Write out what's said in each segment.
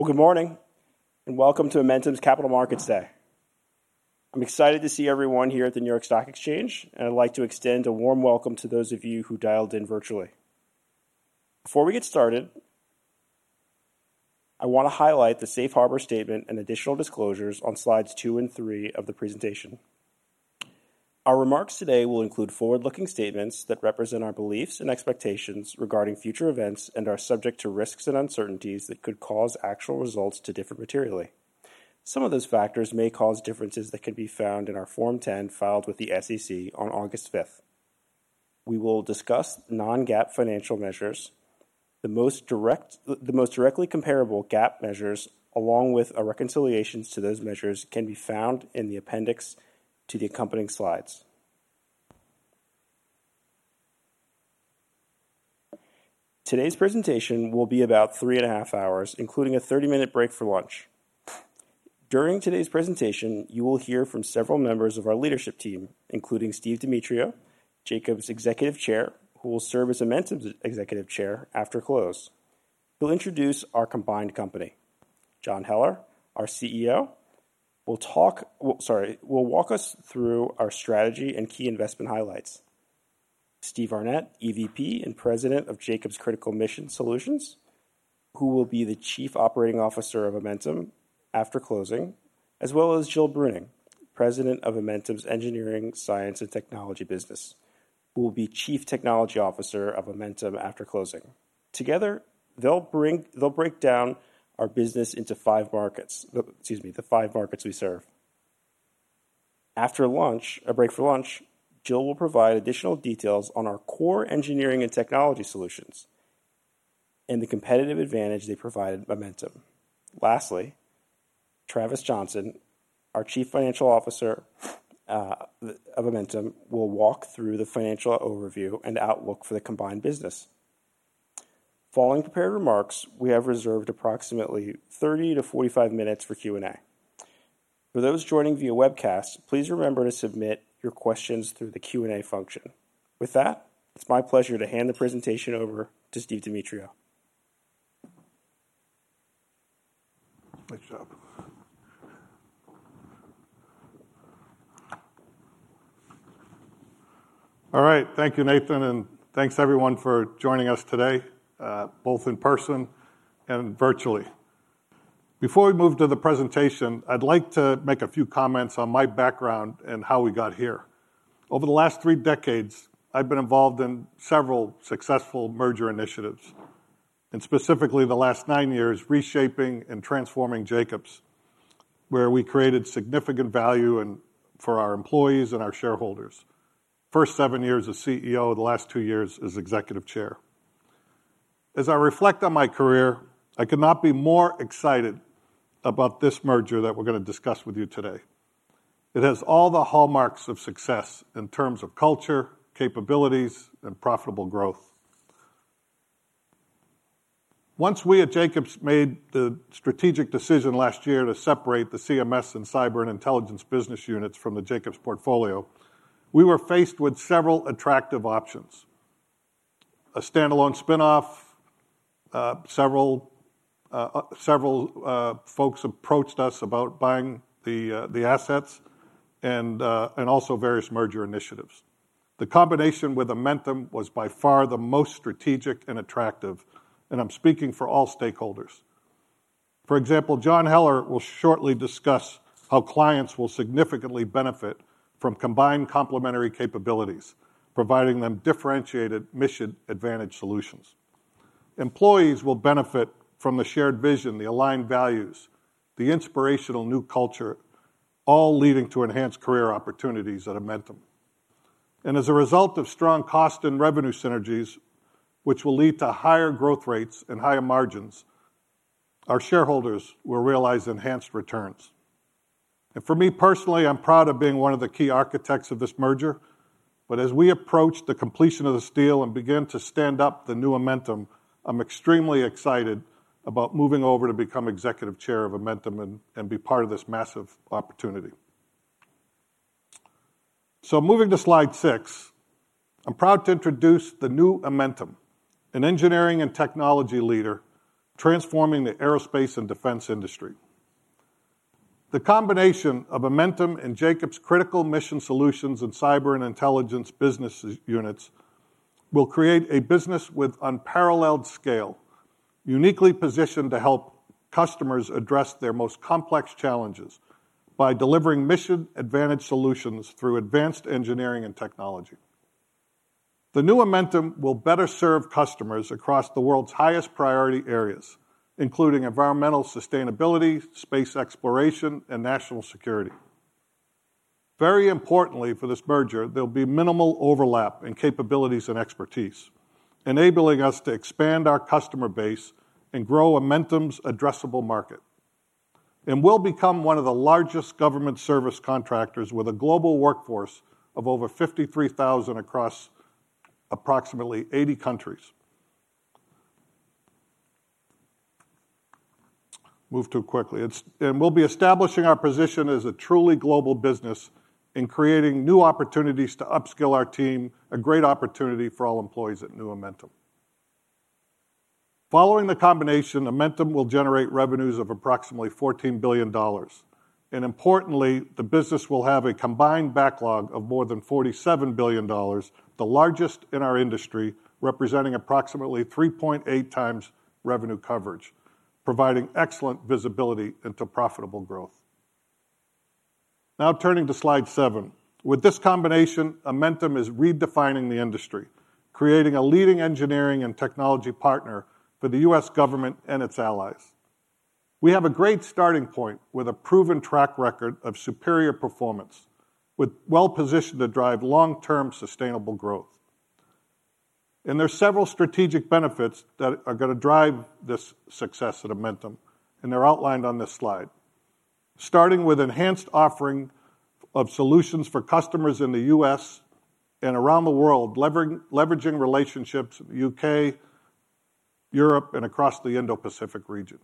Well, good morning, and welcome to Amentum's Capital Markets Day. I'm excited to see everyone here at the New York Stock Exchange, and I'd like to extend a warm welcome to those of you who dialed in virtually. Before we get started, I wanna highlight the safe harbor statement and additional disclosures on slides two and three of the presentation. Our remarks today will include forward-looking statements that represent our beliefs and expectations regarding future events, and are subject to risks and uncertainties that could cause actual results to differ materially. Some of those factors may cause differences that can be found in our Form 10, filed with the SEC on August 5th. We will discuss non-GAAP financial measures. The most directly comparable GAAP measures, along with a reconciliation to those measures, can be found in the appendix to the accompanying slides. Today's presentation will be about 3.5 hours, including a 30-minute break for lunch. During today's presentation, you will hear from several members of our leadership team, including Steve Demetriou, Jacobs' Executive Chair, who will serve as Amentum's Executive Chair after close. He'll introduce our combined company. John Heller, our CEO, will walk us through our strategy and key investment highlights. Steve Arnette, EVP and President of Jacobs Critical Mission Solutions, who will be the Chief Operating Officer of Amentum after closing, as well as Jill Bruning, President of Amentum's Engineering, Science, and Technology business, who will be Chief Technology Officer of Amentum after closing. Together, they'll break down our business into five markets, excuse me, the five markets we serve. After lunch, a break for lunch, Jill will provide additional details on our core engineering and technology solutions and the competitive advantage they provide Amentum. Lastly, Travis Johnson, our Chief Financial Officer of Amentum, will walk through the financial overview and outlook for the combined business. Following prepared remarks, we have reserved approximately 30-45 minutes for Q&A. For those joining via webcast, please remember to submit your questions through the Q&A function. With that, it's my pleasure to hand the presentation over to Steve Demetriou. Nice job. All right. Thank you, Nathan, and thanks, everyone, for joining us today, both in person and virtually. Before we move to the presentation, I'd like to make a few comments on my background and how we got here. Over the last three decades, I've been involved in several successful merger initiatives, and specifically, the last nine years, reshaping and transforming Jacobs, where we created significant value and for our employees and our shareholders. First seven years as CEO, the last two years as Executive Chair. As I reflect on my career, I could not be more excited about this merger that we're gonna discuss with you today. It has all the hallmarks of success in terms of culture, capabilities, and profitable growth. Once we at Jacobs made the strategic decision last year to separate the CMS and cyber and intelligence business units from the Jacobs portfolio, we were faced with several attractive options: a standalone spinoff, several folks approached us about buying the assets and also various merger initiatives. The combination with Amentum was by far the most strategic and attractive, and I'm speaking for all stakeholders. For example, John Heller will shortly discuss how clients will significantly benefit from combined complementary capabilities, providing them differentiated mission advantage solutions. Employees will benefit from the shared vision, the aligned values, the inspirational new culture, all leading to enhanced career opportunities at Amentum. And as a result of strong cost and revenue synergies, which will lead to higher growth rates and higher margins, our shareholders will realize enhanced returns. For me, personally, I'm proud of being one of the key architects of this merger, but as we approach the completion of this deal and begin to stand up the new Amentum, I'm extremely excited about moving over to become Executive Chair of Amentum and, and be part of this massive opportunity. Moving to slide six, I'm proud to introduce the new Amentum, an engineering and technology leader, transforming the aerospace and defense industry. The combination of Amentum and Jacobs Critical Mission Solutions and Cyber and Intelligence business units will create a business with unparalleled scale, uniquely positioned to help customers address their most complex challenges by delivering mission advantage solutions through advanced engineering and technology. The new Amentum will better serve customers across the world's highest priority areas, including environmental sustainability, space exploration, and national security. Very importantly, for this merger, there'll be minimal overlap in capabilities and expertise, enabling us to expand our customer base and grow Amentum's addressable market. And we'll become one of the largest government service contractors with a global workforce of over 53,000 across approximately 80 countries. And we'll be establishing our position as a truly global business in creating new opportunities to upskill our team, a great opportunity for all employees at new Amentum. Following the combination, Amentum will generate revenues of approximately $14 billion, and importantly, the business will have a combined backlog of more than $47 billion, the largest in our industry, representing approximately 3.8 times revenue coverage, providing excellent visibility into profitable growth. Now turning to slide seven. With this combination, Amentum is redefining the industry, creating a leading engineering and technology partner for the U.S. government and its allies. We have a great starting point with a proven track record of superior performance, with well-positioned to drive long-term, sustainable growth. There are several strategic benefits that are gonna drive this success at Amentum, and they're outlined on this slide. Starting with enhanced offering of solutions for customers in the U.S. and around the world, leveraging relationships with U.K., Europe, and across the Indo-Pacific region.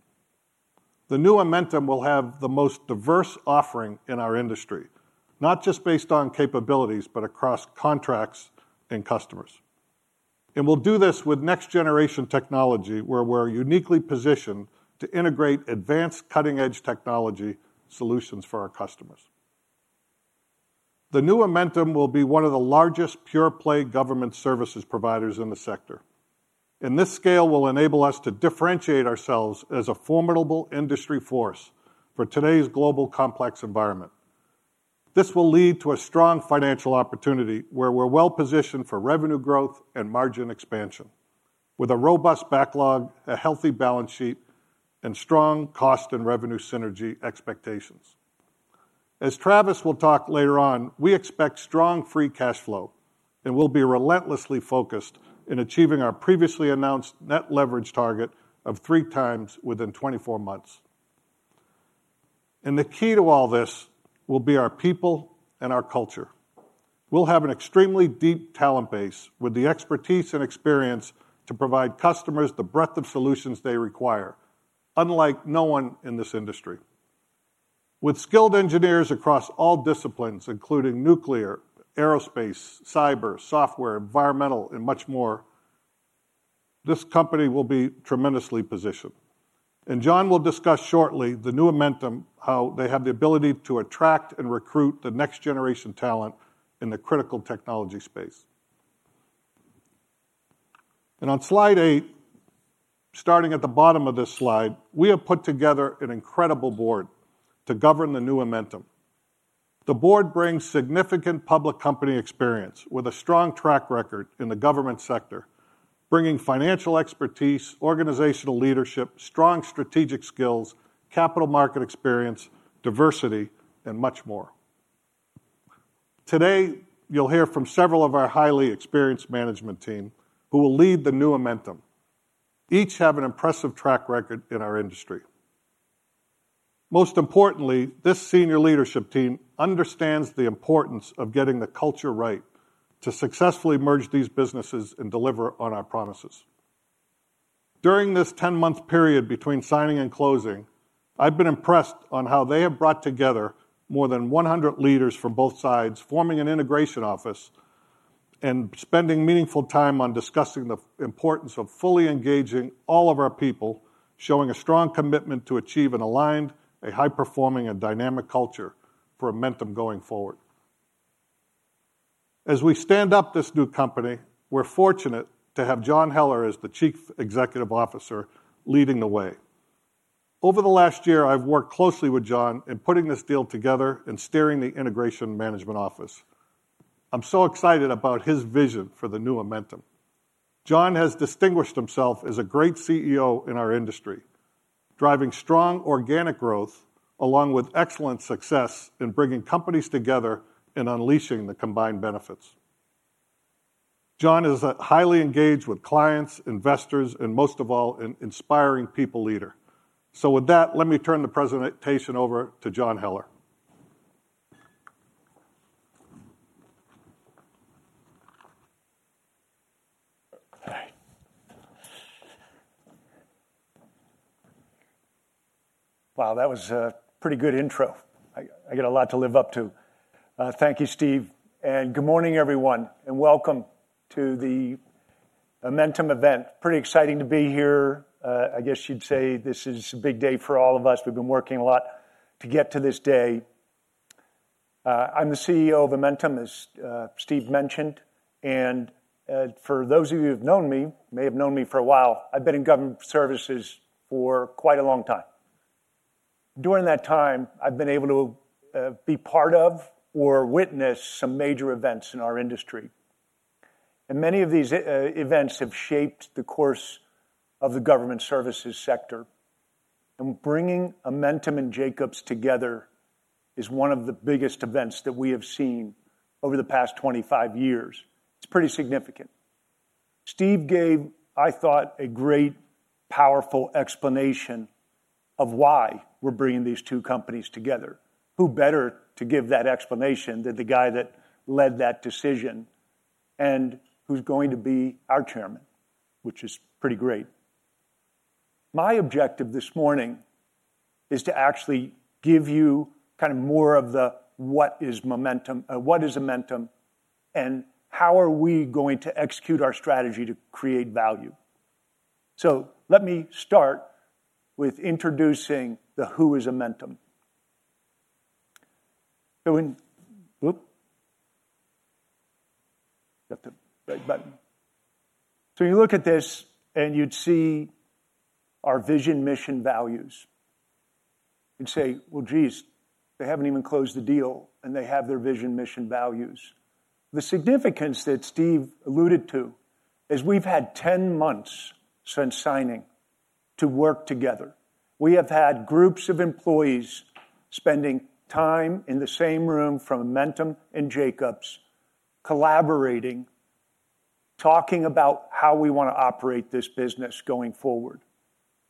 The new Amentum will have the most diverse offering in our industry, not just based on capabilities, but across contracts and customers. And we'll do this with next generation technology, where we're uniquely positioned to integrate advanced, cutting-edge technology solutions for our customers. The new Amentum will be one of the largest pure-play government services providers in the sector, and this scale will enable us to differentiate ourselves as a formidable industry force for today's global complex environment. This will lead to a strong financial opportunity, where we're well-positioned for revenue growth and margin expansion, with a robust backlog, a healthy balance sheet, and strong cost and revenue synergy expectations. As Travis will talk later on, we expect strong free cash flow, and we'll be relentlessly focused in achieving our previously announced net leverage target of 3x within 24 months. The key to all this will be our people and our culture. We'll have an extremely deep talent base with the expertise and experience to provide customers the breadth of solutions they require, unlike no one in this industry. With skilled engineers across all disciplines, including nuclear, aerospace, cyber, software, environmental, and much more, this company will be tremendously positioned. John will discuss shortly, the new Amentum, how they have the ability to attract and recruit the next generation talent in the critical technology space. On slide eight, starting at the bottom of this slide, we have put together an incredible board to govern the new Amentum. The board brings significant public company experience with a strong track record in the government sector, bringing financial expertise, organizational leadership, strong strategic skills, capital market experience, diversity, and much more. Today, you'll hear from several of our highly experienced management team, who will lead the new Amentum. Each have an impressive track record in our industry. Most importantly, this senior leadership team understands the importance of getting the culture right to successfully merge these businesses and deliver on our promises. During this 10-month period between signing and closing, I've been impressed on how they have brought together more than 100 leaders from both sides, forming an integration office and spending meaningful time on discussing the importance of fully engaging all of our people, showing a strong commitment to achieve an aligned, a high-performing, and dynamic culture for Amentum going forward. As we stand up this new company, we're fortunate to have John Heller as the Chief Executive Officer leading the way. Over the last year, I've worked closely with John in putting this deal together and steering the Integration Management Office. I'm so excited about his vision for the new Amentum. John has distinguished himself as a great CEO in our industry, driving strong organic growth, along with excellent success in bringing companies together and unleashing the combined benefits. John is a highly engaged with clients, investors, and most of all, an inspiring people leader. So with that, let me turn the presentation over to John Heller. Hi. Wow, that was a pretty good intro. I, I got a lot to live up to. Thank you, Steve, and good morning, everyone, and welcome to the Amentum event. Pretty exciting to be here. I guess you'd say this is a big day for all of us. We've been working a lot to get to this day. I'm the CEO of Amentum, as Steve mentioned, and, for those of you who've known me, may have known me for a while, I've been in government services for quite a long time. During that time, I've been able to be part of or witness some major events in our industry, and many of these events have shaped the course of the government services sector. Bringing Amentum and Jacobs together is one of the biggest events that we have seen over the past 25 years. It's pretty significant. Steve gave, I thought, a great, powerful explanation of why we're bringing these two companies together. Who better to give that explanation than the guy that led that decision and who's going to be our chairman? Which is pretty great... My objective this morning is to actually give you kind of more of the what is Momentum, what is Amentum, and how are we going to execute our strategy to create value? So let me start with introducing the who is Amentum. So when - Oop! Got the right button. So you look at this and you'd see our vision, mission, values, and say: "Well, geez, they haven't even closed the deal, and they have their vision, mission, values." The significance that Steve alluded to is we've had 10 months since signing to work together. We have had groups of employees spending time in the same room from Amentum and Jacobs, collaborating, talking about how we wanna operate this business going forward.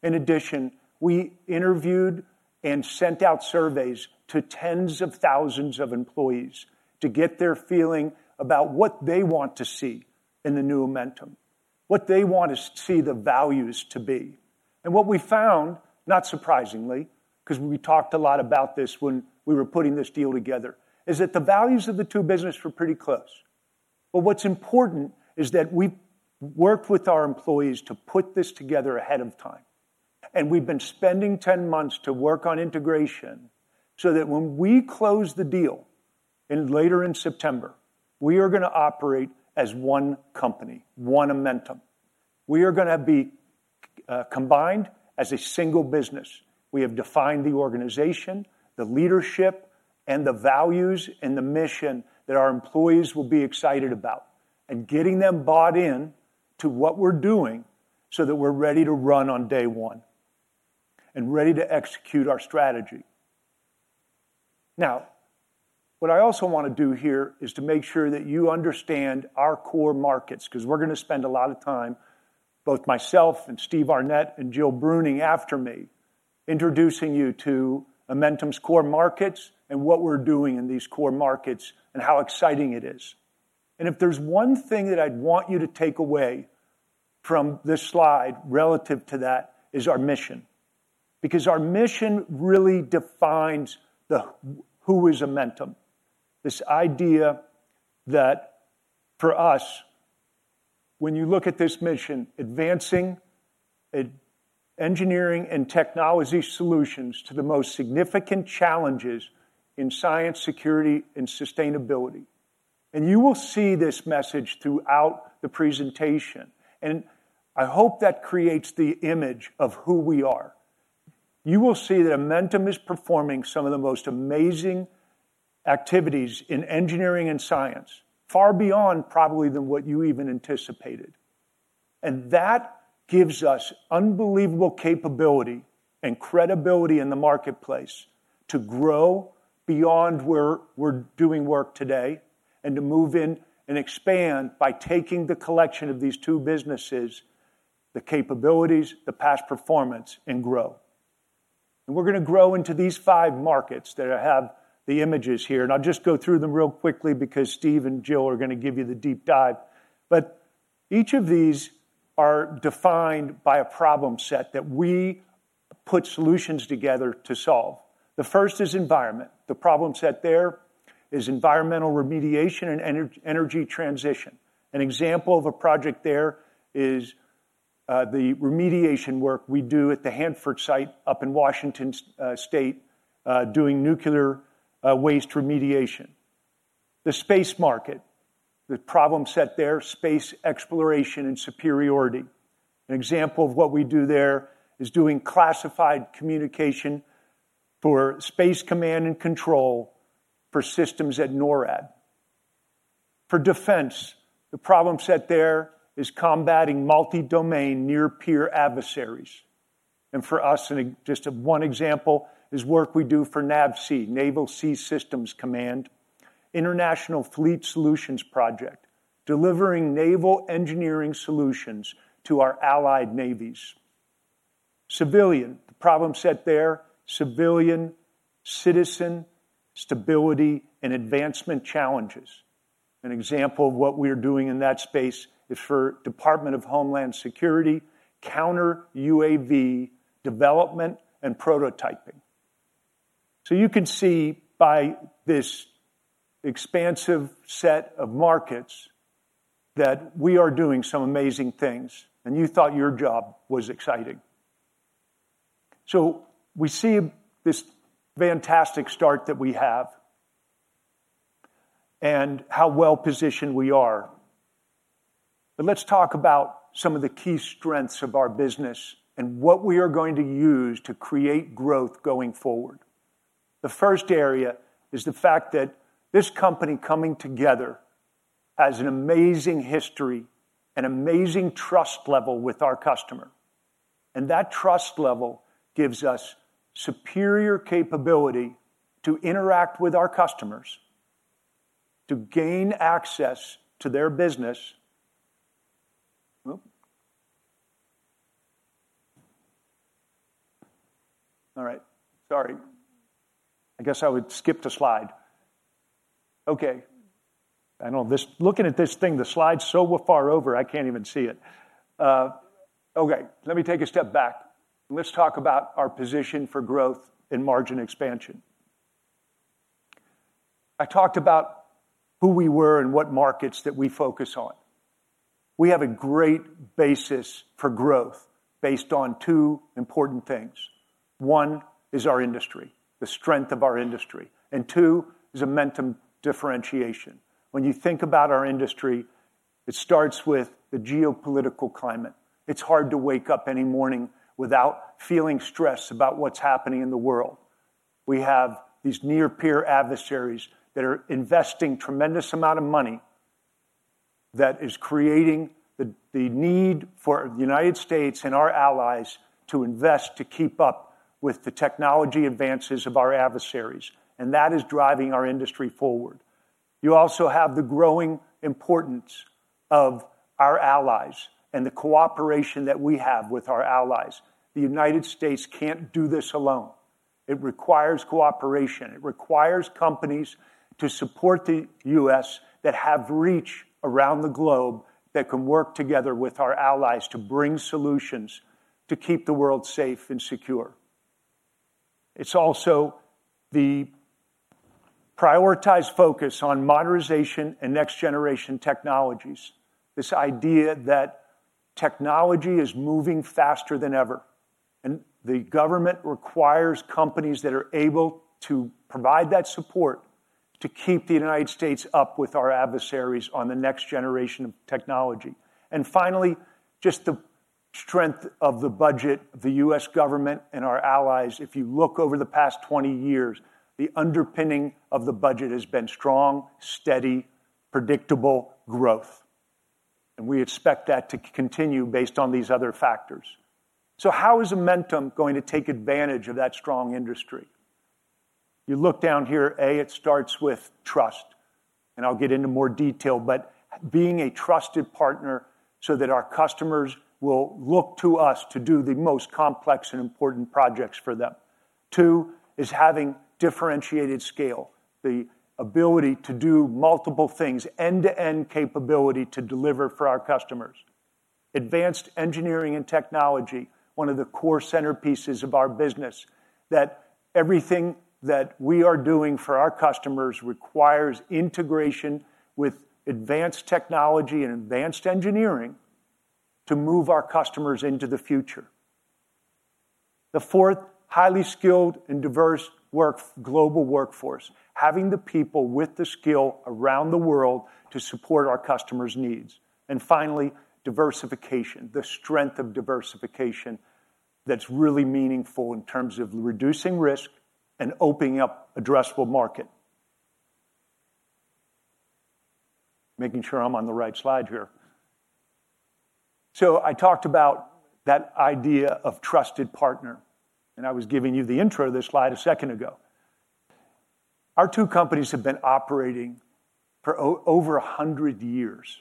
In addition, we interviewed and sent out surveys to tens of thousands of employees to get their feeling about what they want to see in the new Amentum, what they want us to see the values to be. And what we found, not surprisingly, 'cause we talked a lot about this when we were putting this deal together, is that the values of the two businesses were pretty close. But what's important is that we worked with our employees to put this together ahead of time, and we've been spending 10 months to work on integration, so that when we close the deal later in September, we are gonna operate as one company, one Amentum. We are gonna be combined as a single business. We have defined the organization, the leadership, and the values, and the mission that our employees will be excited about, and getting them bought in to what we're doing so that we're ready to run on day one and ready to execute our strategy. Now, what I also wanna do here is to make sure that you understand our core markets, 'cause we're gonna spend a lot of time, both myself and Steve Arnette and Jill Bruning after me, introducing you to Amentum's core markets and what we're doing in these core markets and how exciting it is. And if there's one thing that I'd want you to take away from this slide relative to that, is our mission. Because our mission really defines the who is Amentum. This idea that for us, when you look at this mission, advancing engineering and technology solutions to the most significant challenges in science, security and sustainability, and you will see this message throughout the presentation, and I hope that creates the image of who we are. You will see that Amentum is performing some of the most amazing activities in engineering and science, far beyond probably than what you even anticipated. And that gives us unbelievable capability and credibility in the marketplace to grow beyond where we're doing work today, and to move in and expand by taking the collection of these two businesses, the capabilities, the past performance, and grow. And we're gonna grow into these five markets that I have the images here, and I'll just go through them real quickly because Steve and Jill are gonna give you the deep dive. But each of these are defined by a problem set that we put solutions together to solve. The first is environment. The problem set there is environmental remediation and energy transition. An example of a project there is, the remediation work we do at the Hanford Site up in Washington State, doing nuclear waste remediation. The space market, the problem set there, space exploration and superiority. An example of what we do there is doing classified communication for space command and control for systems at NORAD. For defense, the problem set there is combating multi-domain, near-peer adversaries. And for us, and just one example, is work we do for NAVSEA, Naval Sea Systems Command. International Fleet Solutions Project, delivering naval engineering solutions to our allied navies. Civilian, the problem set there, civilian, citizen, stability, and advancement challenges. An example of what we're doing in that space is for Department of Homeland Security, counter-UAV development and prototyping. So you can see by this expansive set of markets that we are doing some amazing things, and you thought your job was exciting. So we see this fantastic start that we have and how well-positioned we are. But let's talk about some of the key strengths of our business and what we are going to use to create growth going forward. The first area is the fact that this company coming together has an amazing history and amazing trust level with our customer, and that trust level gives us superior capability to interact with our customers, to gain access to their business. Oop! All right. Sorry. I guess I would skip the slide. Okay, I know this. Looking at this thing, the slide's so far over, I can't even see it. Okay, let me take a step back, and let's talk about our position for growth and margin expansion. I talked about who we were and what markets that we focus on. We have a great basis for growth based on two important things. One is our industry, the strength of our industry, and two is Amentum differentiation. When you think about our industry, it starts with the geopolitical climate. It's hard to wake up any morning without feeling stressed about what's happening in the world. We have these near peer adversaries that are investing tremendous amount of money that is creating the need for the United States and our allies to invest to keep up with the technology advances of our adversaries, and that is driving our industry forward. You also have the growing importance of our allies and the cooperation that we have with our allies. The United States can't do this alone. It requires cooperation. It requires companies to support the US that have reach around the globe, that can work together with our allies to bring solutions to keep the world safe and secure. It's also the prioritized focus on modernization and next generation technologies. This idea that technology is moving faster than ever, and the government requires companies that are able to provide that support to keep the United States up with our adversaries on the next generation of technology. And finally, just the strength of the budget of the US government and our allies. If you look over the past 20 years, the underpinning of the budget has been strong, steady, predictable growth, and we expect that to continue based on these other factors. So how is Amentum going to take advantage of that strong industry? You look down here, A, it starts with trust, and I'll get into more detail, but being a trusted partner so that our customers will look to us to do the most complex and important projects for them. Two, is having differentiated scale, the ability to do multiple things, end-to-end capability to deliver for our customers. Advanced engineering and technology, one of the core centerpieces of our business, that everything that we are doing for our customers requires integration with advanced technology and advanced engineering to move our customers into the future. The fourth, highly skilled and diverse workforce, global workforce, having the people with the skill around the world to support our customers' needs. And finally, diversification, the strength of diversification that's really meaningful in terms of reducing risk and opening up addressable market. Making sure I'm on the right slide here. So I talked about that idea of trusted partner, and I was giving you the intro to this slide a second ago. Our two companies have been operating for over 100 years,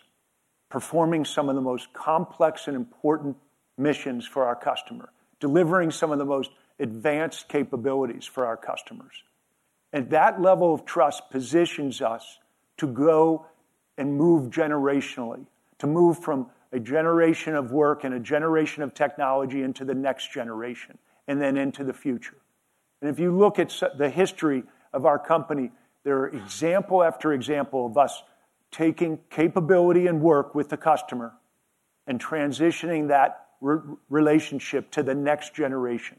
performing some of the most complex and important missions for our customer, delivering some of the most advanced capabilities for our customers. And that level of trust positions us to go and move generationally, to move from a generation of work and a generation of technology into the next generation, and then into the future. And if you look at the history of our company, there are example after example of us taking capability and work with the customer and transitioning that relationship to the next generation.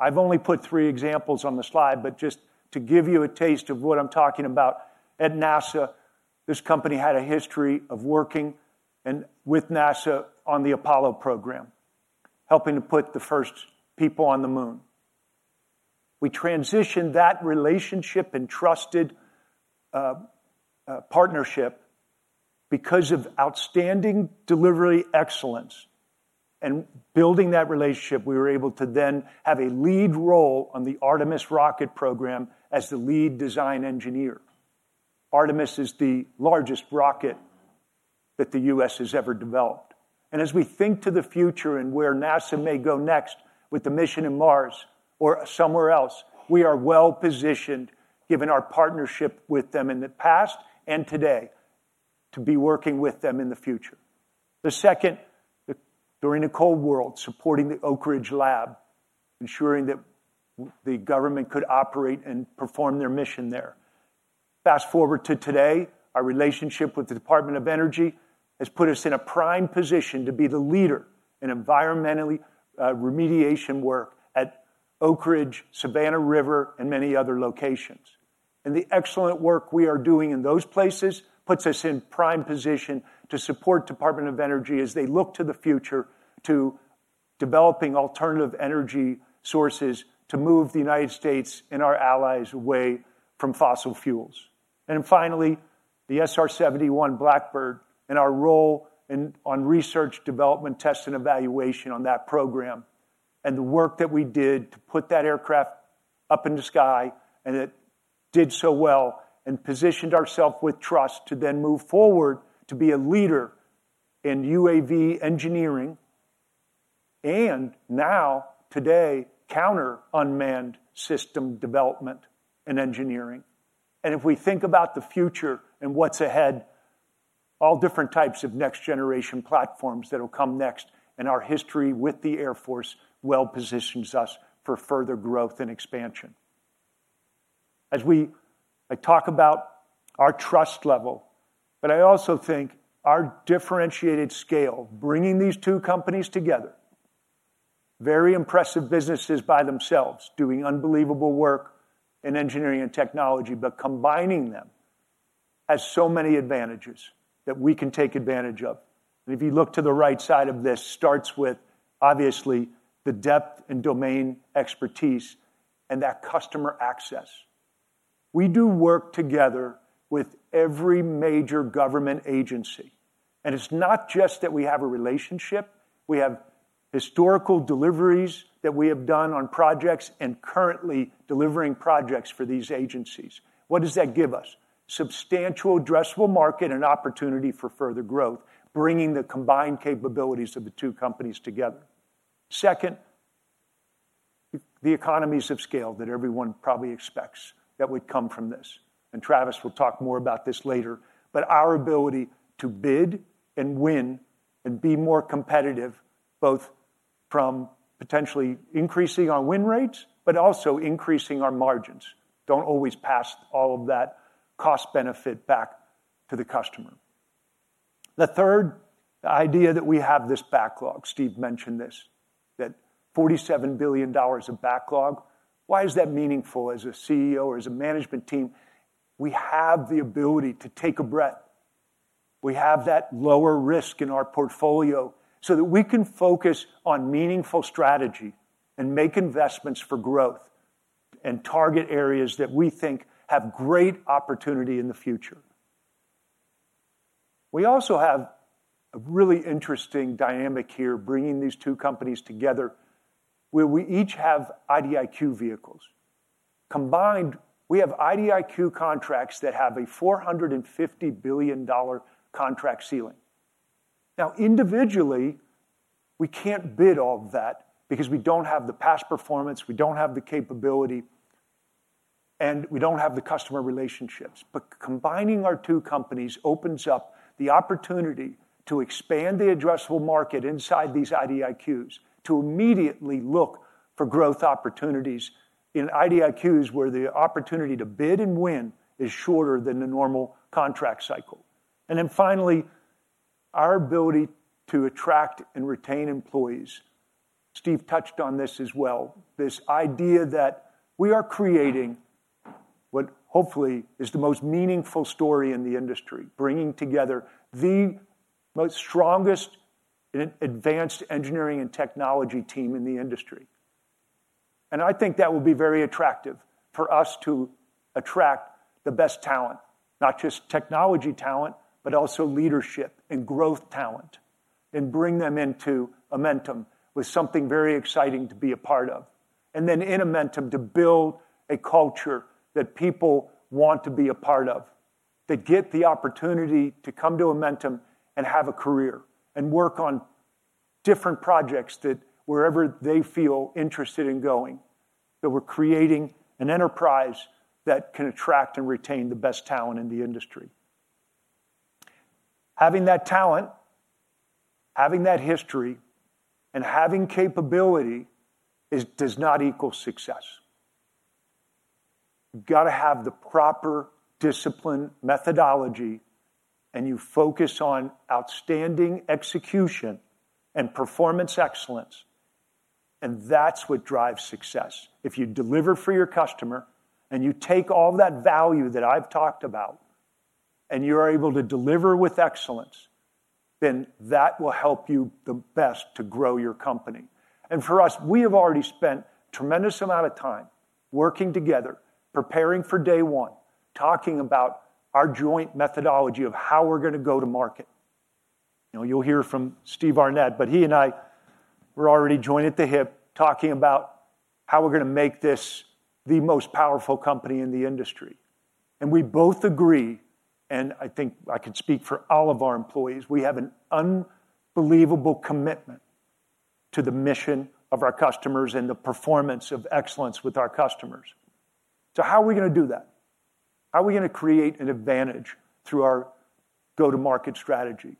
I've only put three examples on the slide, but just to give you a taste of what I'm talking about, at NASA, this company had a history of working with NASA on the Apollo program, helping to put the first people on the moon. We transitioned that relationship and trusted partnership because of outstanding delivery excellence and building that relationship, we were able to then have a lead role on the Artemis rocket program as the lead design engineer. Artemis is the largest rocket that the U.S. has ever developed, and as we think to the future and where NASA may go next with the mission in Mars or somewhere else, we are well-positioned, given our partnership with them in the past and today, to be working with them in the future. The second, during the Cold War, supporting the Oak Ridge Lab, ensuring that the government could operate and perform their mission there. Fast-forward to today, our relationship with the Department of Energy has put us in a prime position to be the leader in environmentally remediation work at Oak Ridge, Savannah River, and many other locations. The excellent work we are doing in those places puts us in prime position to support Department of Energy as they look to the future to developing alternative energy sources, to move the United States and our allies away from fossil fuels. And finally, the SR-71 Blackbird and our role in research, development, test, and evaluation on that program, and the work that we did to put that aircraft up in the sky, and it did so well and positioned ourselves with trust to then move forward to be a leader in UAV engineering, and now, today, counter-unmanned system development and engineering. And if we think about the future and what's ahead, all different types of next generation platforms that'll come next, and our history with the Air Force well positions us for further growth and expansion. As I talk about our trust level, but I also think our differentiated scale, bringing these two companies together, very impressive businesses by themselves, doing unbelievable work in engineering and technology, but combining them has so many advantages that we can take advantage of. And if you look to the right side of this, starts with, obviously, the depth and domain expertise and that customer access. We do work together with every major government agency, and it's not just that we have a relationship, we have historical deliveries that we have done on projects and currently delivering projects for these agencies. What does that give us? Substantial addressable market and opportunity for further growth, bringing the combined capabilities of the two companies together. Second, the economies of scale that everyone probably expects that would come from this, and Travis will talk more about this later, but our ability to bid and win and be more competitive, both from potentially increasing our win rates, but also increasing our margins. Don't always pass all of that cost benefit back to the customer. The third, the idea that we have this backlog, Steve mentioned this, that $47 billion of backlog. Why is that meaningful? As a CEO or as a management team, we have the ability to take a breath. We have that lower risk in our portfolio so that we can focus on meaningful strategy and make investments for growth and target areas that we think have great opportunity in the future. We also have a really interesting dynamic here, bringing these two companies together, where we each have IDIQ vehicles. Combined, we have IDIQ contracts that have a $450 billion contract ceiling. Now, individually, we can't bid all of that because we don't have the past performance, we don't have the capability, and we don't have the customer relationships. But combining our two companies opens up the opportunity to expand the addressable market inside these IDIQs, to immediately look for growth opportunities in IDIQs, where the opportunity to bid and win is shorter than the normal contract cycle. And then finally, our ability to attract and retain employees. Steve touched on this as well, this idea that we are creating what hopefully is the most meaningful story in the industry, bringing together the most strongest and advanced engineering and technology team in the industry. And I think that will be very attractive for us to attract the best talent, not just technology talent, but also leadership and growth talent, and bring them into Amentum with something very exciting to be a part of. Then in Amentum, to build a culture that people want to be a part of, to get the opportunity to come to Amentum and have a career and work on different projects that wherever they feel interested in going, that we're creating an enterprise that can attract and retain the best talent in the industry. Having that talent, having that history, and having capability is, does not equal success. You've got to have the proper discipline, methodology, and you focus on outstanding execution and performance excellence, and that's what drives success. If you deliver for your customer, and you take all that value that I've talked about, and you're able to deliver with excellence, then that will help you the best to grow your company. For us, we have already spent tremendous amount of time working together, preparing for day one, talking about our joint methodology of how we're gonna go to market. You know, you'll hear from Steve Arnett, but he and I, we're already joined at the hip, talking about how we're gonna make this the most powerful company in the industry. And we both agree, and I think I can speak for all of our employees, we have an unbelievable commitment to the mission of our customers and the performance of excellence with our customers. So how are we gonna do that? How are we gonna create an advantage through our go-to-market strategy?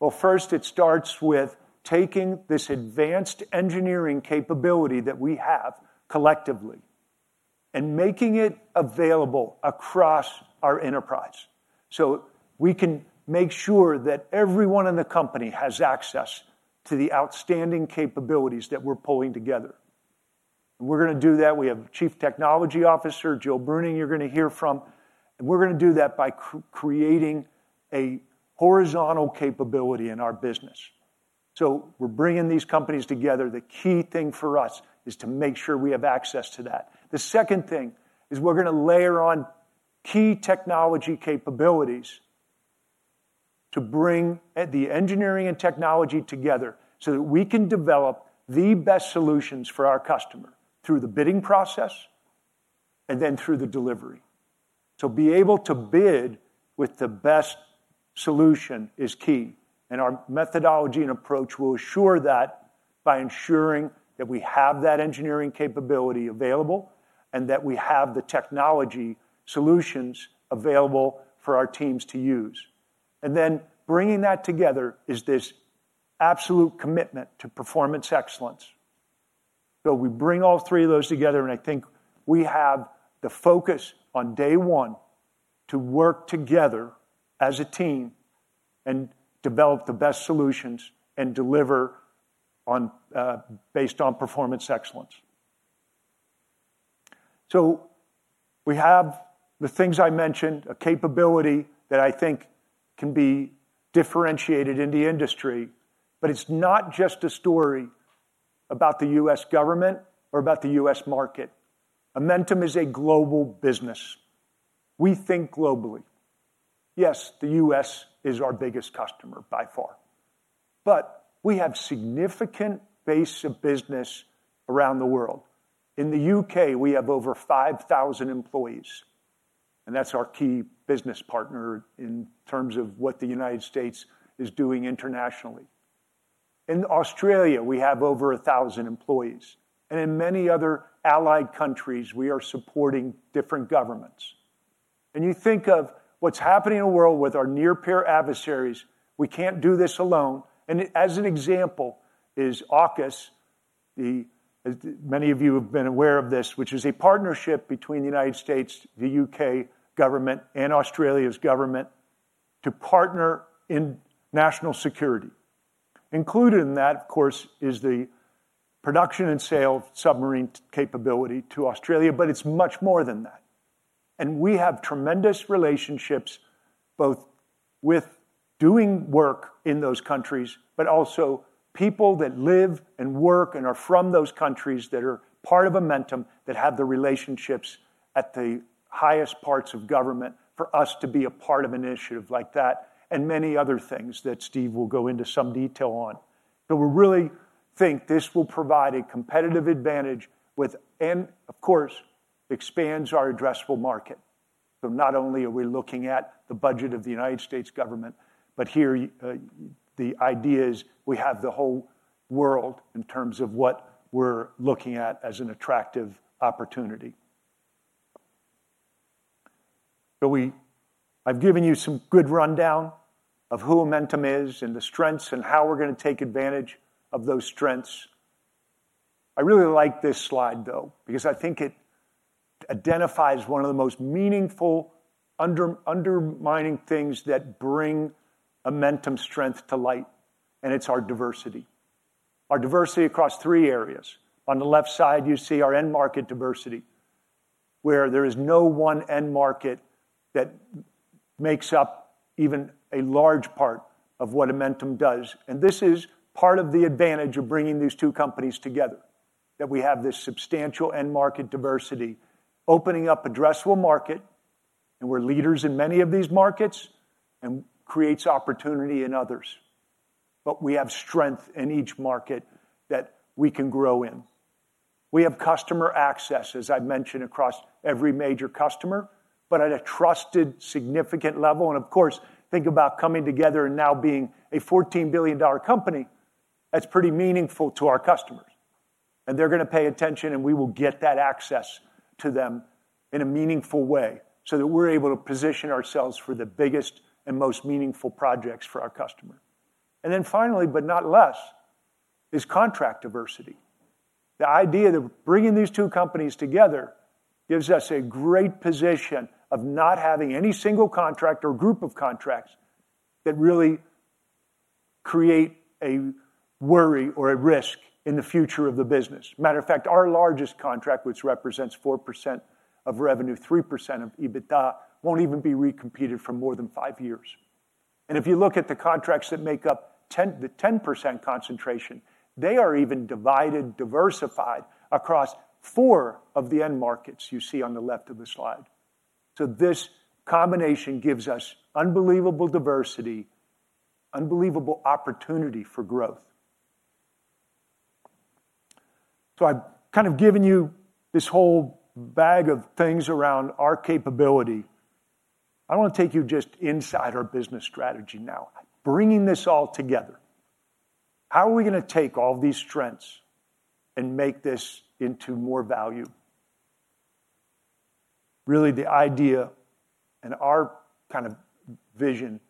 Well, first, it starts with taking this advanced engineering capability that we have collectively and making it available across our enterprise, so we can make sure that everyone in the company has access to the outstanding capabilities that we're pulling together. And we're gonna do that. We have Chief Technology Officer Jill Bruning, you're gonna hear from, and we're gonna do that by creating a horizontal capability in our business. So we're bringing these companies together. The key thing for us is to make sure we have access to that. The second thing is we're gonna layer on key technology capabilities to bring the engineering and technology together so that we can develop the best solutions for our customer through the bidding process and then through the delivery. To be able to bid with the best solution is key, and our methodology and approach will assure that by ensuring that we have that engineering capability available, and that we have the technology solutions available for our teams to use. And then bringing that together is this absolute commitment to performance excellence. So we bring all three of those together, and I think we have the focus on day one to work together as a team and develop the best solutions and deliver on based on performance excellence. So we have the things I mentioned, a capability that I think can be differentiated in the industry, but it's not just a story about the U.S. government or about the U.S. market. Amentum is a global business. We think globally. Yes, the U.S. is our biggest customer by far, but we have significant base of business around the world. In the UK, we have over 5,000 employees, and that's our key business partner in terms of what the United States is doing internationally. In Australia, we have over 1,000 employees, and in many other allied countries, we are supporting different governments. You think of what's happening in the world with our near-peer adversaries, we can't do this alone, and as an example is AUKUS, the, many of you have been aware of this, which is a partnership between the United States, the UK government, and Australia's government to partner in national security. Included in that, of course, is the production and sale of submarine capability to Australia, but it's much more than that. And we have tremendous relationships, both with doing work in those countries, but also people that live and work and are from those countries that are part of Amentum, that have the relationships at the highest parts of government for us to be a part of an initiative like that, and many other things that Steve will go into some detail on. So we really think this will provide a competitive advantage with-- and of course, expands our addressable market. So not only are we looking at the budget of the United States government, but here, the idea is we have the whole world in terms of what we're looking at as an attractive opportunity. So we-- I've given you some good rundown of who Amentum is and the strengths and how we're gonna take advantage of those strengths. I really like this slide, though, because I think it identifies one of the most meaningful undermining things that bring Amentum strength to light, and it's our diversity. Our diversity across three areas. On the left side, you see our end market diversity, where there is no one end market that makes up even a large part of what Amentum does. And this is part of the advantage of bringing these two companies together, that we have this substantial end market diversity, opening up addressable market, and we're leaders in many of these markets, and creates opportunity in others. But we have strength in each market that we can grow in. We have customer access, as I've mentioned, across every major customer, but at a trusted, significant level. Of course, think about coming together and now being a $14 billion company, that's pretty meaningful to our customers, and they're gonna pay attention, and we will get that access to them in a meaningful way, so that we're able to position ourselves for the biggest and most meaningful projects for our customer. Then finally, but not last, is contract diversity. The idea that bringing these two companies together gives us a great position of not having any single contract or group of contracts that really create a worry or a risk in the future of the business. Matter of fact, our largest contract, which represents 4% of revenue, 3% of EBITDA, won't even be recompeted for more than five years. If you look at the contracts that make up 10, the 10% concentration, they are even divided, diversified across four of the end markets you see on the left of the slide. This combination gives us unbelievable diversity, unbelievable opportunity for growth. I've kind of given you this whole bag of things around our capability. I wanna take you just inside our business strategy now, bringing this all together. How are we gonna take all these strengths and make this into more value? Really, the idea and our kind of vision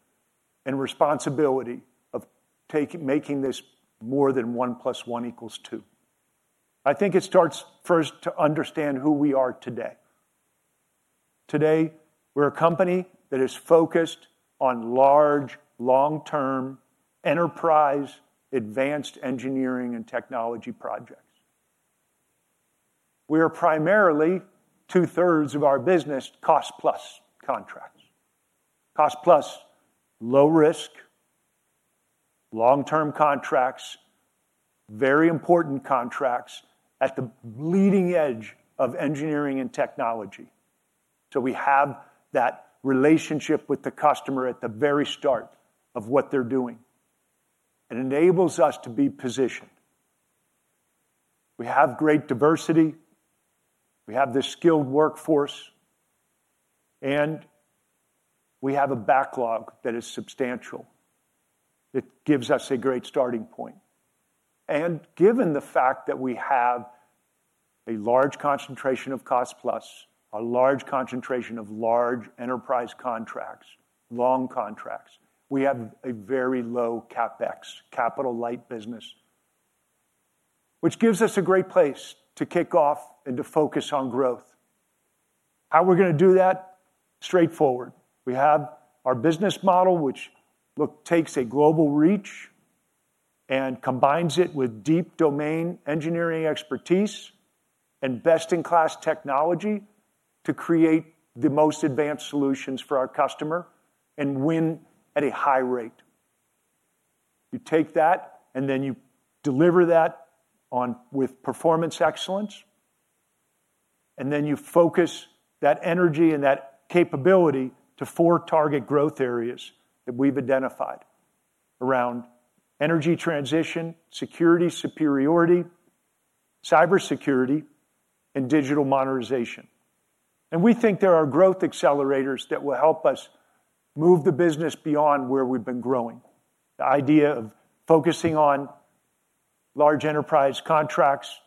and responsibility of taking, making this more than one plus one equals two. I think it starts first to understand who we are today. Today, we're a company that is focused on large, long-term enterprise, advanced engineering and technology projects. We are primarily, two-thirds of our business, cost-plus contracts. Cost-plus low-risk, long-term contracts, very important contracts at the leading edge of engineering and technology. So we have that relationship with the customer at the very start of what they're doing. It enables us to be positioned. We have great diversity, we have the skilled workforce, and we have a backlog that is substantial. It gives us a great starting point. And given the fact that we have a large concentration of cost-plus, a large concentration of large enterprise contracts, long contracts, we have a very low CapEx, capital-light business, which gives us a great place to kick off and to focus on growth. How we're gonna do that? Straightforward. We have our business model, which look, takes a global reach and combines it with deep domain engineering expertise and best-in-class technology to create the most advanced solutions for our customer and win at a high rate. You take that, and then you deliver that on, with performance excellence, and then you focus that energy and that capability to four target growth areas that we've identified around energy transition, security superiority, cybersecurity, and digital modernization. And we think there are growth accelerators that will help us move the business beyond where we've been growing. The idea of focusing on large enterprise contracts,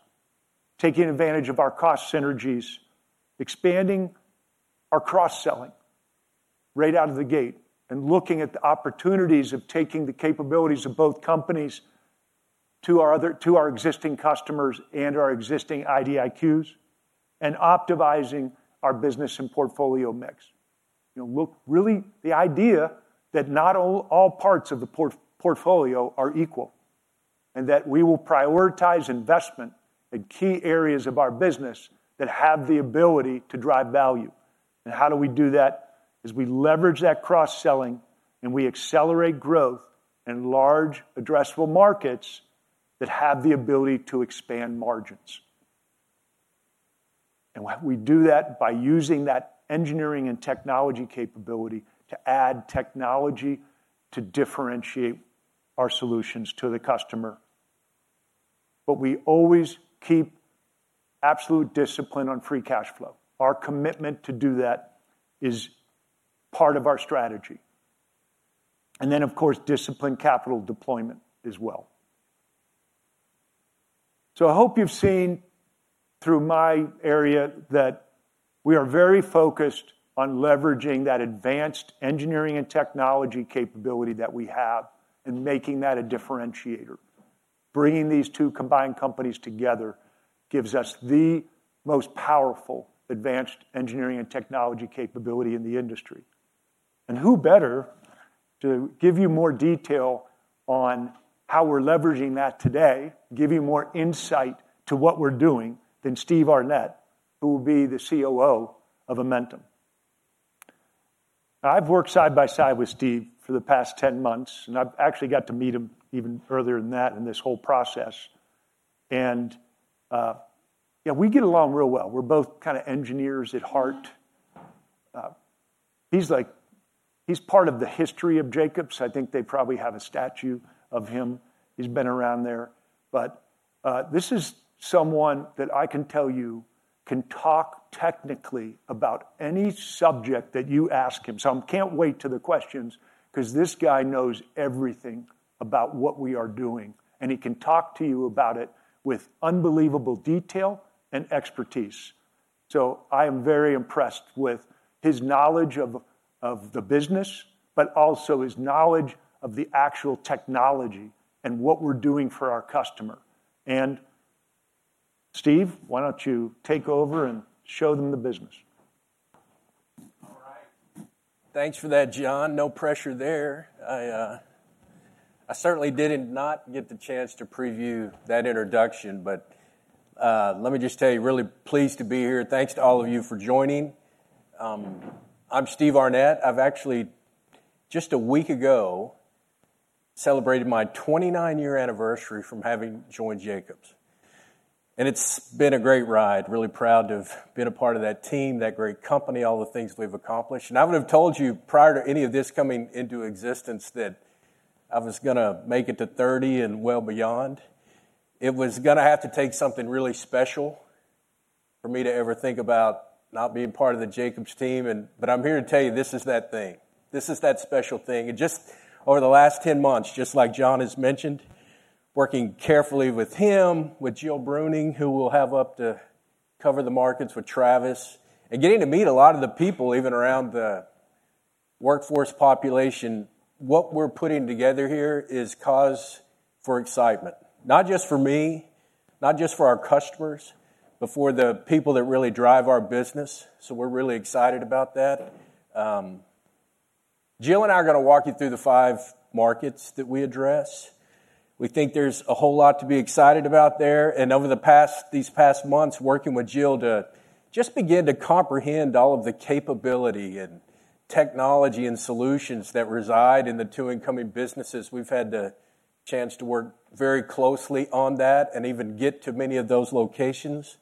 taking advantage of our cost synergies, expanding our cross-selling right out of the gate, and looking at the opportunities of taking the capabilities of both companies to our other, to our existing customers and our existing IDIQs, and optimizing our business and portfolio mix. You know, look, really, the idea that not all, all parts of the portfolio are equal, and that we will prioritize investment in key areas of our business that have the ability to drive value. And how do we do that? Is we leverage that cross-selling, and we accelerate growth in large addressable markets that have the ability to expand margins. And we do that by using that engineering and technology capability to add technology to differentiate our solutions to the customer. But we always keep absolute discipline on free cash flow. Our commitment to do that is part of our strategy, and then, of course, disciplined capital deployment as well. So I hope you've seen through my area that we are very focused on leveraging that advanced engineering and technology capability that we have and making that a differentiator. Bringing these two combined companies together gives us the most powerful advanced engineering and technology capability in the industry. And who better to give you more detail on how we're leveraging that today, give you more insight to what we're doing, than Steve Arnett, who will be the COO of Amentum? I've worked side by side with Steve for the past 10 months, and I've actually got to meet him even further than that in this whole process, and, yeah, we get along real well. We're both kinda engineers at heart. He's like, he's part of the history of Jacobs. I think they probably have a statue of him. He's been around there. But, this is someone that I can tell you, can talk technically about any subject that you ask him. So I can't wait for the questions, 'cause this guy knows everything about what we are doing, and he can talk to you about it with unbelievable detail and expertise. So I am very impressed with his knowledge of, of the business, but also his knowledge of the actual technology and what we're doing for our customer. And Steve, why don't you take over and show them the business? All right. Thanks for that, John. No pressure there. I, I certainly didn't not get the chance to preview that introduction, but, let me just tell you, really pleased to be here. Thanks to all of you for joining. I'm Steve Arnett. I've actually, just a week ago, celebrated my 29-year anniversary from having joined Jacobs, and it's been a great ride. Really proud to have been a part of that team, that great company, all the things we've accomplished. And I would have told you, prior to any of this coming into existence, that I was gonna make it to 30 and well beyond. It was gonna have to take something really special for me to ever think about not being part of the Jacobs team and... But I'm here to tell you, this is that thing. This is that special thing. Just over the last 10 months, just like John has mentioned, working carefully with him, with Jill Bruning, who we'll have up to cover the markets with Travis, and getting to meet a lot of the people, even around the workforce population, what we're putting together here is cause for excitement, not just for me, not just for our customers, but for the people that really drive our business. So we're really excited about that. Jill and I are gonna walk you through the five markets that we address. We think there's a whole lot to be excited about there, and these past months, working with Jill to just begin to comprehend all of the capability and technology and solutions that reside in the two incoming businesses, we've had the chance to work very closely on that and even get to many of those locations....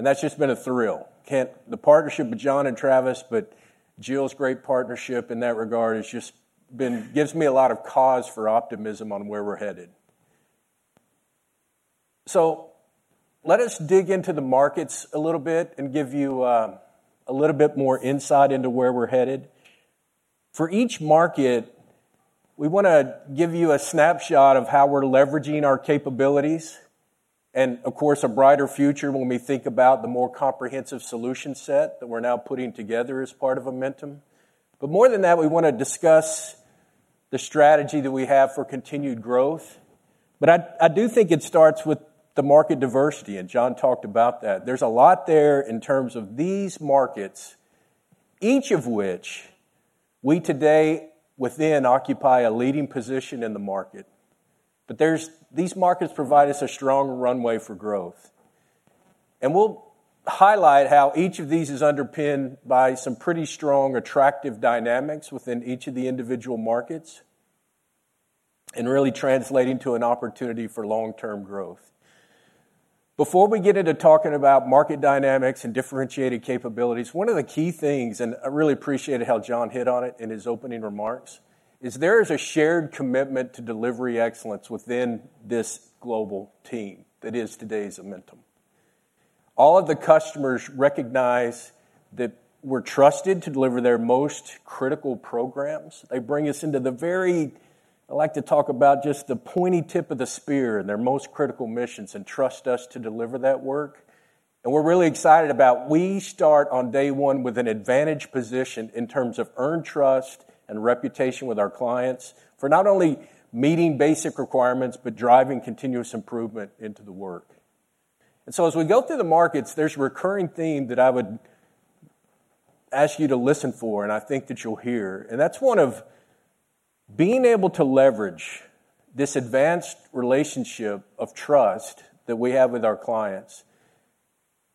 That's just been a thrill. The partnership with John and Travis, but Jill's great partnership in that regard has just been, gives me a lot of cause for optimism on where we're headed. So let us dig into the markets a little bit and give you a little bit more insight into where we're headed. For each market, we wanna give you a snapshot of how we're leveraging our capabilities, and of course, a brighter future when we think about the more comprehensive solution set that we're now putting together as part of Amentum. But more than that, we wanna discuss the strategy that we have for continued growth. But I do think it starts with the market diversity, and John talked about that. There's a lot there in terms of these markets, each of which we today occupy a leading position in the market. But these markets provide us a strong runway for growth. And we'll highlight how each of these is underpinned by some pretty strong, attractive dynamics within each of the individual markets, and really translating to an opportunity for long-term growth. Before we get into talking about market dynamics and differentiated capabilities, one of the key things, and I really appreciated how John hit on it in his opening remarks, is there is a shared commitment to delivery excellence within this global team that is today's Amentum. All of the customers recognize that we're trusted to deliver their most critical programs. They bring us into the very ... I like to talk about just the pointy tip of the spear in their most critical missions, and trust us to deliver that work. We're really excited about. We start on day one with an advantaged position in terms of earned trust and reputation with our clients, for not only meeting basic requirements, but driving continuous improvement into the work. So as we go through the markets, there's a recurring theme that I would ask you to listen for, and I think that you'll hear, and that's one of being able to leverage this advantageous relationship of trust that we have with our clients.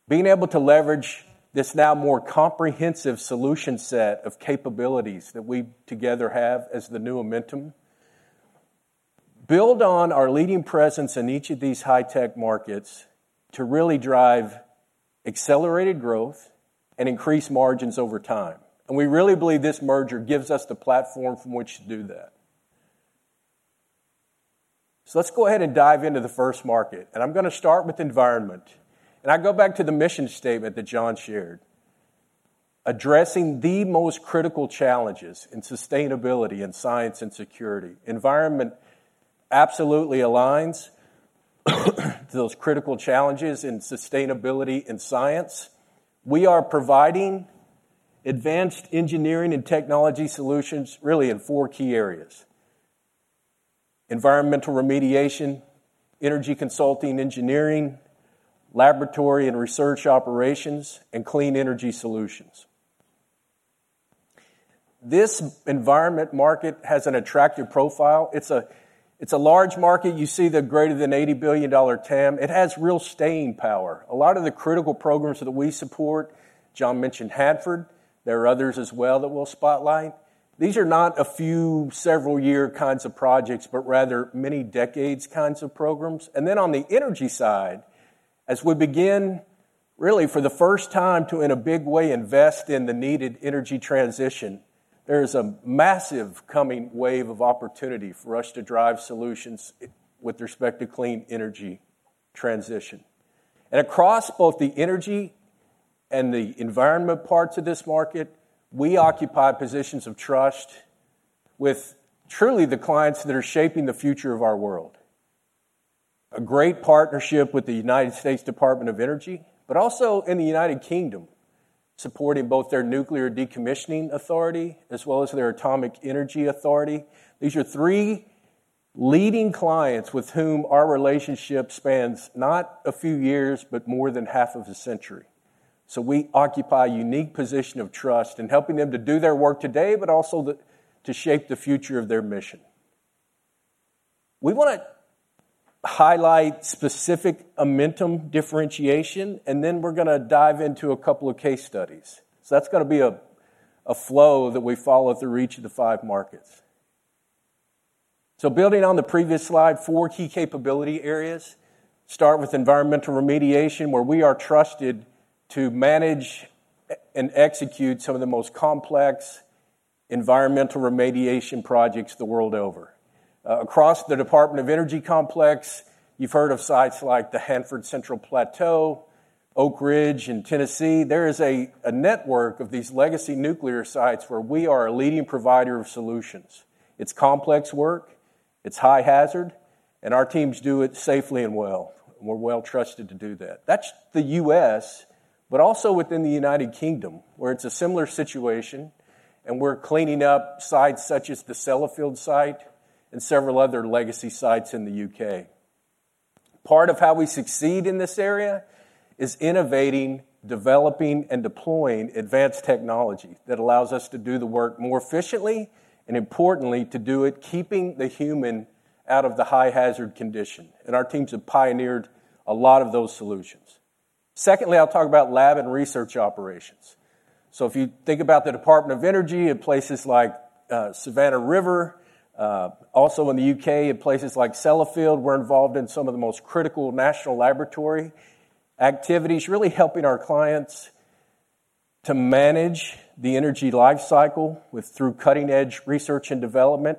Being able to leverage this now more comprehensive solution set of capabilities that we together have as the new Amentum, build on our leading presence in each of these high-tech markets to really drive accelerated growth and increase margins over time. We really believe this merger gives us the platform from which to do that. So let's go ahead and dive into the first market, and I'm gonna start with environment. I go back to the mission statement that John shared. Addressing the most critical challenges in sustainability and science and security. Environment absolutely aligns, those critical challenges in sustainability and science. We are providing advanced engineering and technology solutions really in four key areas: environmental remediation, energy consulting engineering, laboratory and research operations, and clean energy solutions. This environment market has an attractive profile. It's a, it's a large market. You see the greater than $80 billion TAM. It has real staying power. A lot of the critical programs that we support, John mentioned Hanford, there are others as well that we'll spotlight. These are not a few several year kinds of projects, but rather many decades kinds of programs. And then on the energy side, as we begin, really for the first time, to in a big way, invest in the needed energy transition, there is a massive coming wave of opportunity for us to drive solutions with respect to clean energy transition. And across both the energy and the environment parts of this market, we occupy positions of trust with truly the clients that are shaping the future of our world. A great partnership with the United States Department of Energy, but also in the United Kingdom, supporting both their Nuclear Decommissioning Authority as well as their Atomic Energy Authority. These are three leading clients with whom our relationship spans not a few years, but more than half of a century. So we occupy a unique position of trust in helping them to do their work today, but also to shape the future of their mission. We wanna highlight specific Amentum differentiation, and then we're gonna dive into a couple of case studies. So that's gonna be a flow that we follow through each of the five markets. So building on the previous slide, four key capability areas. Start with environmental remediation, where we are trusted to manage and execute some of the most complex environmental remediation projects the world over. Across the Department of Energy Complex, you've heard of sites like the Hanford Central Plateau, Oak Ridge in Tennessee. There is a network of these legacy nuclear sites where we are a leading provider of solutions. It's complex work, it's high hazard, and our teams do it safely and well. We're well trusted to do that. That's the U.S., but also within the United Kingdom, where it's a similar situation, and we're cleaning up sites such as the Sellafield site and several other legacy sites in the U.K. Part of how we succeed in this area is innovating, developing, and deploying advanced technology that allows us to do the work more efficiently and importantly, to do it, keeping the human out of the high hazard condition, and our teams have pioneered a lot of those solutions. Secondly, I'll talk about lab and research operations. So if you think about the Department of Energy in places like, Savannah River, also in the U.K., in places like Sellafield, we're involved in some of the most critical national laboratory activities, really helping our clients to manage the energy life cycle through cutting-edge research and development.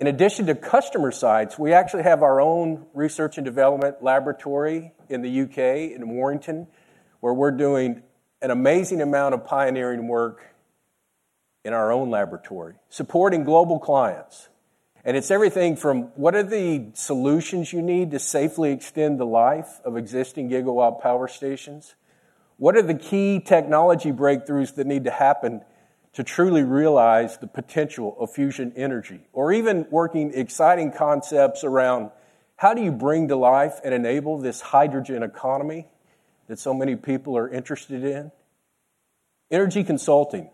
In addition to customer sites, we actually have our own research and development laboratory in the UK, in Warrington, where we're doing an amazing amount of pioneering work in our own laboratory, supporting global clients. And it's everything from what are the solutions you need to safely extend the life of existing gigawatt power stations? What are the key technology breakthroughs that need to happen to truly realize the potential of fusion energy? Or even working exciting concepts around, how do you bring to life and enable this hydrogen economy that so many people are interested in? Energy consulting.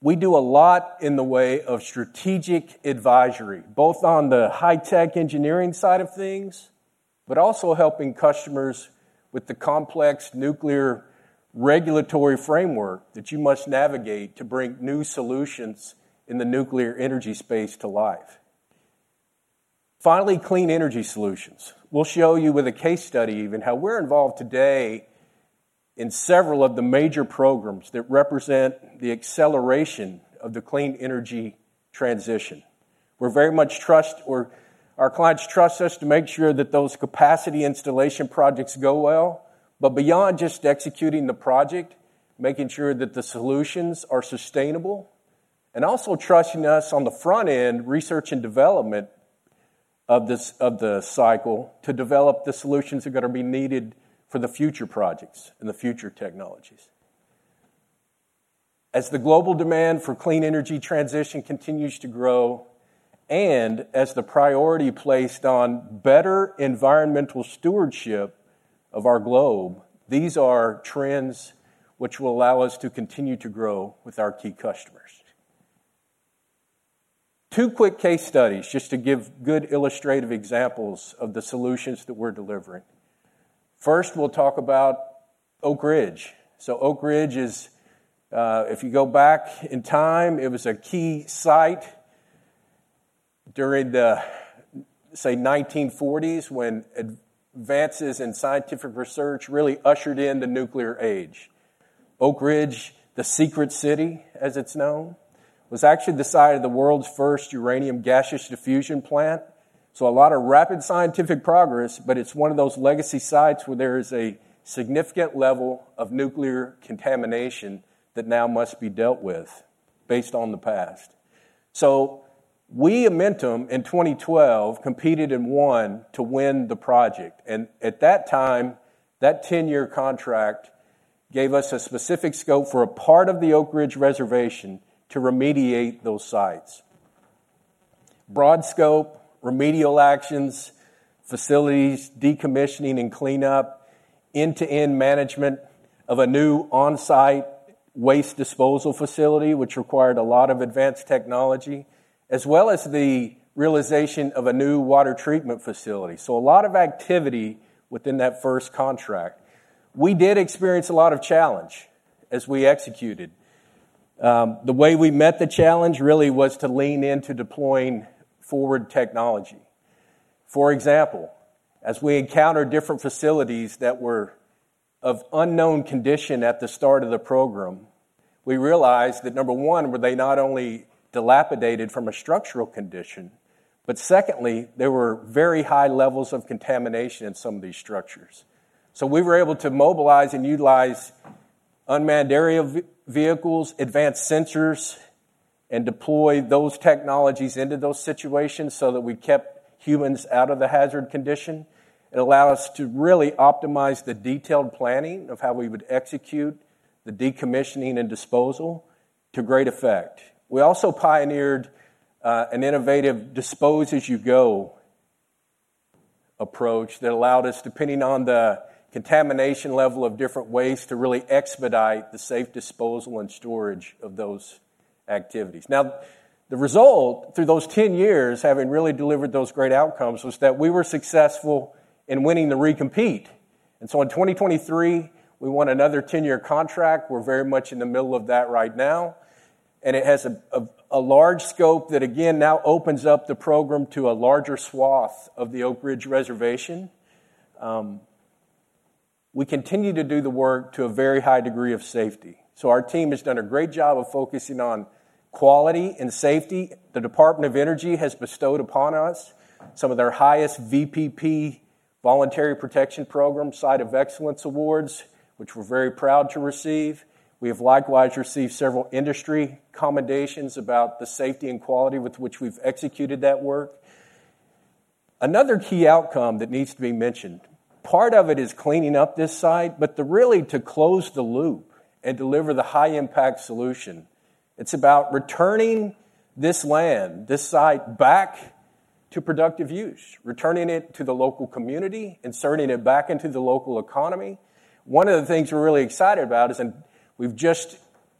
We do a lot in the way of strategic advisory, both on the high-tech engineering side of things, but also helping customers with the complex nuclear regulatory framework that you must navigate to bring new solutions in the nuclear energy space to life. Finally, clean energy solutions. We'll show you with a case study even, how we're involved today in several of the major programs that represent the acceleration of the clean energy transition. We're very much trusted, or our clients trust us to make sure that those capacity installation projects go well. But beyond just executing the project, making sure that the solutions are sustainable, and also trusting us on the front end, research and development of the cycle, to develop the solutions that are gonna be needed for the future projects and the future technologies. As the global demand for clean energy transition continues to grow, and as the priority placed on better environmental stewardship of our globe, these are trends which will allow us to continue to grow with our key customers. Two quick case studies, just to give good illustrative examples of the solutions that we're delivering. First, we'll talk about Oak Ridge. So Oak Ridge is, if you go back in time, it was a key site during the, say, 1940s, when advances in scientific research really ushered in the nuclear age. Oak Ridge, the Secret City, as it's known, was actually the site of the world's first uranium gaseous diffusion plant. So a lot of rapid scientific progress, but it's one of those legacy sites where there is a significant level of nuclear contamination that now must be dealt with based on the past. So we, Amentum, in 2012, competed and won to win the project, and at that time, that 10-year contract gave us a specific scope for a part of the Oak Ridge Reservation to remediate those sites. Broad scope, remedial actions, facilities, decommissioning and cleanup, end-to-end management of a new on-site waste disposal facility, which required a lot of advanced technology, as well as the realization of a new water treatment facility. So a lot of activity within that first contract. We did experience a lot of challenge as we executed. The way we met the challenge really was to lean into deploying forward technology. For example, as we encountered different facilities that were of unknown condition at the start of the program, we realized that, number one, were they not only dilapidated from a structural condition, but secondly, there were very high levels of contamination in some of these structures. So we were able to mobilize and utilize unmanned aerial vehicles, advanced sensors, and deploy those technologies into those situations so that we kept humans out of the hazard condition. It allowed us to really optimize the detailed planning of how we would execute the decommissioning and disposal to great effect. We also pioneered an innovative dispose-as-you-go approach that allowed us, depending on the contamination level of different waste, to really expedite the safe disposal and storage of those activities. Now, the result, through those 10 years, having really delivered those great outcomes, was that we were successful in winning the recompete. And so in 2023, we won another 10-year contract. We're very much in the middle of that right now, and it has a large scope that, again, now opens up the program to a larger swath of the Oak Ridge Reservation. We continue to do the work to a very high degree of safety. So our team has done a great job of focusing on quality and safety. The Department of Energy has bestowed upon us some of their highest VPP, Voluntary Protection Program, Site of Excellence awards, which we're very proud to receive. We have likewise received several industry commendations about the safety and quality with which we've executed that work. Another key outcome that needs to be mentioned, part of it is cleaning up this site, but really to close the loop and deliver the high-impact solution, it's about returning this land, this site, back to productive use, returning it to the local community, inserting it back into the local economy. One of the things we're really excited about is, and we've just,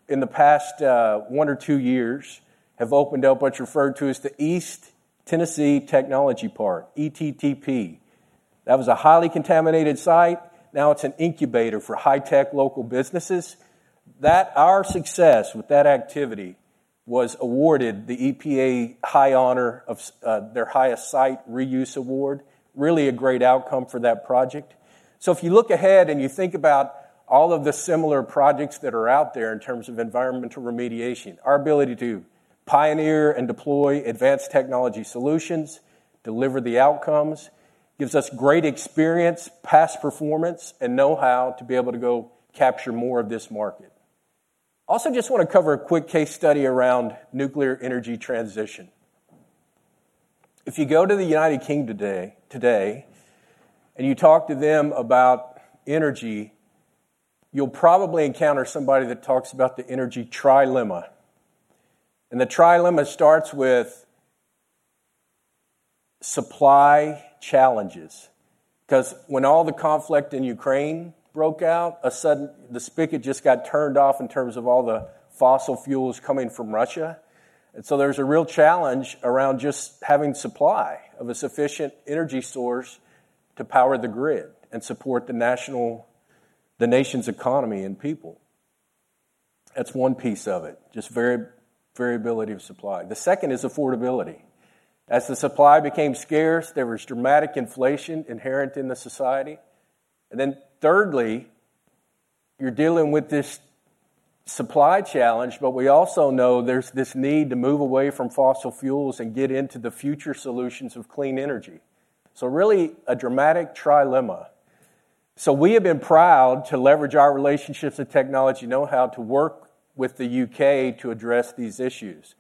in the past, one or two years, have opened up what's referred to as the East Tennessee Technology Park, ETTP. That was a highly contaminated site. Now it's an incubator for high-tech local businesses. That our success with that activity was awarded the EPA high honor of their highest site reuse award. Really a great outcome for that project. So if you look ahead and you think about all of the similar projects that are out there in terms of environmental remediation, our ability to pioneer and deploy advanced technology solutions, deliver the outcomes, gives us great experience, past performance, and know-how to be able to go capture more of this market. Also, just wanna cover a quick case study around nuclear energy transition. If you go to the United Kingdom today, today, and you talk to them about energy, you'll probably encounter somebody that talks about the energy trilemma. The trilemma starts with supply challenges, 'cause when all the conflict in Ukraine broke out, suddenly the spigot just got turned off in terms of all the fossil fuels coming from Russia. So there's a real challenge around just having supply of a sufficient energy source to power the grid and support the nation's economy and people. That's one piece of it, just variability of supply. The second is affordability. As the supply became scarce, there was dramatic inflation inherent in the society. And then thirdly, you're dealing with this supply challenge, but we also know there's this need to move away from fossil fuels and get into the future solutions of clean energy. So really, a dramatic trilemma. So we have been proud to leverage our relationships and technology know-how to work with the UK to address these issues.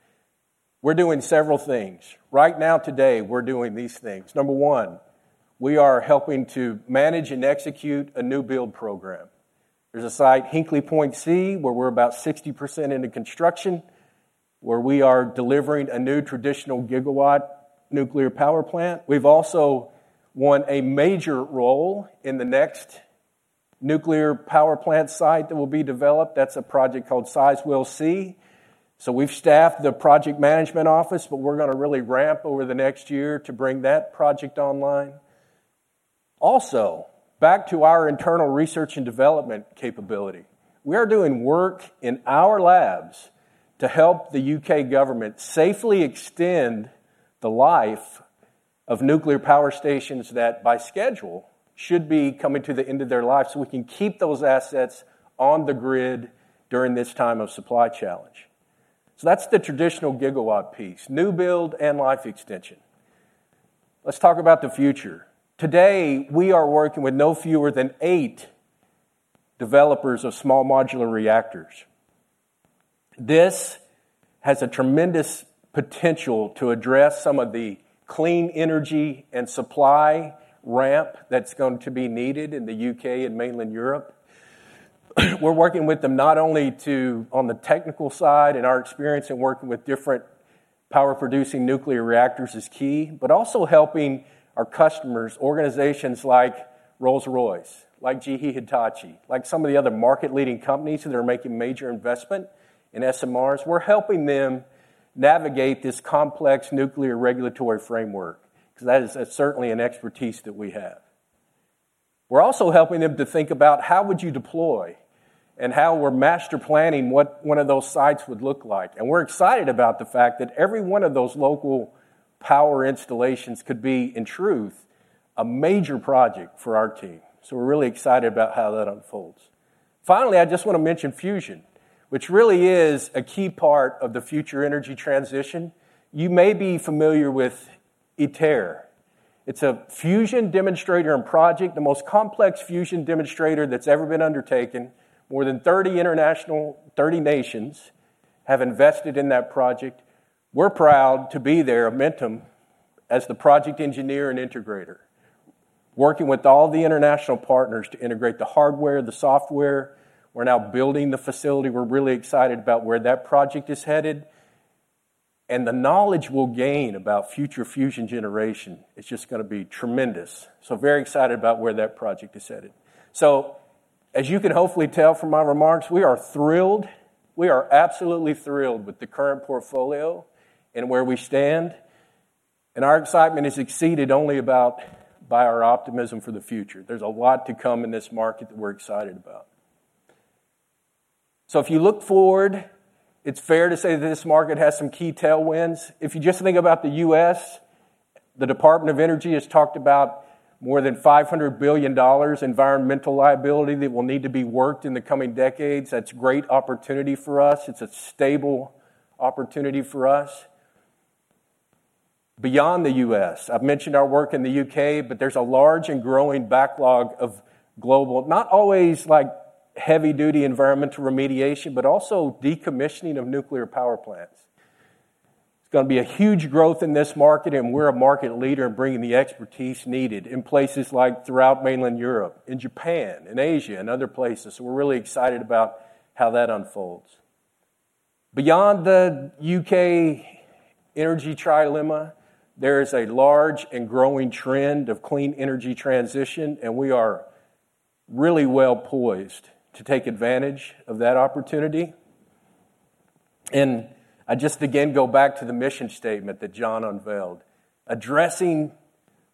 We're doing several things. Right now, today, we're doing these things. Number one, we are helping to manage and execute a new build program. There's a site, Hinkley Point C, where we're about 60% into construction, where we are delivering a new traditional gigawatt nuclear power plant. We've also won a major role in the next nuclear power plant site that will be developed. That's a project called Sizewell C. So we've staffed the project management office, but we're gonna really ramp over the next year to bring that project online. Also, back to our internal research and development capability. We are doing work in our labs to help the UK government safely extend the life of nuclear power stations that, by schedule, should be coming to the end of their life, so we can keep those assets on the grid during this time of supply challenge. So that's the traditional gigawatt piece, new build and life extension. Let's talk about the future. Today, we are working with no fewer than eight developers of small modular reactors. This has a tremendous potential to address some of the clean energy and supply ramp that's going to be needed in the U.K. and mainland Europe. We're working with them not only to... on the technical side, and our experience in working with different power-producing nuclear reactors is key, but also helping our customers, organizations like Rolls-Royce, like GE Hitachi, like some of the other market-leading companies that are making major investment in SMRs. We're helping them navigate this complex nuclear regulatory framework, 'cause that is, that's certainly an expertise that we have. We're also helping them to think about how would you deploy, and how we're master planning what one of those sites would look like. We're excited about the fact that every one of those local power installations could be, in truth, a major project for our team. So we're really excited about how that unfolds. Finally, I just wanna mention fusion, which really is a key part of the future energy transition. You may be familiar with ITER. It's a fusion demonstrator and project, the most complex fusion demonstrator that's ever been undertaken. More than 30 international, 30 nations have invested in that project. We're proud to be there, Amentum, as the project engineer and integrator, working with all the international partners to integrate the hardware, the software. We're now building the facility. We're really excited about where that project is headed. And the knowledge we'll gain about future fusion generation is just gonna be tremendous. So very excited about where that project is headed. So as you can hopefully tell from my remarks, we are thrilled, we are absolutely thrilled with the current portfolio and where we stand, and our excitement is exceeded only about, by our optimism for the future. There's a lot to come in this market that we're excited about. So if you look forward, it's fair to say that this market has some key tailwinds. If you just think about the U.S., the Department of Energy has talked about more than $500 billion environmental liability that will need to be worked in the coming decades. That's great opportunity for us. It's a stable opportunity for us. Beyond the U.S., I've mentioned our work in the U.K., but there's a large and growing backlog of global, not always, like, heavy-duty environmental remediation, but also decommissioning of nuclear power plants. It's gonna be a huge growth in this market, and we're a market leader in bringing the expertise needed in places like throughout mainland Europe, in Japan and Asia and other places. So we're really excited about how that unfolds. Beyond the UK energy trilemma, there is a large and growing trend of clean energy transition, and we are really well poised to take advantage of that opportunity. And I just again go back to the mission statement that John unveiled. Addressing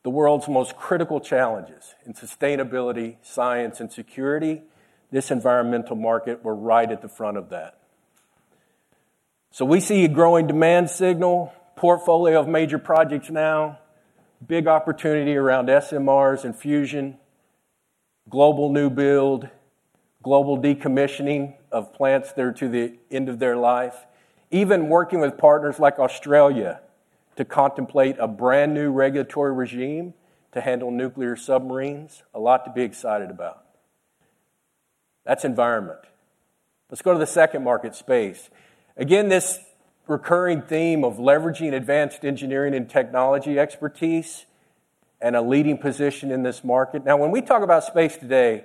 the world's most critical challenges in sustainability, science, and security, this environmental market, we're right at the front of that. So we see a growing demand signal, portfolio of major projects now, big opportunity around SMRs and fusion, global new build, global decommissioning of plants that are to the end of their life. Even working with partners like Australia to contemplate a brand-new regulatory regime to handle nuclear submarines. A lot to be excited about. That's environment. Let's go to the second market, space. Again, this recurring theme of leveraging advanced engineering and technology expertise and a leading position in this market. Now, when we talk about space today,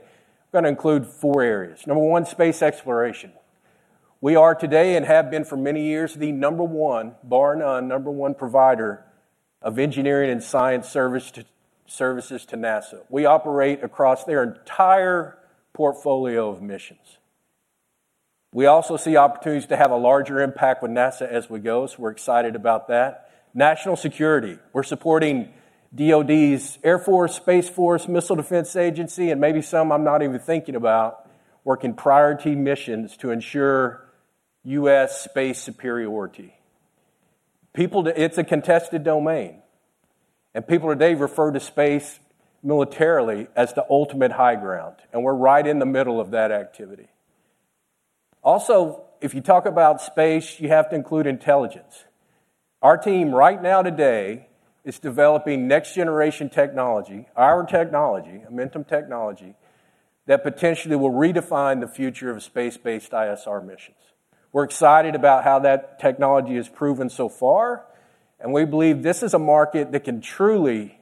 we're gonna include four areas. Number one, space exploration. We are today, and have been for many years, the number one, bar none, number one provider of engineering and science service to, services to NASA. We operate across their entire portfolio of missions. We also see opportunities to have a larger impact with NASA as we go, so we're excited about that. National security. We're supporting DOD's Air Force, Space Force, Missile Defense Agency, and maybe some I'm not even thinking about, working priority missions to ensure U.S. space superiority. People, it's a contested domain, and people today refer to space militarily as the ultimate high ground, and we're right in the middle of that activity. Also, if you talk about space, you have to include intelligence. Our team right now today is developing next-generation technology, our technology, Amentum technology, that potentially will redefine the future of space-based ISR missions. We're excited about how that technology has proven so far, and we believe this is a market that can truly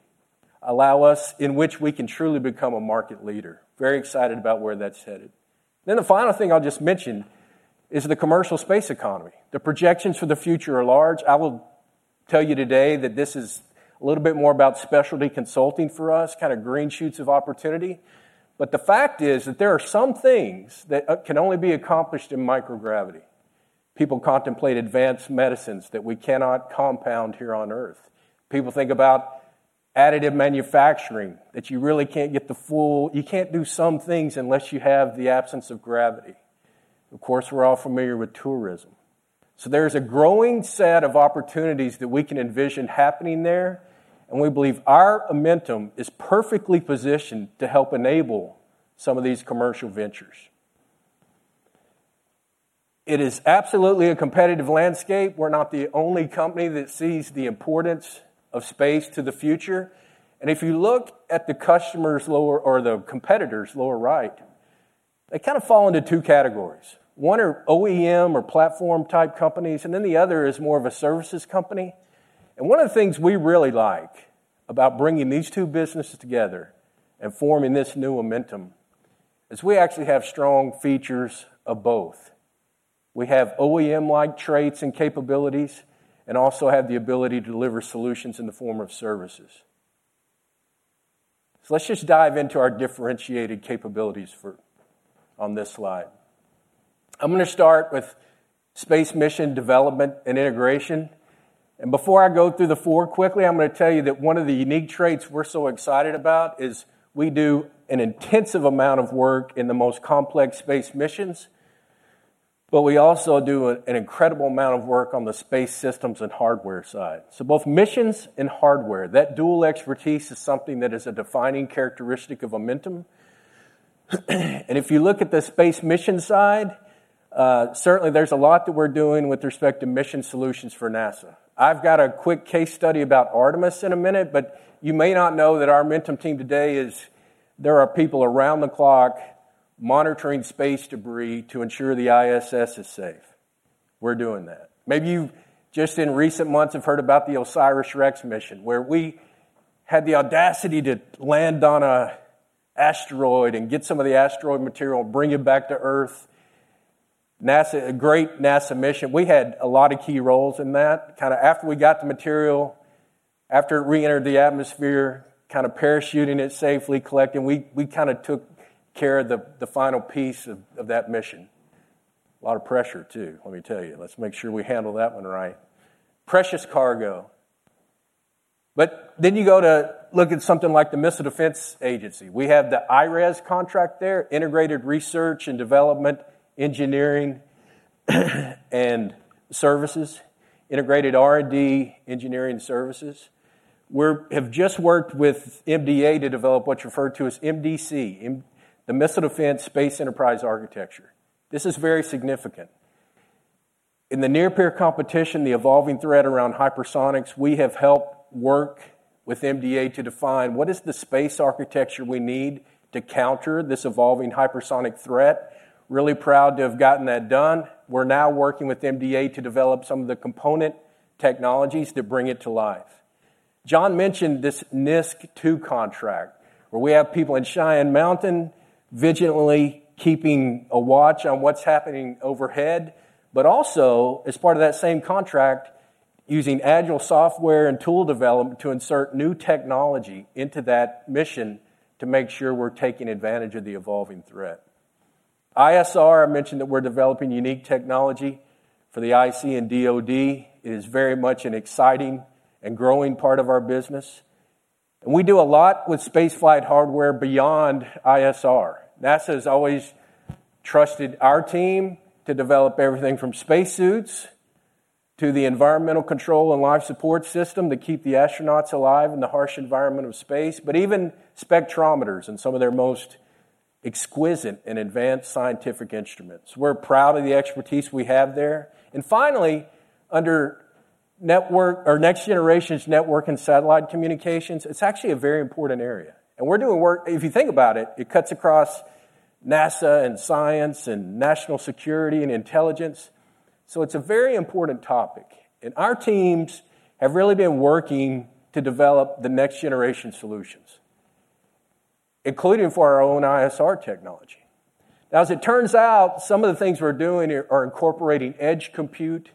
allow us... in which we can truly become a market leader. Very excited about where that's headed. Then the final thing I'll just mention is the commercial space economy. The projections for the future are large. I will tell you today that this is a little bit more about specialty consulting for us, kinda green shoots of opportunity. But the fact is that there are some things that can only be accomplished in microgravity. People contemplate advanced medicines that we cannot compound here on Earth. People think about additive manufacturing, that you really can't get the full- you can't do some things unless you have the absence of gravity. Of course, we're all familiar with tourism. So there's a growing set of opportunities that we can envision happening there, and we believe our Amentum is perfectly positioned to help enable some of these commercial ventures. It is absolutely a competitive landscape. We're not the only company that sees the importance of space to the future, and if you look at the customers lower... or the competitors, lower right, they kinda fall into two categories. One are OEM or platform-type companies, and then the other is more of a services company. One of the things we really like about bringing these two businesses together and forming this new Amentum is we actually have strong features of both. We have OEM-like traits and capabilities, and also have the ability to deliver solutions in the form of services. So let's just dive into our differentiated capabilities for on this slide. I'm gonna start with space mission development and integration, and before I go through the four quickly, I'm gonna tell you that one of the unique traits we're so excited about is we do an intensive amount of work in the most complex space missions, but we also do an incredible amount of work on the space systems and hardware side. So both missions and hardware, that dual expertise is something that is a defining characteristic of Amentum. And if you look at the space mission side, certainly there's a lot that we're doing with respect to mission solutions for NASA. I've got a quick case study about Artemis in a minute, but you may not know that our Amentum team today is, there are people around the clock monitoring space debris to ensure the ISS is safe. We're doing that. Maybe you've, just in recent months, have heard about the OSIRIS-REx mission, where we had the audacity to land on a asteroid and get some of the asteroid material, bring it back to Earth. NASA, a great NASA mission. We had a lot of key roles in that. Kinda after we got the material, after it reentered the atmosphere, kinda parachuting it safely, collecting, we kinda took care of the final piece of that mission. A lot of pressure, too, let me tell you. Let's make sure we handle that one right. Precious cargo. But then you go to look at something like the Missile Defense Agency. We have the IRES contract there, Integrated Research and Development, Engineering, and Services. Integrated R&D Engineering Services. We've just worked with MDA to develop what's referred to as MDSEA, the Missile Defense Space Enterprise Architecture. This is very significant. In the near-peer competition, the evolving threat around hypersonics, we have helped work with MDA to define what is the space architecture we need to counter this evolving hypersonic threat? Really proud to have gotten that done. We're now working with MDA to develop some of the component technologies to bring it to life. John mentioned this NISSC II contract, where we have people in Cheyenne Mountain vigilantly keeping a watch on what's happening overhead, but also, as part of that same contract, using agile software and tool development to insert new technology into that mission to make sure we're taking advantage of the evolving threat. ISR, I mentioned that we're developing unique technology for the IC and DOD. It is very much an exciting and growing part of our business, and we do a lot with spaceflight hardware beyond ISR. NASA has always trusted our team to develop everything from spacesuits to the Environmental Control and Life Support System that keep the astronauts alive in the harsh environment of space, but even spectrometers and some of their most exquisite and advanced scientific instruments. We're proud of the expertise we have there. And finally, under network, or next generation's network and satellite communications, it's actually a very important area, and we're doing work. If you think about it, it cuts across NASA and science and national security and intelligence, so it's a very important topic, and our teams have really been working to develop the next generation solutions, including for our own ISR technology. Now, as it turns out, some of the things we're doing are incorporating edge compute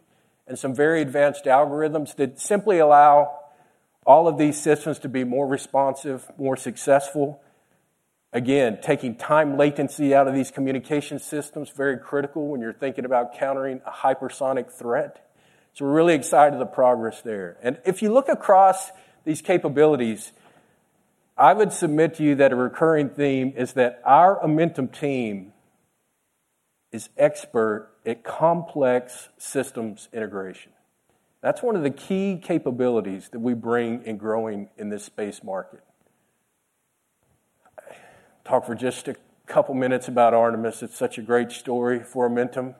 and some very advanced algorithms that simply allow all of these systems to be more responsive, more successful. Again, taking time latency out of these communication systems, very critical when you're thinking about countering a hypersonic threat. So we're really excited of the progress there. And if you look across these capabilities, I would submit to you that a recurring theme is that our Amentum team is expert at complex systems integration. That's one of the key capabilities that we bring in growing in this space market. Talk for just a couple minutes about Artemis. It's such a great story for Amentum.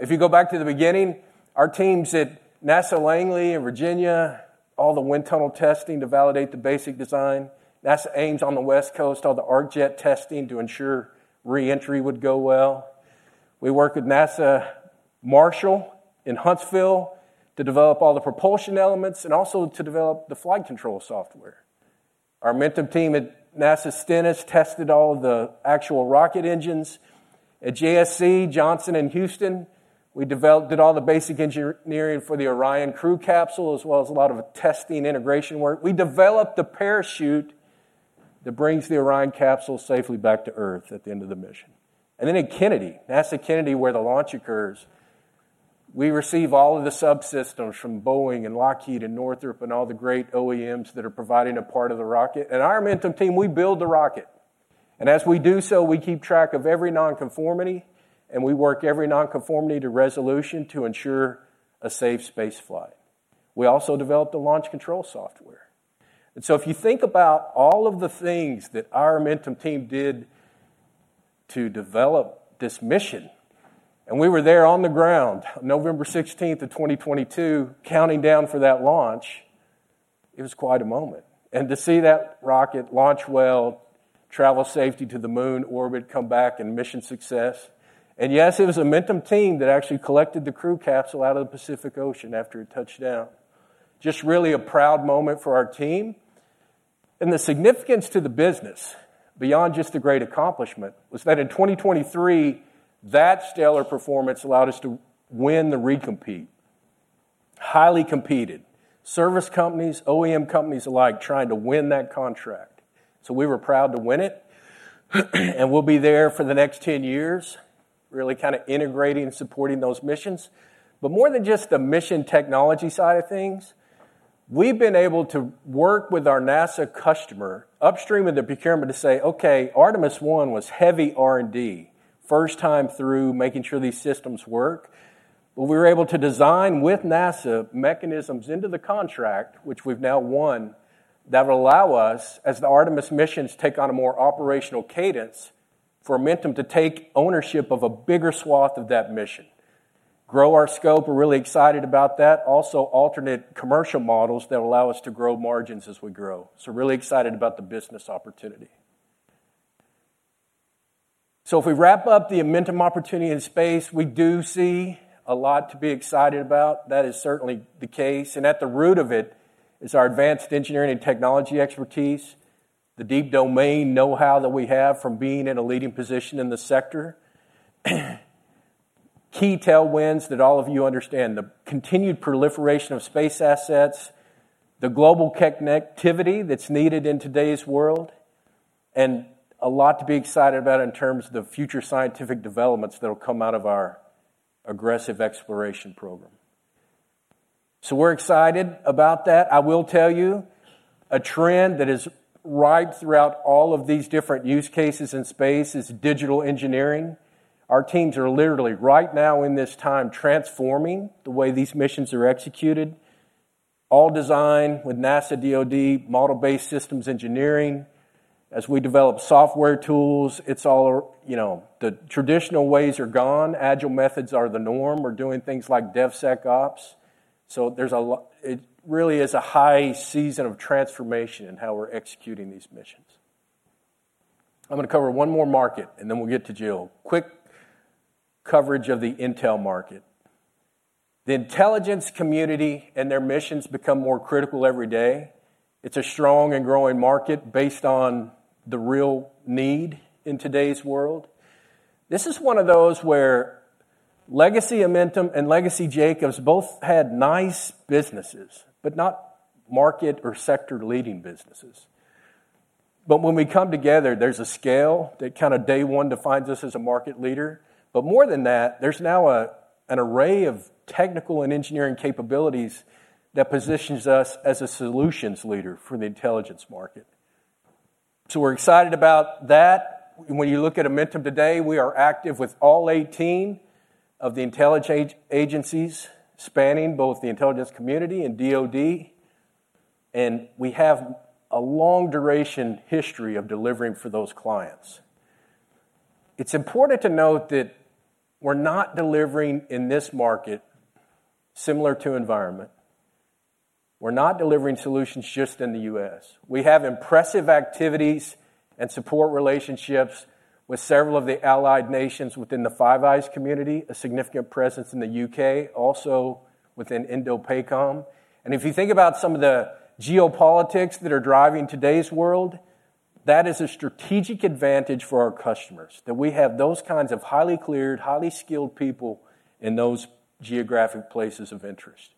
If you go back to the beginning, our teams at NASA Langley in Virginia, all the wind tunnel testing to validate the basic design. NASA Ames on the West Coast, all the arc jet testing to ensure re-entry would go well. We worked with NASA Marshall in Huntsville to develop all the propulsion elements and also to develop the flight control software. Our Amentum team at NASA Stennis tested all of the actual rocket engines. At JSC, Johnson in Houston, we developed, did all the basic engineering for the Orion crew capsule, as well as a lot of the testing integration work. We developed the parachute that brings the Orion capsule safely back to Earth at the end of the mission. And then in Kennedy, NASA Kennedy, where the launch occurs, we receive all of the subsystems from Boeing and Lockheed and Northrop, and all the great OEMs that are providing a part of the rocket. And our Amentum team, we build the rocket, and as we do so, we keep track of every nonconformity, and we work every nonconformity to resolution to ensure a safe space flight. We also developed the launch control software. And so if you think about all of the things that our Amentum team did to develop this mission, and we were there on the ground, November 16th of 2022, counting down for that launch, it was quite a moment. To see that rocket launch well, travel safely to the Moon orbit, come back, and mission success. Yes, it was the Amentum team that actually collected the crew capsule out of the Pacific Ocean after it touched down. Just really a proud moment for our team. The significance to the business, beyond just the great accomplishment, was that in 2023, that stellar performance allowed us to win the recompete. Highly competed. Service companies, OEM companies alike, trying to win that contract. So we were proud to win it, and we'll be there for the next 10 years, really kinda integrating and supporting those missions. But more than just the mission technology side of things, we've been able to work with our NASA customer upstream of the procurement to say, "Okay, Artemis One was heavy R&D, first time through, making sure these systems work." But we were able to design with NASA mechanisms into the contract, which we've now won, that will allow us, as the Artemis missions take on a more operational cadence, for Amentum to take ownership of a bigger swath of that mission, grow our scope. We're really excited about that. Also, alternate commercial models that will allow us to grow margins as we grow. So we're really excited about the business opportunity. So if we wrap up the Amentum opportunity in space, we do see a lot to be excited about. That is certainly the case, and at the root of it is our advanced engineering and technology expertise, the deep domain know-how that we have from being in a leading position in the sector, key tailwinds that all of you understand, the continued proliferation of space assets, the global connectivity that's needed in today's world, and a lot to be excited about in terms of the future scientific developments that will come out of our aggressive exploration program. So we're excited about that. I will tell you, a trend that is ripe throughout all of these different use cases in space is digital engineering. Our teams are literally, right now in this time, transforming the way these missions are executed. All design with NASA DOD model-based systems engineering. As we develop software tools, it's all... You know, the traditional ways are gone. Agile methods are the norm. We're doing things like DevSecOps, so there's a lot, it really is a high season of transformation in how we're executing these missions. I'm gonna cover one more market, and then we'll get to Jill. Quick coverage of the intel market. The intelligence community and their missions become more critical every day. It's a strong and growing market based on the real need in today's world. This is one of those where legacy Amentum and legacy Jacobs both had nice businesses, but not market or sector-leading businesses. But when we come together, there's a scale that kinda day one defines us as a market leader. But more than that, there's now an array of technical and engineering capabilities that positions us as a solutions leader for the intelligence market. So we're excited about that. When you look at Amentum today, we are active with all 18 of the intelligence agencies, spanning both the intelligence community and DoD, and we have a long duration history of delivering for those clients. It's important to note that we're not delivering in this market, similar to environment, we're not delivering solutions just in the U.S. We have impressive activities and support relationships with several of the allied nations within the Five Eyes community, a significant presence in the U.K., also within INDOPACOM. And if you think about some of the geopolitics that are driving today's world, that is a strategic advantage for our customers, that we have those kinds of highly cleared, highly skilled people in those geographic places of interest.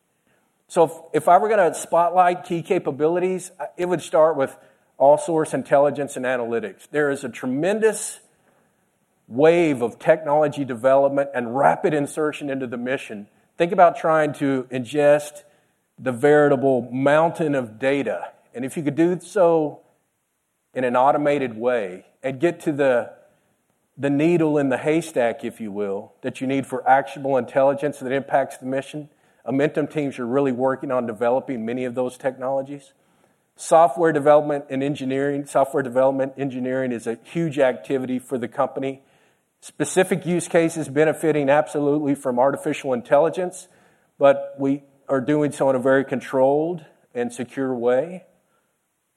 So if, if I were gonna spotlight key capabilities, it would start with all source intelligence and analytics. There is a tremendous wave of technology development and rapid insertion into the mission. Think about trying to ingest the veritable mountain of data, and if you could do so in an automated way and get to the, the needle in the haystack, if you will, that you need for actionable intelligence that impacts the mission, Amentum teams are really working on developing many of those technologies. Software development and engineering. Software development engineering is a huge activity for the company. Specific use cases benefiting absolutely from artificial intelligence, but we are doing so in a very controlled and secure way,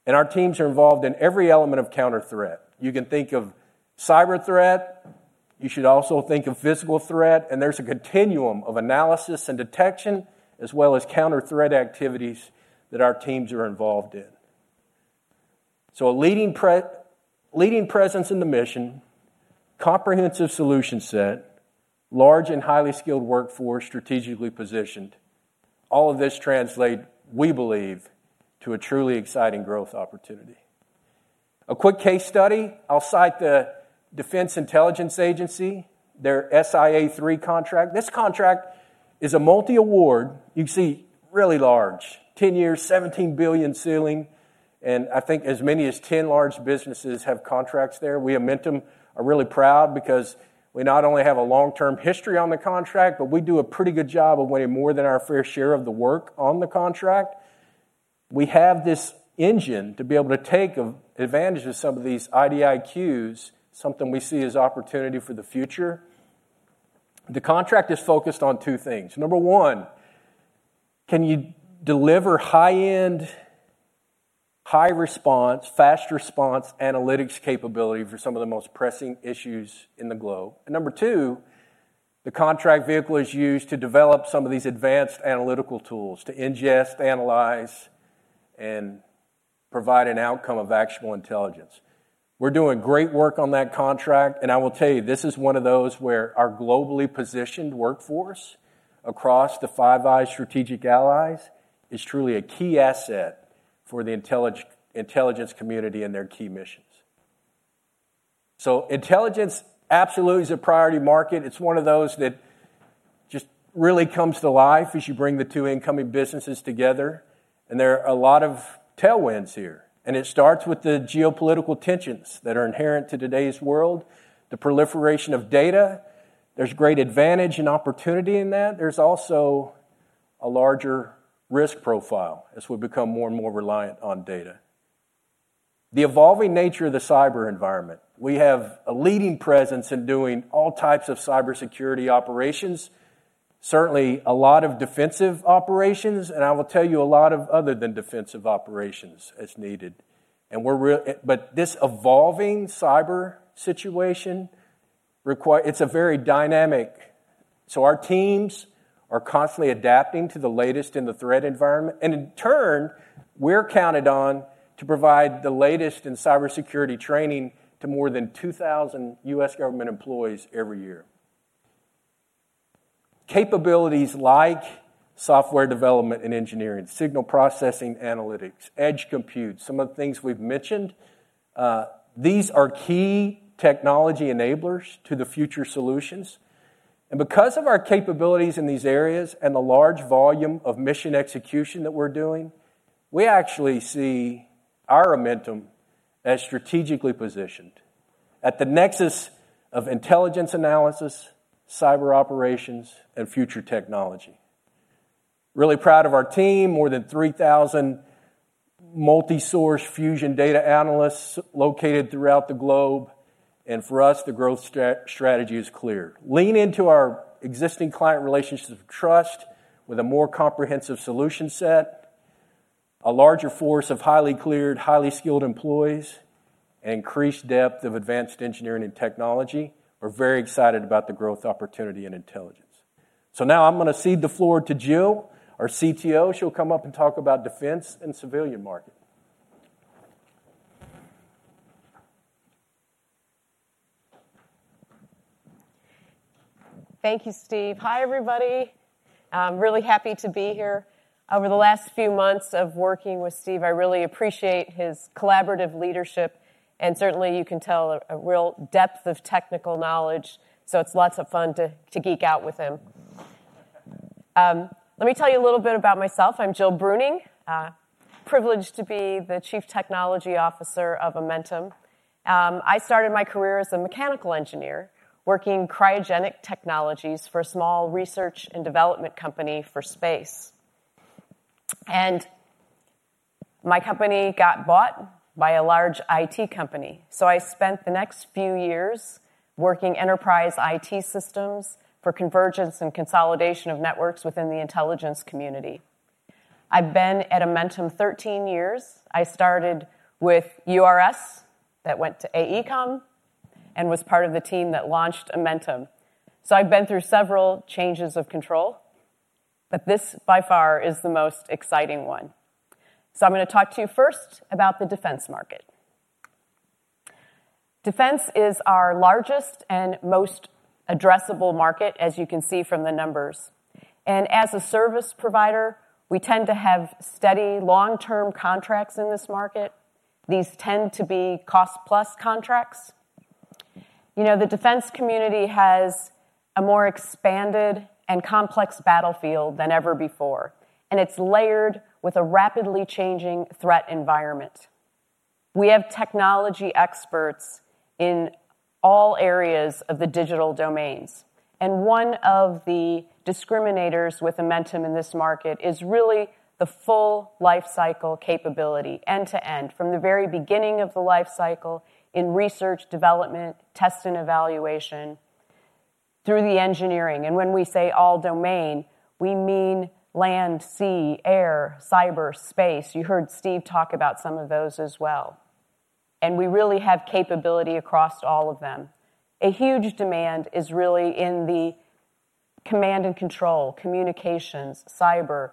and our teams are involved in every element of counter-threat. You can think of cyber threat, you should also think of physical threat, and there's a continuum of analysis and detection, as well as counter-threat activities that our teams are involved in. So a leading leading presence in the mission, comprehensive solution set, large and highly skilled workforce, strategically positioned. All of this translate, we believe, to a truly exciting growth opportunity. A quick case study, I'll cite the Defense Intelligence Agency, their SIA III contract. This contract is a multi-award. You can see, really large, 10 years, $17 billion ceiling, and I think as many as 10 large businesses have contracts there. We Amentum are really proud because we not only have a long-term history on the contract, but we do a pretty good job of winning more than our fair share of the work on the contract. We have this engine to be able to take advantage of some of these IDIQs, something we see as opportunity for the future. The contract is focused on two things: number one, can you deliver high-end, high response, fast response, analytics capability for some of the most pressing issues in the globe? And number two, the contract vehicle is used to develop some of these advanced analytical tools to ingest, analyze, and provide an outcome of actionable intelligence. We're doing great work on that contract, and I will tell you, this is one of those where our globally positioned workforce across the Five Eyes strategic allies, is truly a key asset for the intelligence community and their key missions. So intelligence absolutely is a priority market. It's one of those that just really comes to life as you bring the two incoming businesses together, and there are a lot of tailwinds here, and it starts with the geopolitical tensions that are inherent to today's world, the proliferation of data. There's great advantage and opportunity in that. There's also a larger risk profile as we become more and more reliant on data. The evolving nature of the cyber environment, we have a leading presence in doing all types of cybersecurity operations, certainly a lot of defensive operations, and I will tell you, a lot of other than defensive operations as needed. But this evolving cyber situation requires. It's a very dynamic. So our teams are constantly adapting to the latest in the threat environment, and in turn, we're counted on to provide the latest in cybersecurity training to more than 2,000 U.S. government employees every year. Capabilities like software development and engineering, signal processing analytics, edge compute, some of the things we've mentioned, these are key technology enablers to the future solutions. Because of our capabilities in these areas and the large volume of mission execution that we're doing, we actually see our Amentum as strategically positioned at the nexus of intelligence analysis, cyber operations, and future technology. Really proud of our team, more than 3,000 multi-source fusion data analysts located throughout the globe, and for us, the growth strategy is clear. Lean into our existing client relationships of trust with a more comprehensive solution set, a larger force of highly cleared, highly skilled employees, increased depth of advanced engineering and technology. We're very excited about the growth opportunity in intelligence. So now I'm gonna cede the floor to Jill, our CTO. She'll come up and talk about defense and civilian market. Thank you, Steve. Hi, everybody. I'm really happy to be here. Over the last few months of working with Steve, I really appreciate his collaborative leadership, and certainly, you can tell a real depth of technical knowledge, so it's lots of fun to geek out with him. Let me tell you a little bit about myself. I'm Jill Bruning, privileged to be the Chief Technology Officer of Amentum. I started my career as a mechanical engineer, working cryogenic technologies for a small research and development company for space. My company got bought by a large IT company, so I spent the next few years working enterprise IT systems for convergence and consolidation of networks within the intelligence community. I've been at Amentum 13 years. I started with URS, that went to AECOM, and was part of the team that launched Amentum. So I've been through several changes of control, but this, by far, is the most exciting one. So I'm gonna talk to you first about the defense market. Defense is our largest and most addressable market, as you can see from the numbers, and as a service provider, we tend to have steady, long-term contracts in this market. These tend to be cost-plus contracts. You know, the defense community has a more expanded and complex battlefield than ever before, and it's layered with a rapidly changing threat environment. We have technology experts in all areas of the digital domains, and one of the discriminators with Amentum in this market is really the full lifecycle capability, end-to-end, from the very beginning of the lifecycle in research, development, test and evaluation through the engineering. And when we say all domain, we mean land, sea, air, cyber, space. You heard Steve talk about some of those as well, and we really have capability across all of them. A huge demand is really in the command and control, communications, cyber,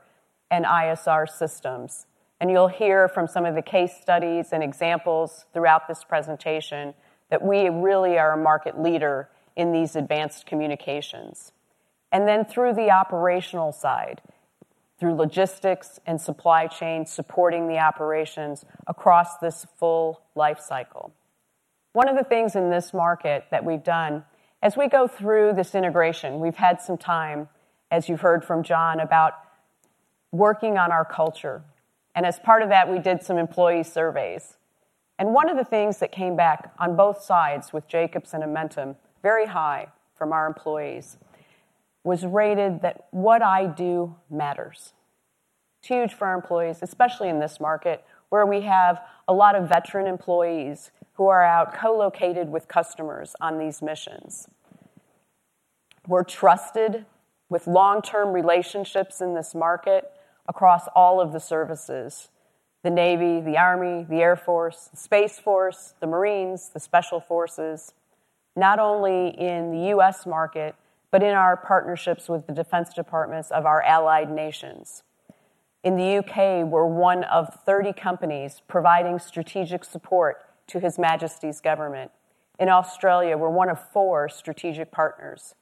and ISR systems, and you'll hear from some of the case studies and examples throughout this presentation that we really are a market leader in these advanced communications. And then, through the operational side, through logistics and supply chain, supporting the operations across this full lifecycle. One of the things in this market that we've done. As we go through this integration, we've had some time, as you've heard from John, about working on our culture, and as part of that, we did some employee surveys. One of the things that came back on both sides with Jacobs and Amentum, very high from our employees, was rated that, "What I do matters." It's huge for our employees, especially in this market, where we have a lot of veteran employees who are out co-located with customers on these missions. We're trusted with long-term relationships in this market across all of the services: the Navy, the Army, the Air Force, the Space Force, the Marines, the Special Forces, not only in the U.S. market, but in our partnerships with the defense departments of our allied nations. In the U.K., we're one of 30 companies providing strategic support to His Majesty's government. In Australia, we're one of four strategic partners.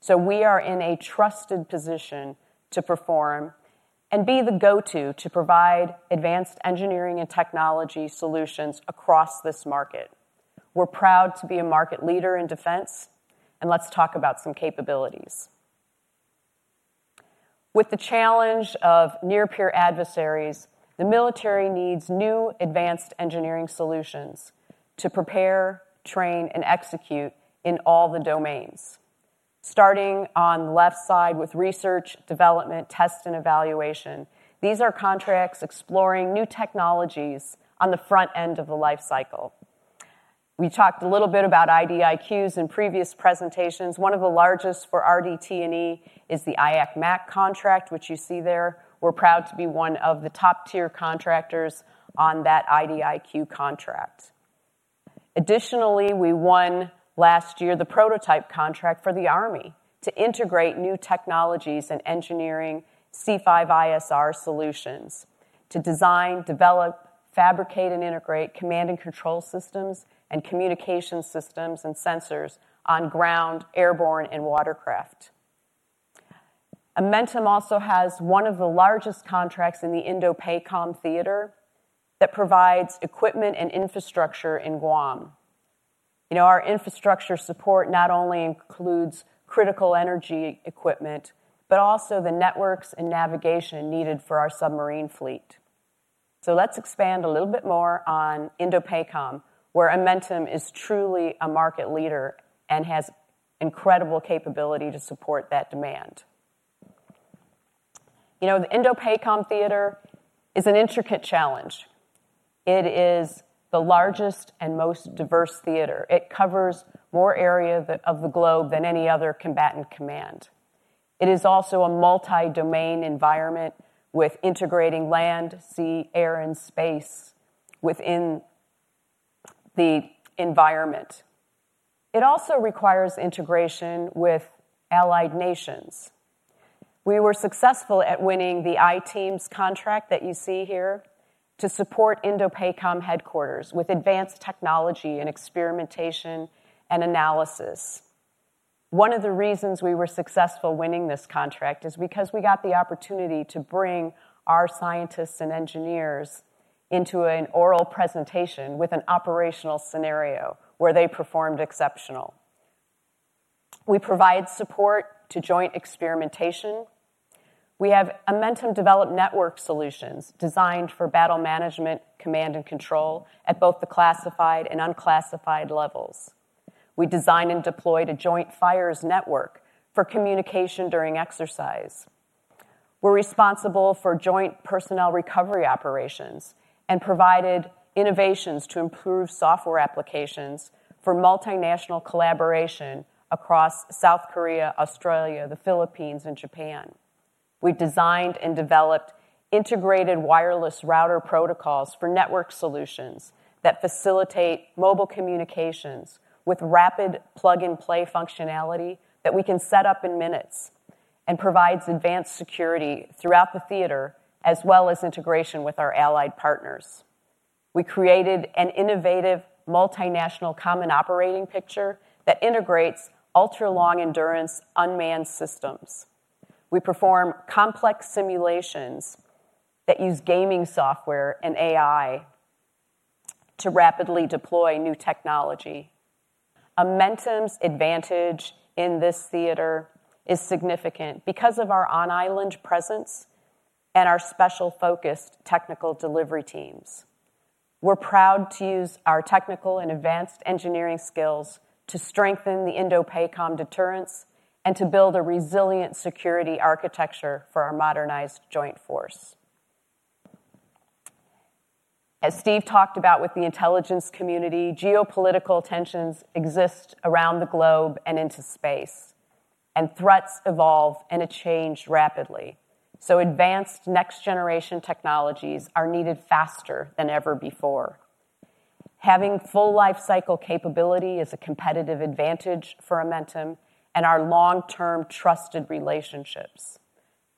So we are in a trusted position to perform and be the go-to to provide advanced engineering and technology solutions across this market. We're proud to be a market leader in defense, and let's talk about some capabilities. With the challenge of near-peer adversaries, the military needs new advanced engineering solutions to prepare, train, and execute in all the domains. Starting on the left side with research, development, test, and evaluation, these are contracts exploring new technologies on the front end of the lifecycle. We talked a little bit about IDIQs in previous presentations. One of the largest for RDT&E is the IAC-MAC contract, which you see there. We're proud to be one of the top-tier contractors on that IDIQ contract. Additionally, we won last year the prototype contract for the Army to integrate new technologies and engineering C5ISR solutions to design, develop, fabricate, and integrate command and control systems and communication systems and sensors on ground, airborne, and watercraft. Amentum also has one of the largest contracts in the INDOPACOM theater that provides equipment and infrastructure in Guam. You know, our infrastructure support not only includes critical energy equipment, but also the networks and navigation needed for our submarine fleet. So let's expand a little bit more on INDOPACOM, where Amentum is truly a market leader and has incredible capability to support that demand. You know, the INDOPACOM theater is an intricate challenge. It is the largest and most diverse theater. It covers more area that, of the globe than any other combatant command. It is also a multi-domain environment with integrating land, sea, air, and space within the environment. It also requires integration with allied nations. We were successful at winning the I-TEAMS contract that you see here to support INDOPACOM headquarters with advanced technology and experimentation and analysis. One of the reasons we were successful winning this contract is because we got the opportunity to bring our scientists and engineers into an oral presentation with an operational scenario where they performed exceptional. We provide support to joint experimentation. We have Amentum-developed network solutions designed for battle management, command, and control at both the classified and unclassified levels. We designed and deployed a Joint Fires Network for communication during exercise. We're responsible for joint personnel recovery operations and provided innovations to improve software applications for multinational collaboration across South Korea, Australia, the Philippines, and Japan. We designed and developed integrated wireless router protocols for network solutions that facilitate mobile communications with rapid plug-and-play functionality that we can set up in minutes and provides advanced security throughout the theater, as well as integration with our allied partners. We created an innovative multinational common operating picture that integrates ultra-long endurance unmanned systems. We perform complex simulations that use gaming software and AI to rapidly deploy new technology. Amentum's advantage in this theater is significant because of our on-island presence and our special-focused technical delivery teams. We're proud to use our technical and advanced engineering skills to strengthen the INDOPACOM deterrence and to build a resilient security architecture for our modernized joint force. As Steve talked about with the intelligence community, geopolitical tensions exist around the globe and into space, and threats evolve and change rapidly, so advanced next-generation technologies are needed faster than ever before. Having full lifecycle capability is a competitive advantage for Amentum and our long-term trusted relationships.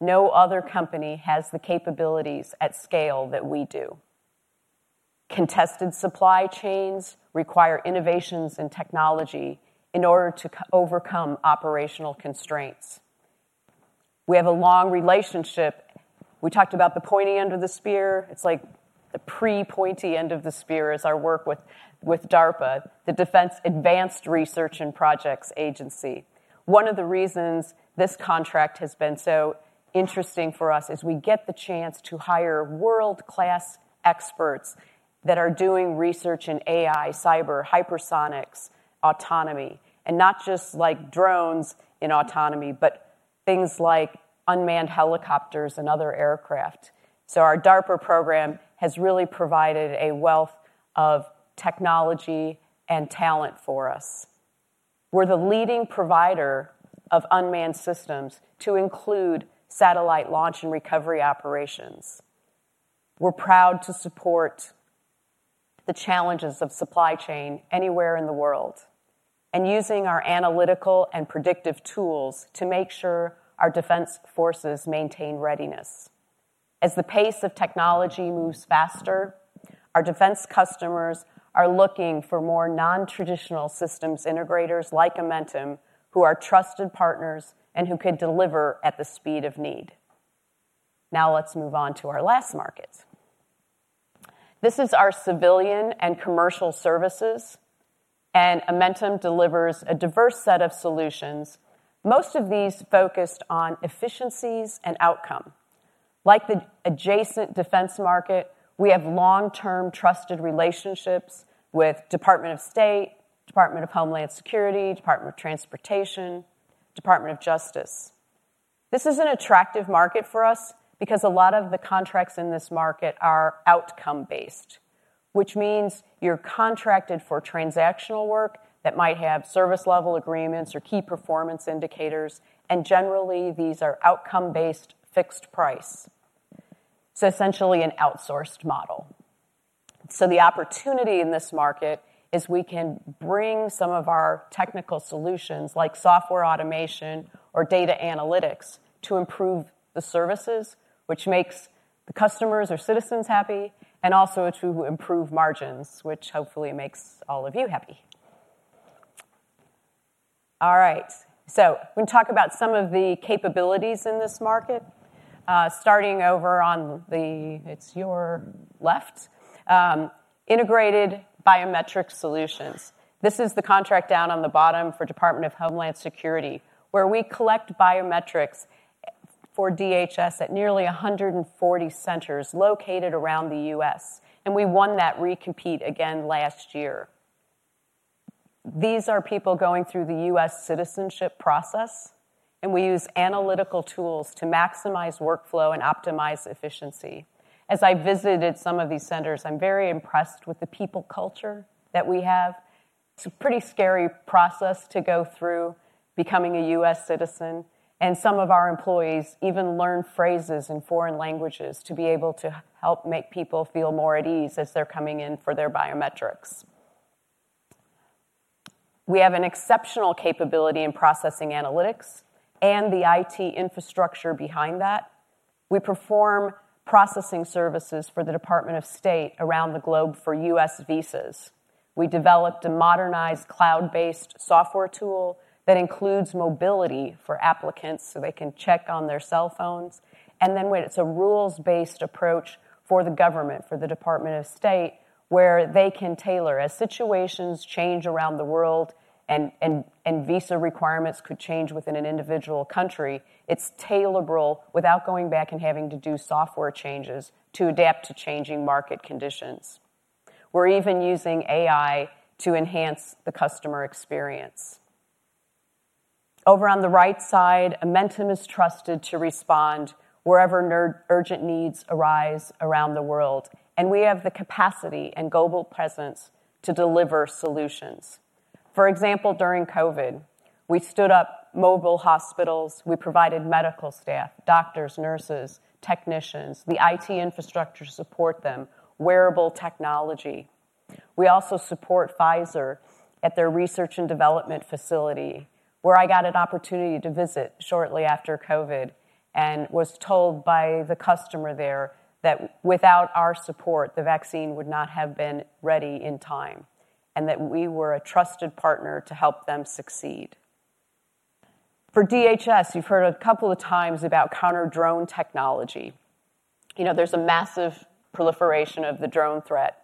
No other company has the capabilities at scale that we do. Contested supply chains require innovations in technology in order to overcome operational constraints. We have a long relationship. We talked about the pointy end of the spear. It's like the pre-pointy end of the spear is our work with, with DARPA, the Defense Advanced Research Projects Agency. One of the reasons this contract has been so interesting for us is we get the chance to hire world-class experts that are doing research in AI, cyber, hypersonics, autonomy, and not just like drones in autonomy, but things like unmanned helicopters and other aircraft. So our DARPA program has really provided a wealth of technology and talent for us. We're the leading provider of unmanned systems, to include satellite launch and recovery operations. We're proud to support the challenges of supply chain anywhere in the world and using our analytical and predictive tools to make sure our defense forces maintain readiness. As the pace of technology moves faster, our defense customers are looking for more non-traditional systems integrators, like Amentum, who are trusted partners and who can deliver at the speed of need. Now, let's move on to our last market. This is our civilian and commercial services, and Amentum delivers a diverse set of solutions, most of these focused on efficiencies and outcome. Like the adjacent defense market, we have long-term, trusted relationships with Department of State, Department of Homeland Security, Department of Transportation, Department of Justice. This is an attractive market for us because a lot of the contracts in this market are outcome-based, which means you're contracted for transactional work that might have service-level agreements or key performance indicators, and generally, these are outcome-based, fixed price, so essentially an outsourced model. So the opportunity in this market is we can bring some of our technical solutions, like software automation or data analytics, to improve the services, which makes the customers or citizens happy, and also to improve margins, which hopefully makes all of you happy. All right, so we're gonna talk about some of the capabilities in this market, starting over on the left. Integrated biometric solutions. This is the contract down on the bottom for Department of Homeland Security, where we collect biometrics for DHS at nearly 140 centers located around the U.S., and we won that recompete again last year. These are people going through the U.S. citizenship process, and we use analytical tools to maximize workflow and optimize efficiency. As I visited some of these centers, I'm very impressed with the people culture that we have.... It's a pretty scary process to go through, becoming a U.S. citizen, and some of our employees even learn phrases in foreign languages to be able to help make people feel more at ease as they're coming in for their biometrics. We have an exceptional capability in processing analytics and the IT infrastructure behind that. We perform processing services for the Department of State around the globe for U.S. visas. We developed a modernized cloud-based software tool that includes mobility for applicants, so they can check on their cell phones. And then when it's a rules-based approach for the government, for the Department of State, where they can tailor. As situations change around the world and visa requirements could change within an individual country, it's tailorable without going back and having to do software changes to adapt to changing market conditions. We're even using AI to enhance the customer experience. Over on the right side, Amentum is trusted to respond wherever urgent needs arise around the world, and we have the capacity and global presence to deliver solutions. For example, during COVID, we stood up mobile hospitals, we provided medical staff, doctors, nurses, technicians, the IT infrastructure to support them, wearable technology. We also support Pfizer at their research and development facility, where I got an opportunity to visit shortly after COVID, and was told by the customer there that without our support, the vaccine would not have been ready in time, and that we were a trusted partner to help them succeed. For DHS, you've heard a couple of times about counter-drone technology. You know, there's a massive proliferation of the drone threat.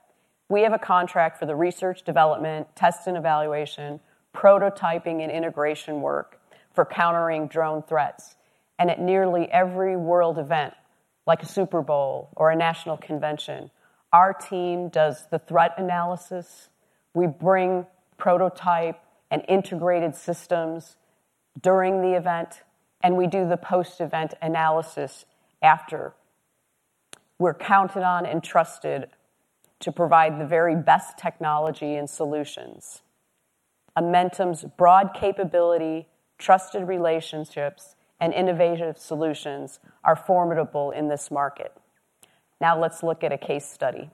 We have a contract for the research development, test and evaluation, prototyping and integration work for countering drone threats. And at nearly every world event, like a Super Bowl or a national convention, our team does the threat analysis, we bring prototype and integrated systems during the event, and we do the post-event analysis after. We're counted on and trusted to provide the very best technology and solutions. Amentum's broad capability, trusted relationships, and innovative solutions are formidable in this market. Now let's look at a case study.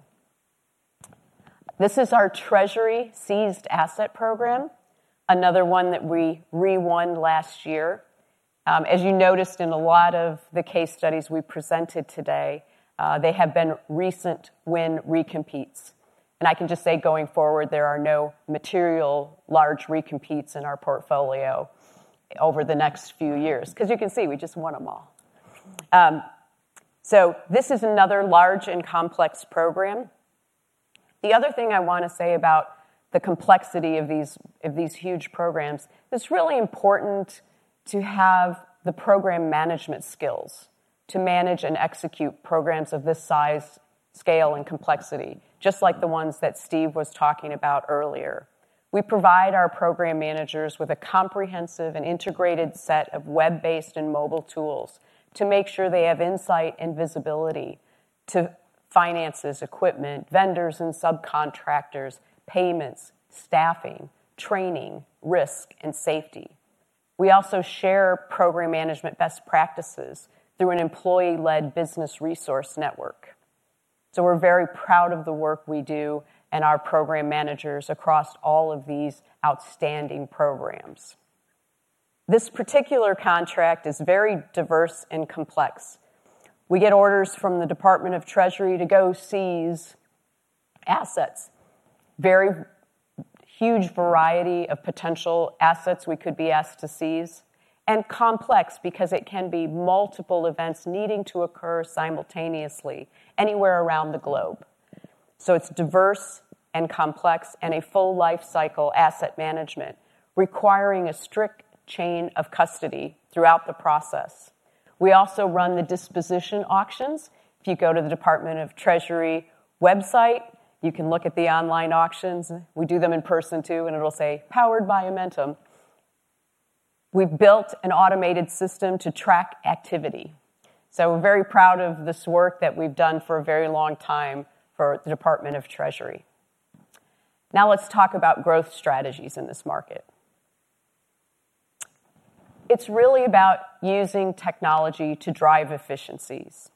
This is our Treasury Seized Asset Program, another one that we re-won last year. As you noticed in a lot of the case studies we presented today, they have been recent win recompetes. I can just say, going forward, there are no material, large recompetes in our portfolio over the next few years, 'cause you can see, we just won them all. This is another large and complex program. The other thing I want to say about the complexity of these, of these huge programs, it's really important to have the program management skills to manage and execute programs of this size, scale, and complexity, just like the ones that Steve was talking about earlier. We provide our program managers with a comprehensive and integrated set of web-based and mobile tools to make sure they have insight and visibility to finances, equipment, vendors and subcontractors, payments, staffing, training, risk, and safety. We also share program management best practices through an employee-led business resource network. So we're very proud of the work we do and our program managers across all of these outstanding programs. This particular contract is very diverse and complex. We get orders from the Department of the Treasury to go seize assets. Very huge variety of potential assets we could be asked to seize, and complex because it can be multiple events needing to occur simultaneously anywhere around the globe. So it's diverse and complex, and a full lifecycle asset management, requiring a strict chain of custody throughout the process. We also run the disposition auctions. If you go to the Department of the Treasury website, you can look at the online auctions. We do them in person, too, and it'll say, "Powered by Amentum." We've built an automated system to track activity, so we're very proud of this work that we've done for a very long time for the Department of the Treasury. Now let's talk about growth strategies in this market. It's really about using technology to drive efficiencies.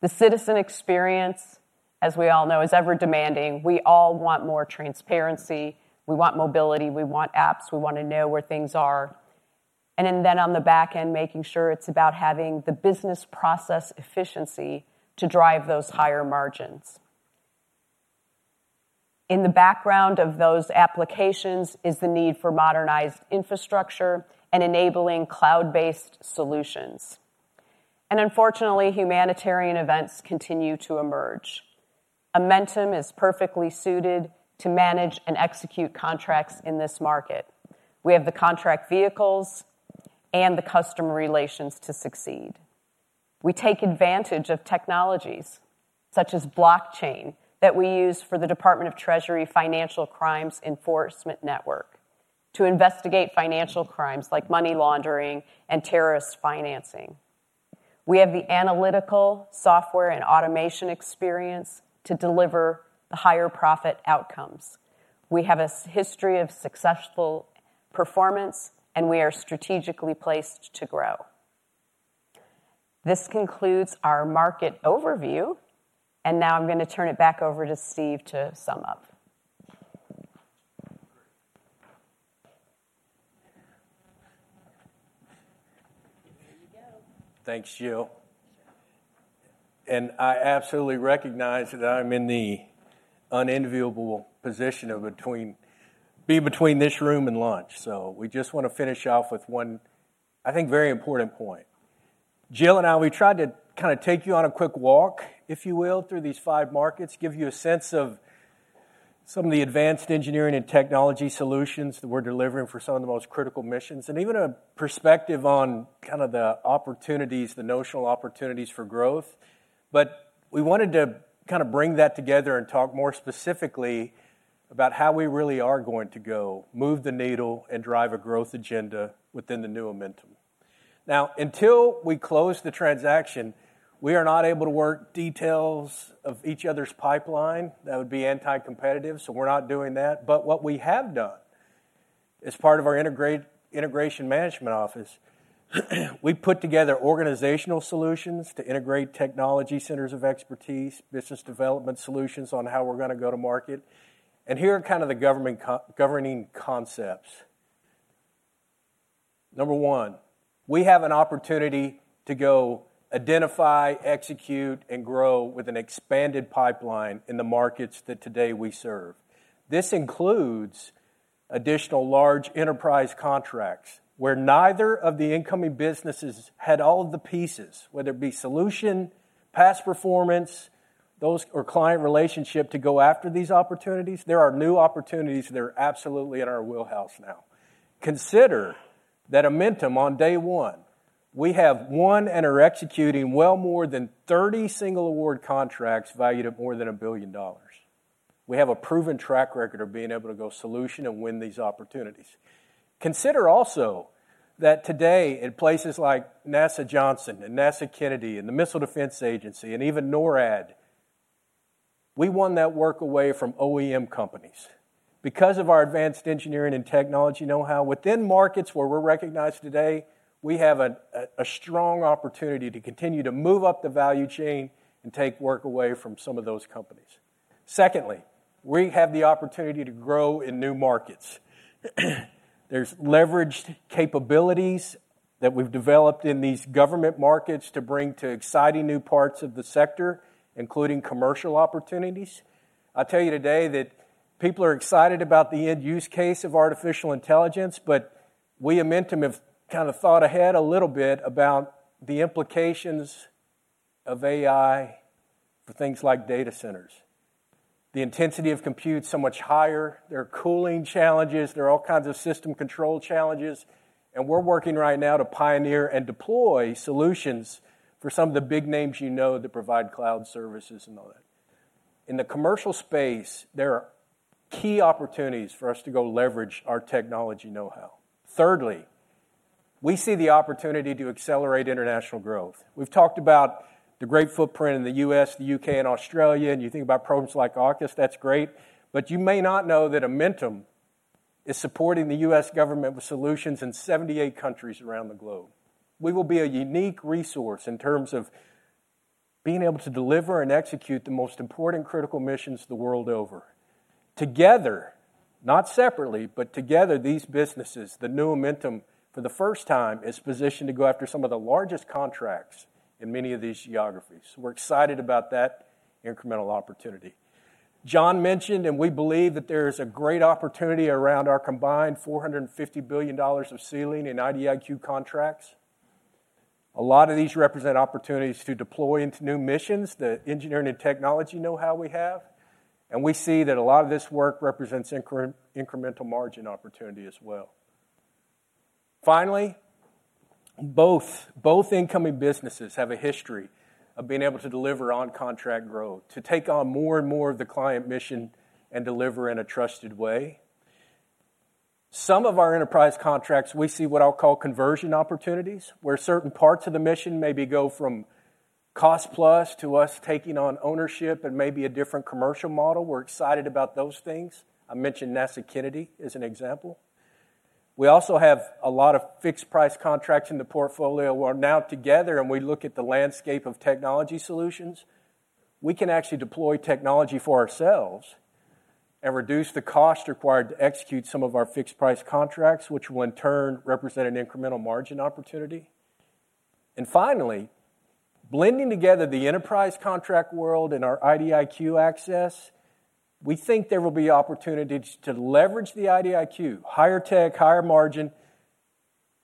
The citizen experience, as we all know, is ever-demanding. We all want more transparency, we want mobility, we want apps, we want to know where things are. And then on the back end, making sure it's about having the business process efficiency to drive those higher margins. In the background of those applications is the need for modernized infrastructure and enabling cloud-based solutions. And unfortunately, humanitarian events continue to emerge. Amentum is perfectly suited to manage and execute contracts in this market. We have the contract vehicles and the customer relations to succeed. We take advantage of technologies such as blockchain that we use for the Department of the Treasury Financial Crimes Enforcement Network to investigate financial crimes like money laundering and terrorist financing. We have the analytical software and automation experience to deliver the higher profit outcomes. We have a history of successful performance, and we are strategically placed to grow. This concludes our market overview, and now I'm gonna turn it back over to Steve to sum up. Great. There you go. Thanks, Jill. I absolutely recognize that I'm in the unenviable position of being between this room and lunch, so we just wanna finish off with one, I think, very important point. Jill and I, we tried to kinda take you on a quick walk, if you will, through these five markets, give you a sense of some of the advanced engineering and technology solutions that we're delivering for some of the most critical missions, and even a perspective on kind of the opportunities, the notional opportunities for growth. But we wanted to kind of bring that together and talk more specifically about how we really are going to go, move the needle, and drive a growth agenda within the new Amentum. Now, until we close the transaction, we are not able to work details of each other's pipeline. That would be anti-competitive, so we're not doing that. But what we have done, as part of our integration management office, we've put together organizational solutions to integrate technology centers of expertise, business development solutions on how we're gonna go to market, and here are kind of the government co-governing concepts. Number one, we have an opportunity to go identify, execute, and grow with an expanded pipeline in the markets that today we serve. This includes additional large enterprise contracts, where neither of the incoming businesses had all of the pieces, whether it be solution, past performance, those or client relationship, to go after these opportunities. There are new opportunities that are absolutely in our wheelhouse now. Consider that Amentum, on day one, we have won and are executing well more than 30 single award contracts valued at more than $1 billion. We have a proven track record of being able to go solution and win these opportunities. Consider also that today, in places like NASA Johnson and NASA Kennedy and the Missile Defense Agency and even NORAD, we won that work away from OEM companies. Because of our advanced engineering and technology know-how, within markets where we're recognized today, we have a strong opportunity to continue to move up the value chain and take work away from some of those companies. Secondly, we have the opportunity to grow in new markets. There's leveraged capabilities that we've developed in these government markets to bring to exciting new parts of the sector, including commercial opportunities. I'll tell you today that people are excited about the end-use case of artificial intelligence, but we Amentum have kind of thought ahead a little bit about the implications of AI for things like data centers. The intensity of compute's so much higher. There are cooling challenges. There are all kinds of system control challenges, and we're working right now to pioneer and deploy solutions for some of the big names you know that provide cloud services and all that. In the commercial space, there are key opportunities for us to go leverage our technology know-how. Thirdly, we see the opportunity to accelerate international growth. We've talked about the great footprint in the U.S., the U.K., and Australia, and you think about programs like AUKUS, that's great. But you may not know that Amentum is supporting the U.S. government with solutions in 78 countries around the globe. We will be a unique resource in terms of being able to deliver and execute the most important critical missions the world over. Together, not separately, but together, these businesses, the new Amentum, for the first time, is positioned to go after some of the largest contracts in many of these geographies. We're excited about that incremental opportunity. John mentioned, and we believe, that there's a great opportunity around our combined $45 billion of ceiling in IDIQ contracts. A lot of these represent opportunities to deploy into new missions the engineering and technology know-how we have, and we see that a lot of this work represents incremental margin opportunity as well. Finally, both, both incoming businesses have a history of being able to deliver on contract growth, to take on more and more of the client mission and deliver in a trusted way. Some of our enterprise contracts, we see what I'll call conversion opportunities, where certain parts of the mission maybe go from cost-plus to us taking on ownership and maybe a different commercial model. We're excited about those things. I mentioned NASA Kennedy as an example. We also have a lot of fixed-price contracts in the portfolio, where now together and we look at the landscape of technology solutions, we can actually deploy technology for ourselves and reduce the cost required to execute some of our fixed-price contracts, which will in turn represent an incremental margin opportunity. And finally, blending together the enterprise contract world and our IDIQ access, we think there will be opportunities to leverage the IDIQ, higher tech, higher margin,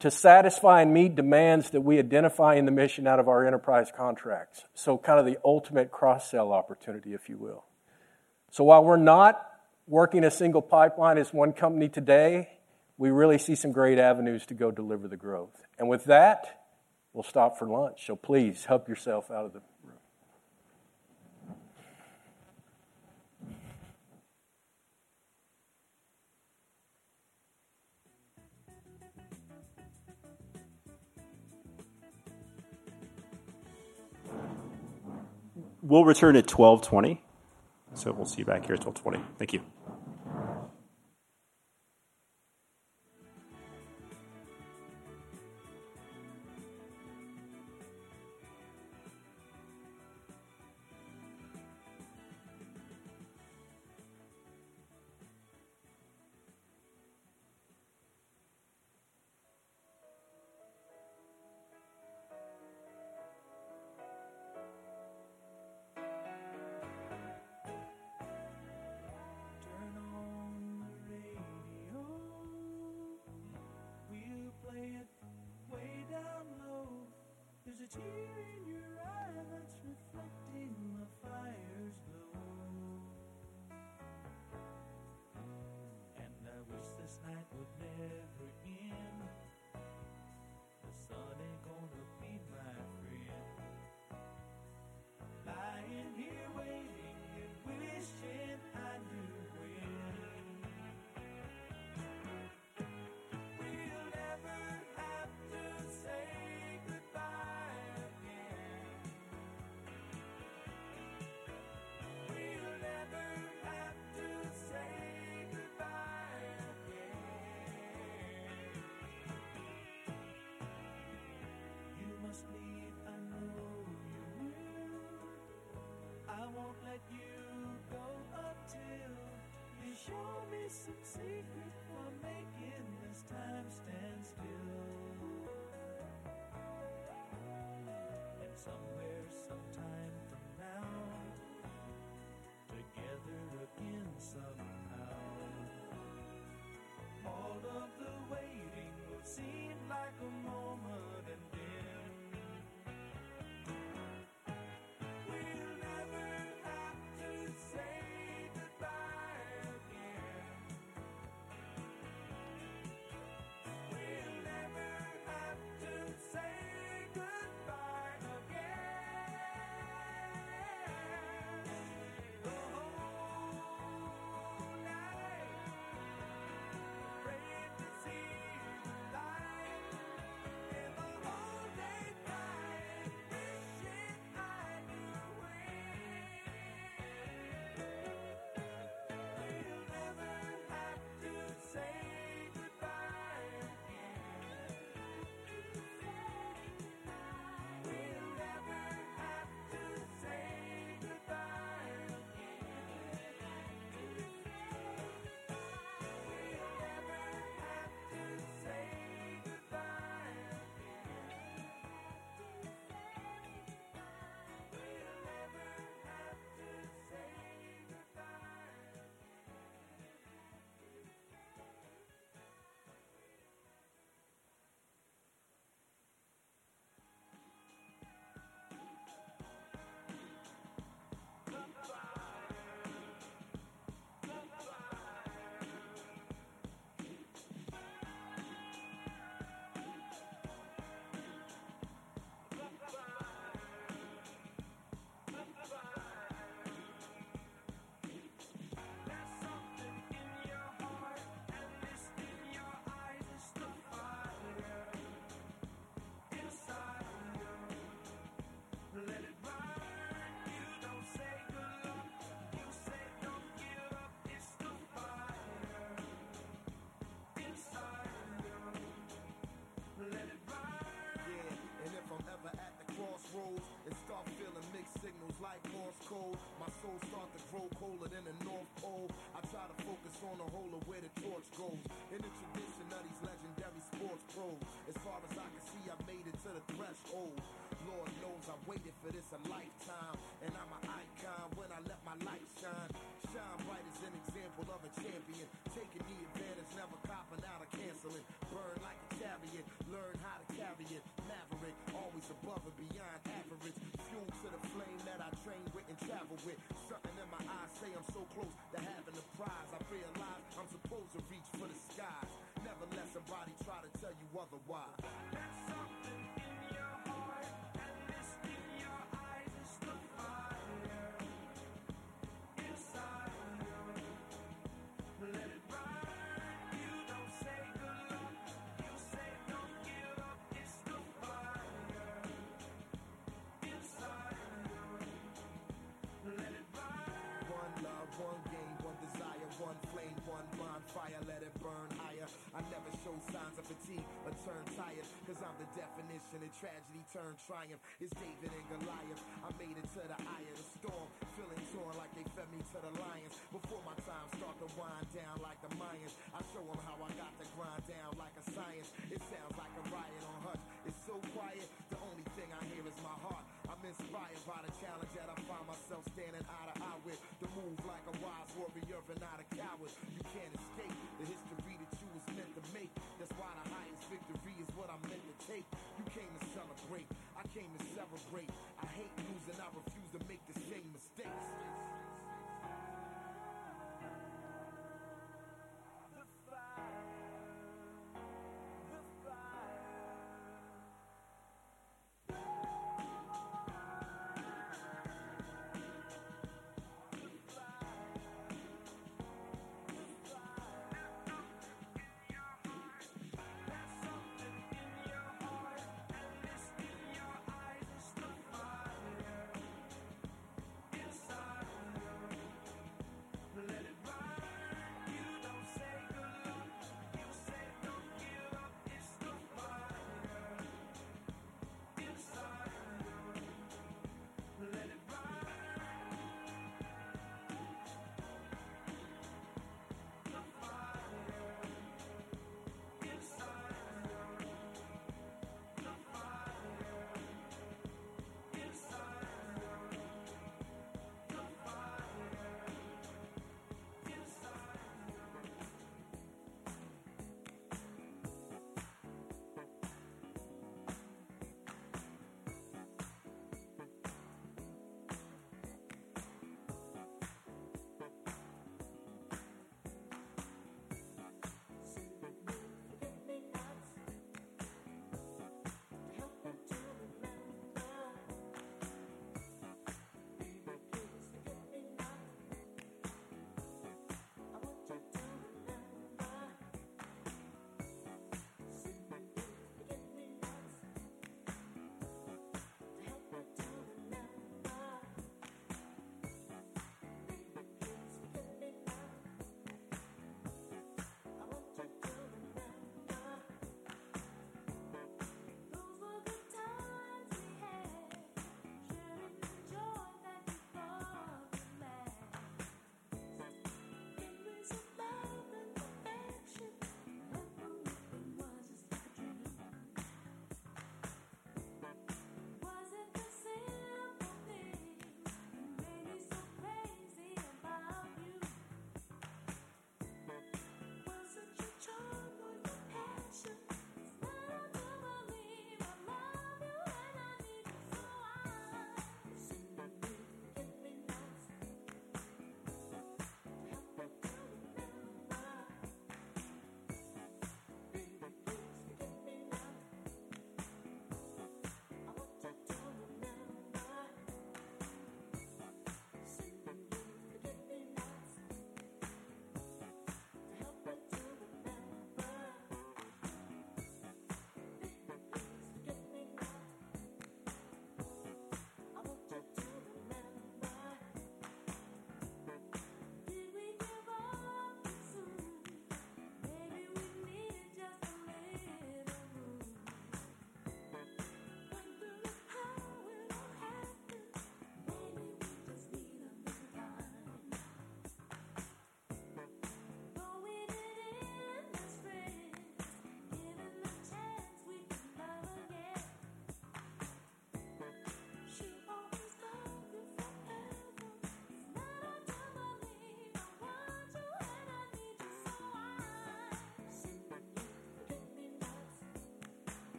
to satisfy and meet demands that we identify in the mission out of our enterprise contracts. So kind of the ultimate cross-sell opportunity, if you will. So while we're not working a single pipeline as one company today, we really see some great avenues to go deliver the growth. And with that, we'll stop for lunch. So please, help yourself out of the room.... We'll return at 12:20 P.M. So we'll see you back here at 12:20 P.M. Thank you.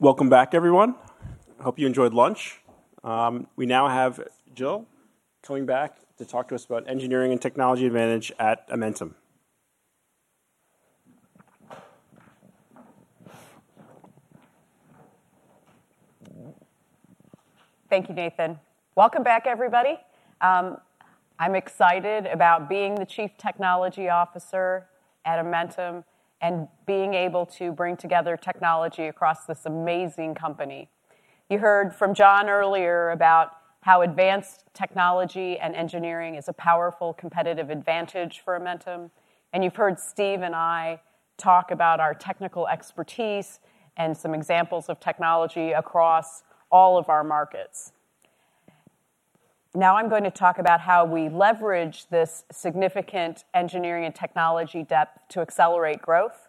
Welcome back, everyone. I hope you enjoyed lunch. We now have Jill coming back to talk to us about engineering and technology advantage at Amentum. Thank you, Nathan. Welcome back, everybody. I'm excited about being the Chief Technology Officer at Amentum and being able to bring together technology across this amazing company. You heard from John earlier about how advanced technology and engineering is a powerful competitive advantage for Amentum, and you've heard Steve and I talk about our technical expertise and some examples of technology across all of our markets. Now I'm going to talk about how we leverage this significant engineering and technology depth to accelerate growth.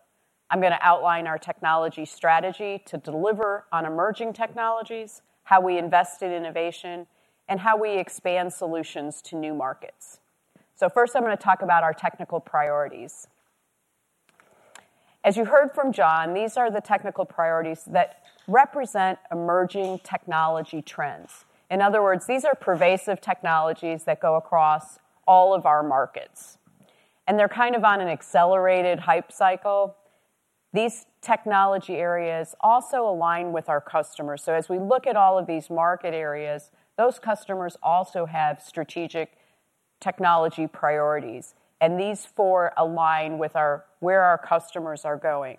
I'm gonna outline our technology strategy to deliver on emerging technologies, how we invest in innovation, and how we expand solutions to new markets. So first, I'm gonna talk about our technical priorities. As you heard from John, these are the technical priorities that represent emerging technology trends. In other words, these are pervasive technologies that go across all of our markets, and they're kind of on an accelerated hype cycle. These technology areas also align with our customers. So as we look at all of these market areas, those customers also have strategic technology priorities, and these four align with our—where our customers are going.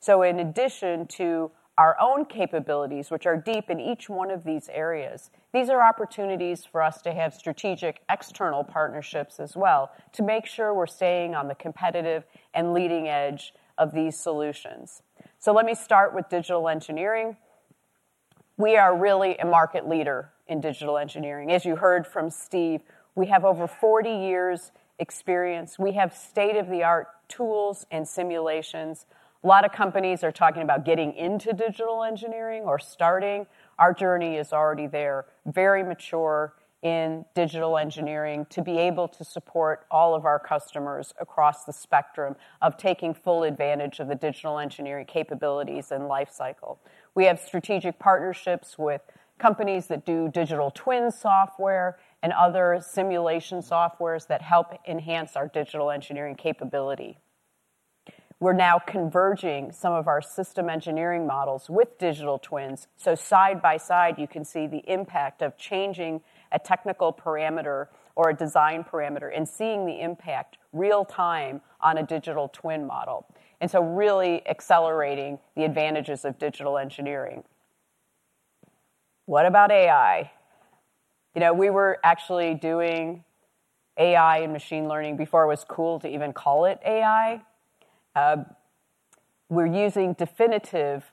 So in addition to our own capabilities, which are deep in each one of these areas, these are opportunities for us to have strategic external partnerships as well, to make sure we're staying on the competitive and leading edge of these solutions. So let me start with digital engineering. We are really a market leader in digital engineering. As you heard from Steve, we have over 40 years experience. We have state-of-the-art tools and simulations. A lot of companies are talking about getting into digital engineering or starting. Our journey is already there, very mature in digital engineering, to be able to support all of our customers across the spectrum of taking full advantage of the digital engineering capabilities and lifecycle. We have strategic partnerships with companies that do digital twin software and other simulation softwares that help enhance our digital engineering capability. We're now converging some of our system engineering models with digital twins, so side by side, you can see the impact of changing a technical parameter or a design parameter and seeing the impact real time on a digital twin model, and so really accelerating the advantages of digital engineering. What about AI? You know, we were actually doing AI and machine learning before it was cool to even call it AI. We're using definitive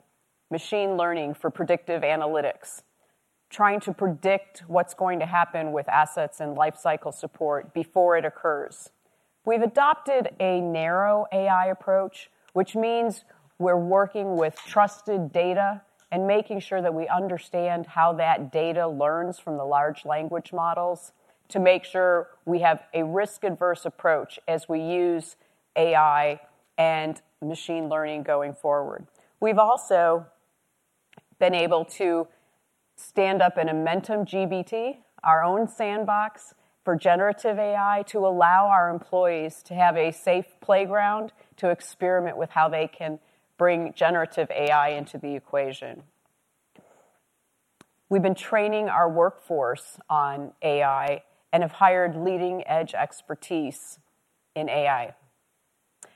machine learning for predictive analytics, trying to predict what's going to happen with assets and lifecycle support before it occurs. We've adopted a narrow AI approach, which means we're working with trusted data and making sure that we understand how that data learns from the large language models to make sure we have a risk-averse approach as we use AI and machine learning going forward. We've also been able to stand up an AmentumGPT, our own sandbox for generative AI, to allow our employees to have a safe playground to experiment with how they can bring generative AI into the equation. We've been training our workforce on AI and have hired leading-edge expertise in AI.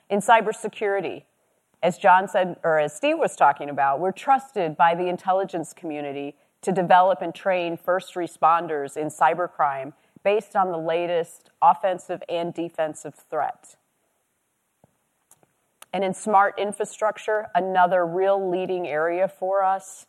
In cybersecurity, as John said or as Steve was talking about, we're trusted by the intelligence community to develop and train first responders in cybercrime based on the latest offensive and defensive threats. In smart infrastructure, another real leading area for us,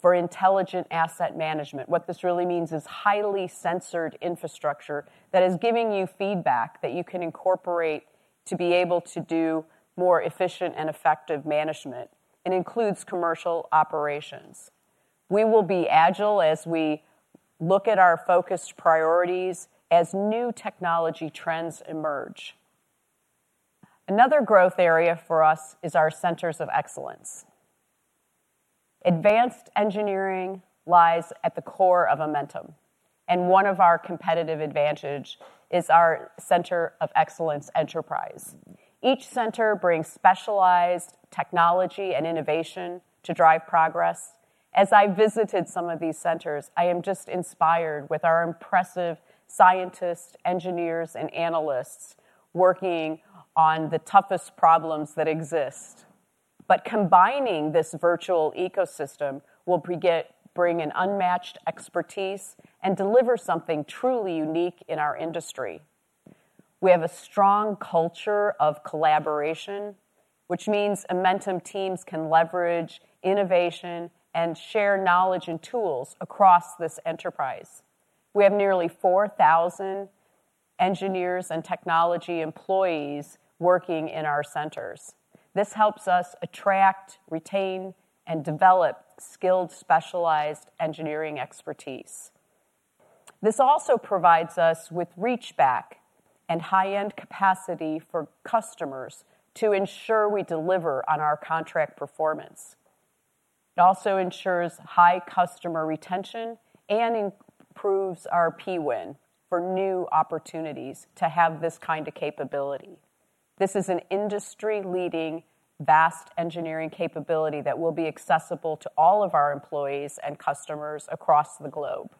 for intelligent asset management, what this really means is highly sensed infrastructure that is giving you feedback that you can incorporate to be able to do more efficient and effective management, and includes commercial operations. We will be agile as we look at our focused priorities as new technology trends emerge. Another growth area for us is our centers of excellence. Advanced engineering lies at the core of Amentum, and one of our competitive advantage is our center of excellence enterprise. Each center brings specialized technology and innovation to drive progress. As I visited some of these centers, I am just inspired with our impressive scientists, engineers, and analysts working on the toughest problems that exist. But combining this virtual ecosystem will bring an unmatched expertise and deliver something truly unique in our industry. We have a strong culture of collaboration, which means Amentum teams can leverage innovation and share knowledge and tools across this enterprise. We have nearly 4,000 engineers and technology employees working in our centers. This helps us attract, retain, and develop skilled, specialized engineering expertise. This also provides us with reach back and high-end capacity for customers to ensure we deliver on our contract performance. It also ensures high customer retention and improves our PWIN for new opportunities to have this kind of capability. This is an industry-leading, vast engineering capability that will be accessible to all of our employees and customers across the globe.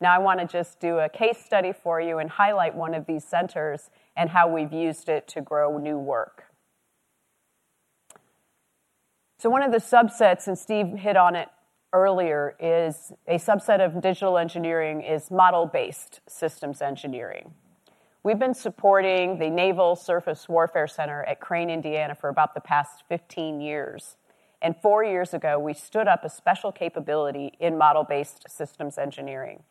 Now, I want to just do a case study for you and highlight one of these centers and how we've used it to grow new work. So one of the subsets, and Steve hit on it earlier, is a subset of digital engineering, is model-based systems engineering. We've been supporting the Naval Surface Warfare Center at Crane, Indiana, for about the past 15 years, and four years ago, we stood up a special capability in model-based systems engineering.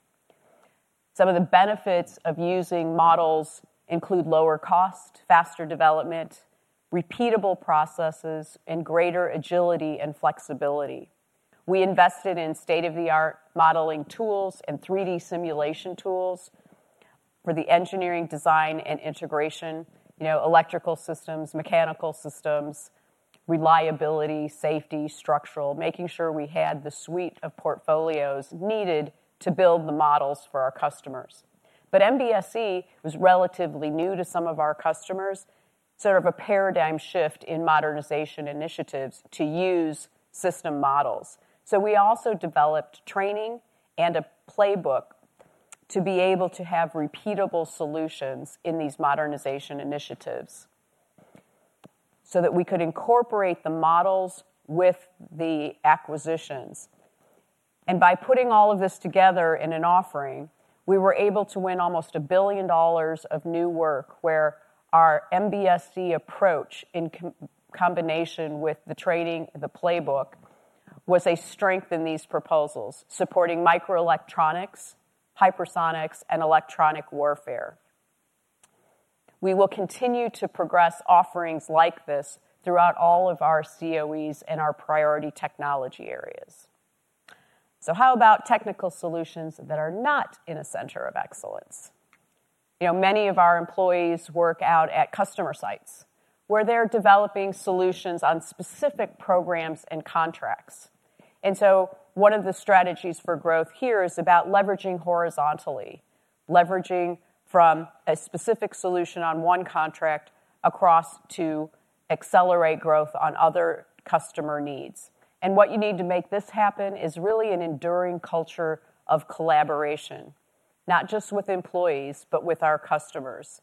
Some of the benefits of using models include lower cost, faster development, repeatable processes, and greater agility and flexibility. We invested in state-of-the-art modeling tools and 3D simulation tools for the engineering, design, and integration, you know, electrical systems, mechanical systems, reliability, safety, structural, making sure we had the suite of portfolios needed to build the models for our customers. But MBSE was relatively new to some of our customers, sort of a paradigm shift in modernization initiatives to use system models. So we also developed training and a playbook to be able to have repeatable solutions in these modernization initiatives so that we could incorporate the models with the acquisitions. And by putting all of this together in an offering, we were able to win almost $1 billion of new work where our MBSE approach, in combination with the training, the playbook, was a strength in these proposals, supporting microelectronics, hypersonics, and electronic warfare. We will continue to progress offerings like this throughout all of our COEs and our priority technology areas. So how about technical solutions that are not in a center of excellence? You know, many of our employees work out at customer sites, where they're developing solutions on specific programs and contracts. So one of the strategies for growth here is about leveraging horizontally, leveraging from a specific solution on one contract across to accelerate growth on other customer needs. What you need to make this happen is really an enduring culture of collaboration, not just with employees, but with our customers.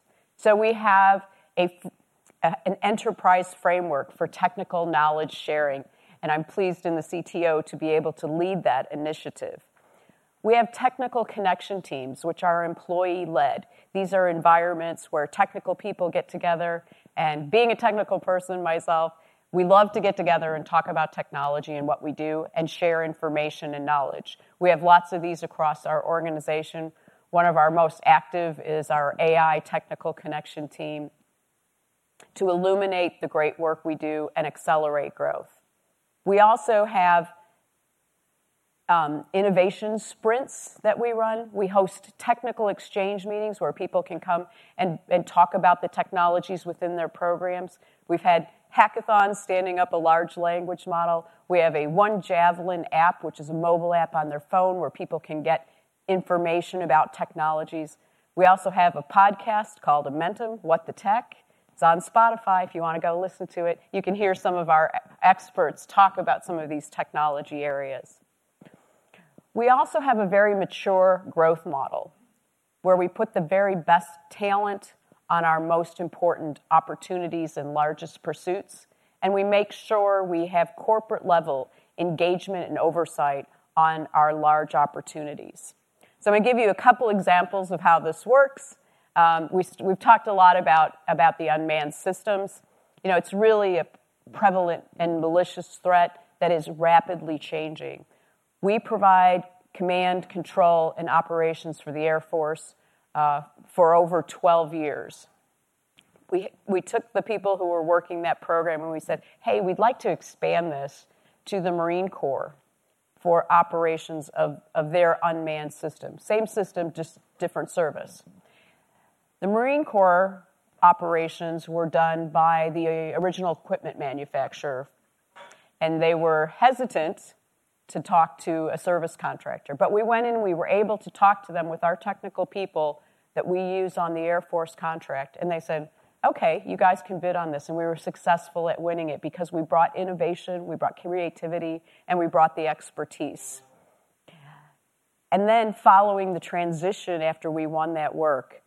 We have an enterprise framework for technical knowledge sharing, and I'm pleased in the CTO to be able to lead that initiative. We have technical connection teams, which are employee-led. These are environments where technical people get together, and being a technical person myself, we love to get together and talk about technology and what we do and share information and knowledge. We have lots of these across our organization. One of our most active is our AI technical connection team to illuminate the great work we do and accelerate growth. We also have innovation sprints that we run. We host technical exchange meetings where people can come and talk about the technologies within their programs. We've had hackathons standing up a large language model. We have a One Javelin app, which is a mobile app on their phone, where people can get information about technologies. We also have a podcast called Amentum: What the Tech? It's on Spotify if you wanna go listen to it. You can hear some of our experts talk about some of these technology areas. We also have a very mature growth model, where we put the very best talent on our most important opportunities and largest pursuits, and we make sure we have corporate-level engagement and oversight on our large opportunities. So I'm gonna give you a couple examples of how this works. We've talked a lot about the unmanned systems. You know, it's really a prevalent and malicious threat that is rapidly changing. We provide command, control, and operations for the Air Force for over 12 years. We took the people who were working that program, and we said, "Hey, we'd like to expand this to the Marine Corps for operations of their unmanned system." Same system, just different service. The Marine Corps operations were done by the original equipment manufacturer, and they were hesitant to talk to a service contractor. But we went in, and we were able to talk to them with our technical people that we used on the Air Force contract, and they said: "Okay, you guys can bid on this." And we were successful at winning it because we brought innovation, we brought creativity, and we brought the expertise. And then, following the transition after we won that work,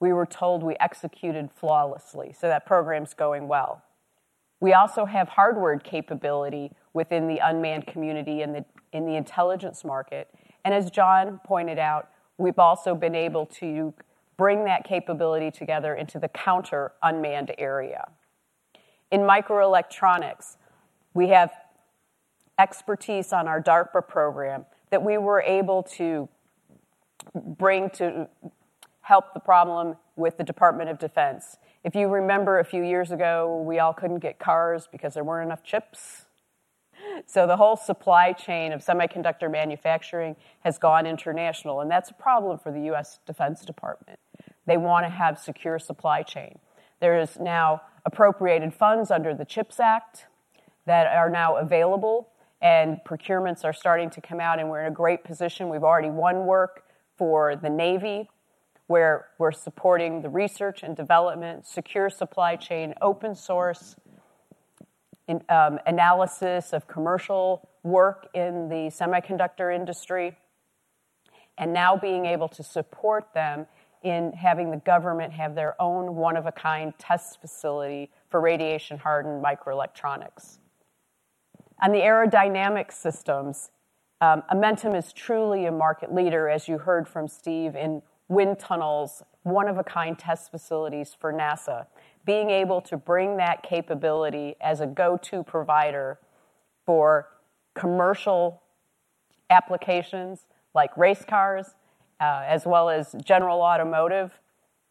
we were told we executed flawlessly, so that program's going well. We also have hardware capability within the unmanned community in the intelligence market, and as John pointed out, we've also been able to bring that capability together into the counter-unmanned area. In microelectronics, we have expertise on our DARPA program that we were able to bring to help the problem with the Department of Defense. If you remember a few years ago, we all couldn't get cars because there weren't enough chips. So the whole supply chain of semiconductor manufacturing has gone international, and that's a problem for the U.S. Defense Department. They wanna have secure supply chain. There is now appropriated funds under the CHIPS Act that are now available, and procurements are starting to come out, and we're in a great position. We've already won work for the Navy, where we're supporting the research and development, secure supply chain, open source, analysis of commercial work in the semiconductor industry, and now being able to support them in having the government have their own one-of-a-kind test facility for radiation-hardened microelectronics. On the aerodynamic systems, Amentum is truly a market leader, as you heard from Steve, in wind tunnels, one-of-a-kind test facilities for NASA, being able to bring that capability as a go-to provider for commercial applications like race cars, as well as general automotive,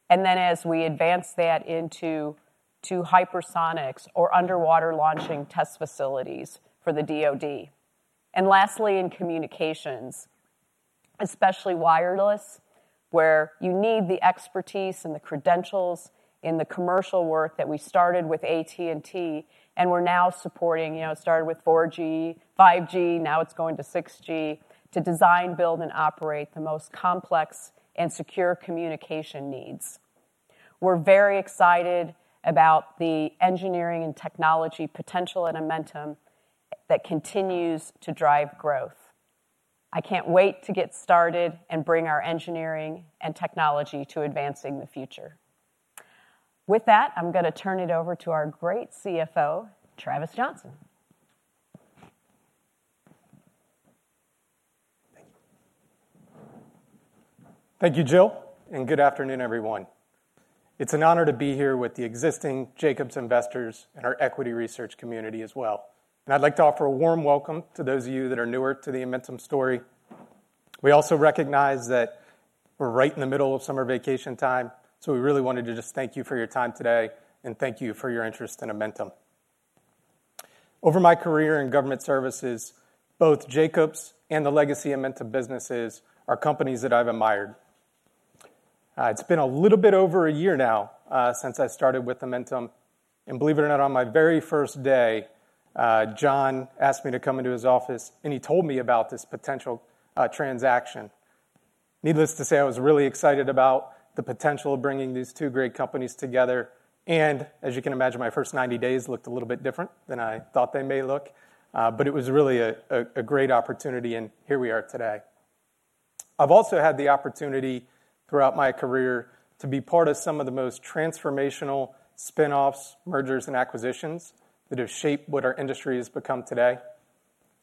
and then as we advance that into to hypersonics or underwater launching test facilities for the DoD. And lastly, in communications, especially wireless, where you need the expertise and the credentials in the commercial work that we started with AT&T and we're now supporting—you know, it started with 4G, 5G, now it's going to 6G, to design, build, and operate the most complex and secure communication needs. We're very excited about the engineering and technology potential at Amentum that continues to drive growth. I can't wait to get started and bring our engineering and technology to advancing the future. With that, I'm gonna turn it over to our great CFO, Travis Johnson. Thank you. Thank you, Jill, and good afternoon, everyone. It's an honor to be here with the existing Jacobs investors and our equity research community as well, and I'd like to offer a warm welcome to those of you that are newer to the Amentum story. We also recognize that we're right in the middle of summer vacation time, so we really wanted to just thank you for your time today and thank you for your interest in Amentum. Over my career in government services, both Jacobs and the legacy Amentum businesses are companies that I've admired. It's been a little bit over a year now, since I started with Amentum, and believe it or not, on my very first day, John asked me to come into his office, and he told me about this potential transaction. Needless to say, I was really excited about the potential of bringing these two great companies together, and as you can imagine, my first 90 days looked a little bit different than I thought they may look. But it was really a great opportunity, and here we are today. I've also had the opportunity throughout my career to be part of some of the most transformational spin-offs, mergers, and acquisitions that have shaped what our industry has become today.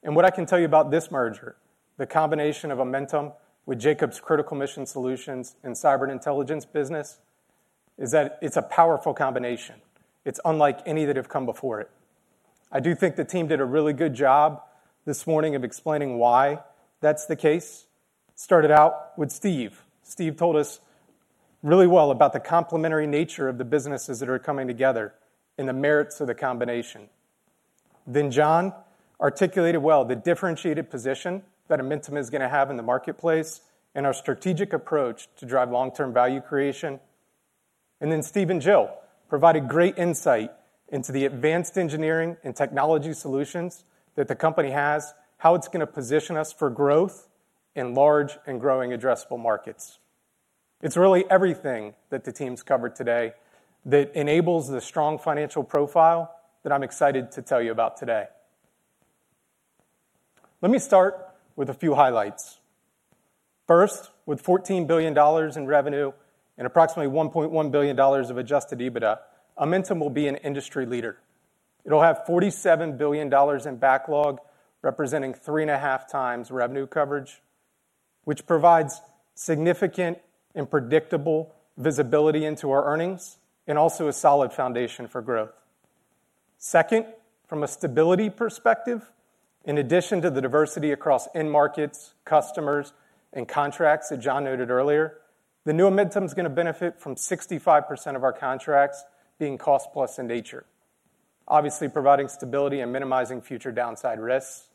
And what I can tell you about this merger, the combination of Amentum with Jacobs Critical Mission Solutions and Cyber & Intelligence business, is that it's a powerful combination. It's unlike any that have come before it. I do think the team did a really good job this morning of explaining why that's the case. Started out with Steve. Steve told us really well about the complementary nature of the businesses that are coming together and the merits of the combination. Then John articulated well the differentiated position that Amentum is gonna have in the marketplace and our strategic approach to drive long-term value creation. And then Steve and Jill provided great insight into the advanced engineering and technology solutions that the company has, how it's gonna position us for growth in large and growing addressable markets. It's really everything that the teams covered today that enables the strong financial profile that I'm excited to tell you about today. Let me start with a few highlights. First, with $14 billion in revenue and approximately $1.1 billion of adjusted EBITDA, Amentum will be an industry leader. It'll have $47 billion in backlog, representing 3.5 times revenue coverage, which provides significant and predictable visibility into our earnings and also a solid foundation for growth. Second, from a stability perspective, in addition to the diversity across end markets, customers, and contracts that John noted earlier, the new Amentum is gonna benefit from 65% of our contracts being cost-plus in nature, obviously providing stability and minimizing future downside risks.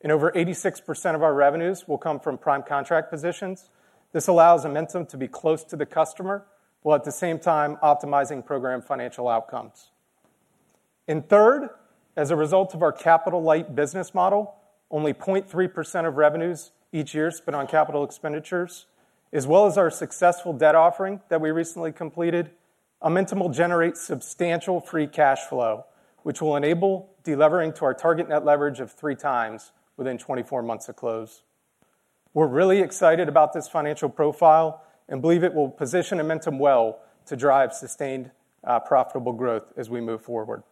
And over 86% of our revenues will come from prime contract positions. This allows Amentum to be close to the customer, while at the same time optimizing program financial outcomes. And third, as a result of our capital-light business model, only 0.3% of revenues each year is spent on capital expenditures, as well as our successful debt offering that we recently completed, Amentum will generate substantial free cash flow, which will enable de-levering to our target net leverage of 3x within 24 months of close. We're really excited about this financial profile and believe it will position Amentum well to drive sustained, profitable growth as we move forward.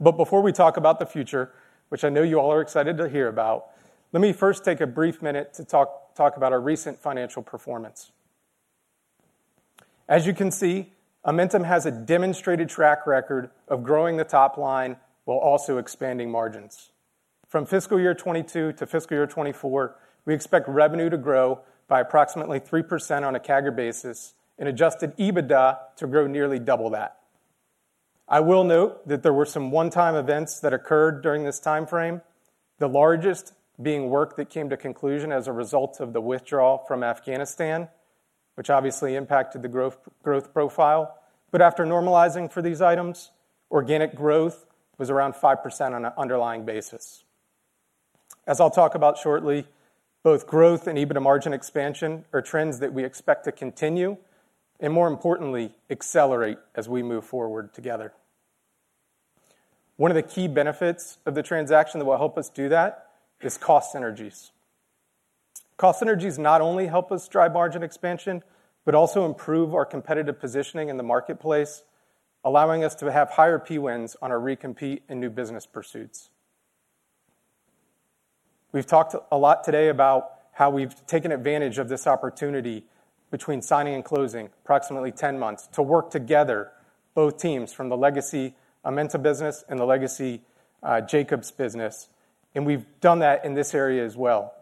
But before we talk about the future, which I know you all are excited to hear about, let me first take a brief minute to talk about our recent financial performance. As you can see, Amentum has a demonstrated track record of growing the top line while also expanding margins. From fiscal year 2022 to fiscal year 2024, we expect revenue to grow by approximately 3% on a CAGR basis and adjusted EBITDA to grow nearly double that. I will note that there were some one-time events that occurred during this time frame, the largest being work that came to conclusion as a result of the withdrawal from Afghanistan, which obviously impacted the growth, growth profile. But after normalizing for these items, organic growth was around 5% on an underlying basis. As I'll talk about shortly, both growth and EBITDA margin expansion are trends that we expect to continue and more importantly, accelerate as we move forward together. One of the key benefits of the transaction that will help us do that is cost synergies. Cost synergies not only help us drive margin expansion, but also improve our competitive positioning in the marketplace, allowing us to have higher Pwins on our recompete and new business pursuits. We've talked a lot today about how we've taken advantage of this opportunity between signing and closing, approximately 10 months, to work together, both teams from the legacy Amentum business and the legacy Jacobs business, and we've done that in this area as well.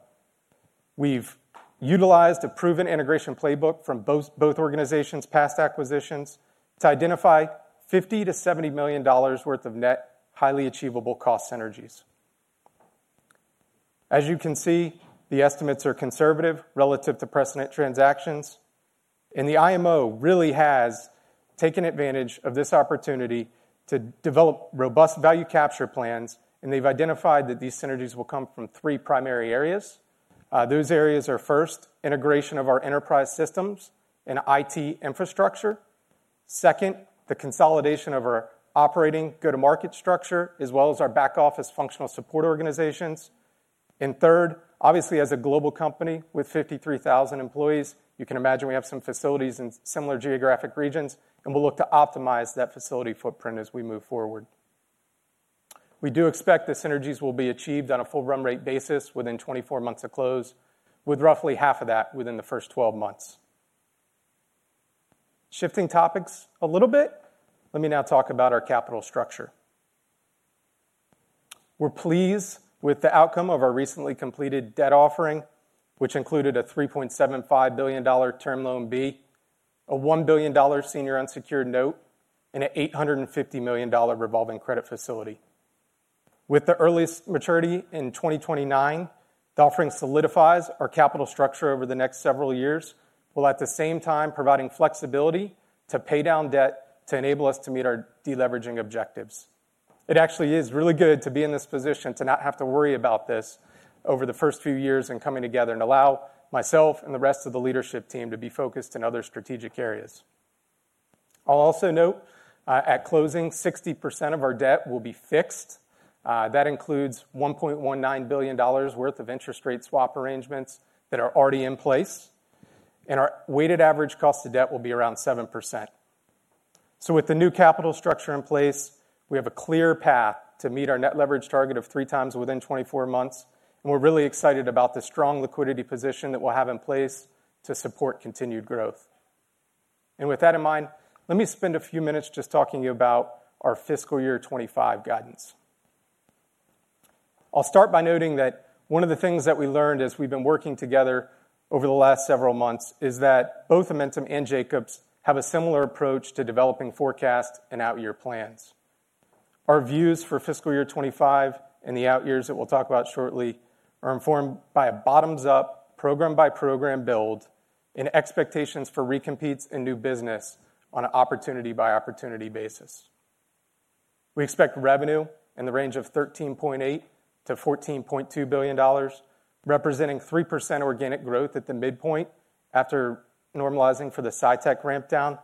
We've utilized a proven integration playbook from both, both organizations' past acquisitions to identify $50 million-70 million worth of net, highly achievable cost synergies. As you can see, the estimates are conservative relative to precedent transactions, and the IMO really has taken advantage of this opportunity to develop robust value capture plans, and they've identified that these synergies will come from three primary areas. Those areas are, first, integration of our enterprise systems and IT infrastructure. Second, the consolidation of our operating go-to-market structure, as well as our back-office functional support organizations. And third, obviously, as a global company with 53,000 employees, you can imagine we have some facilities in similar geographic regions, and we'll look to optimize that facility footprint as we move forward. We do expect the synergies will be achieved on a full run rate basis within 24 months of close, with roughly half of that within the first 12 months. Shifting topics a little bit, let me now talk about our capital structure. We're pleased with the outcome of our recently completed debt offering, which included a $3.75 billion Term Loan B, a $1 billion senior unsecured note, and an $850 million revolving credit facility. With the earliest maturity in 2029, the offering solidifies our capital structure over the next several years, while at the same time providing flexibility to pay down debt to enable us to meet our de-leveraging objectives. It actually is really good to be in this position to not have to worry about this over the first few years and coming together and allow myself and the rest of the leadership team to be focused in other strategic areas. I'll also note, at closing, 60% of our debt will be fixed. That includes $1.19 billion worth of interest rate swap arrangements that are already in place, and our weighted average cost of debt will be around 7%. With the new capital structure in place, we have a clear path to meet our net leverage target of 3x within 24 months, and we're really excited about the strong liquidity position that we'll have in place to support continued growth. With that in mind, let me spend a few minutes just talking about our fiscal year 2025 guidance. I'll start by noting that one of the things that we learned as we've been working together over the last several months is that both Amentum and Jacobs have a similar approach to developing forecasts and outyear plans. Our views for fiscal year 2025 and the outyears that we'll talk about shortly are informed by a bottoms-up, program-by-program build and expectations for recompetes and new business on an opportunity-by-opportunity basis.... We expect revenue in the range of $13.8 billion-14.2 billion, representing 3% organic growth at the midpoint after normalizing for the SciTech ramp down.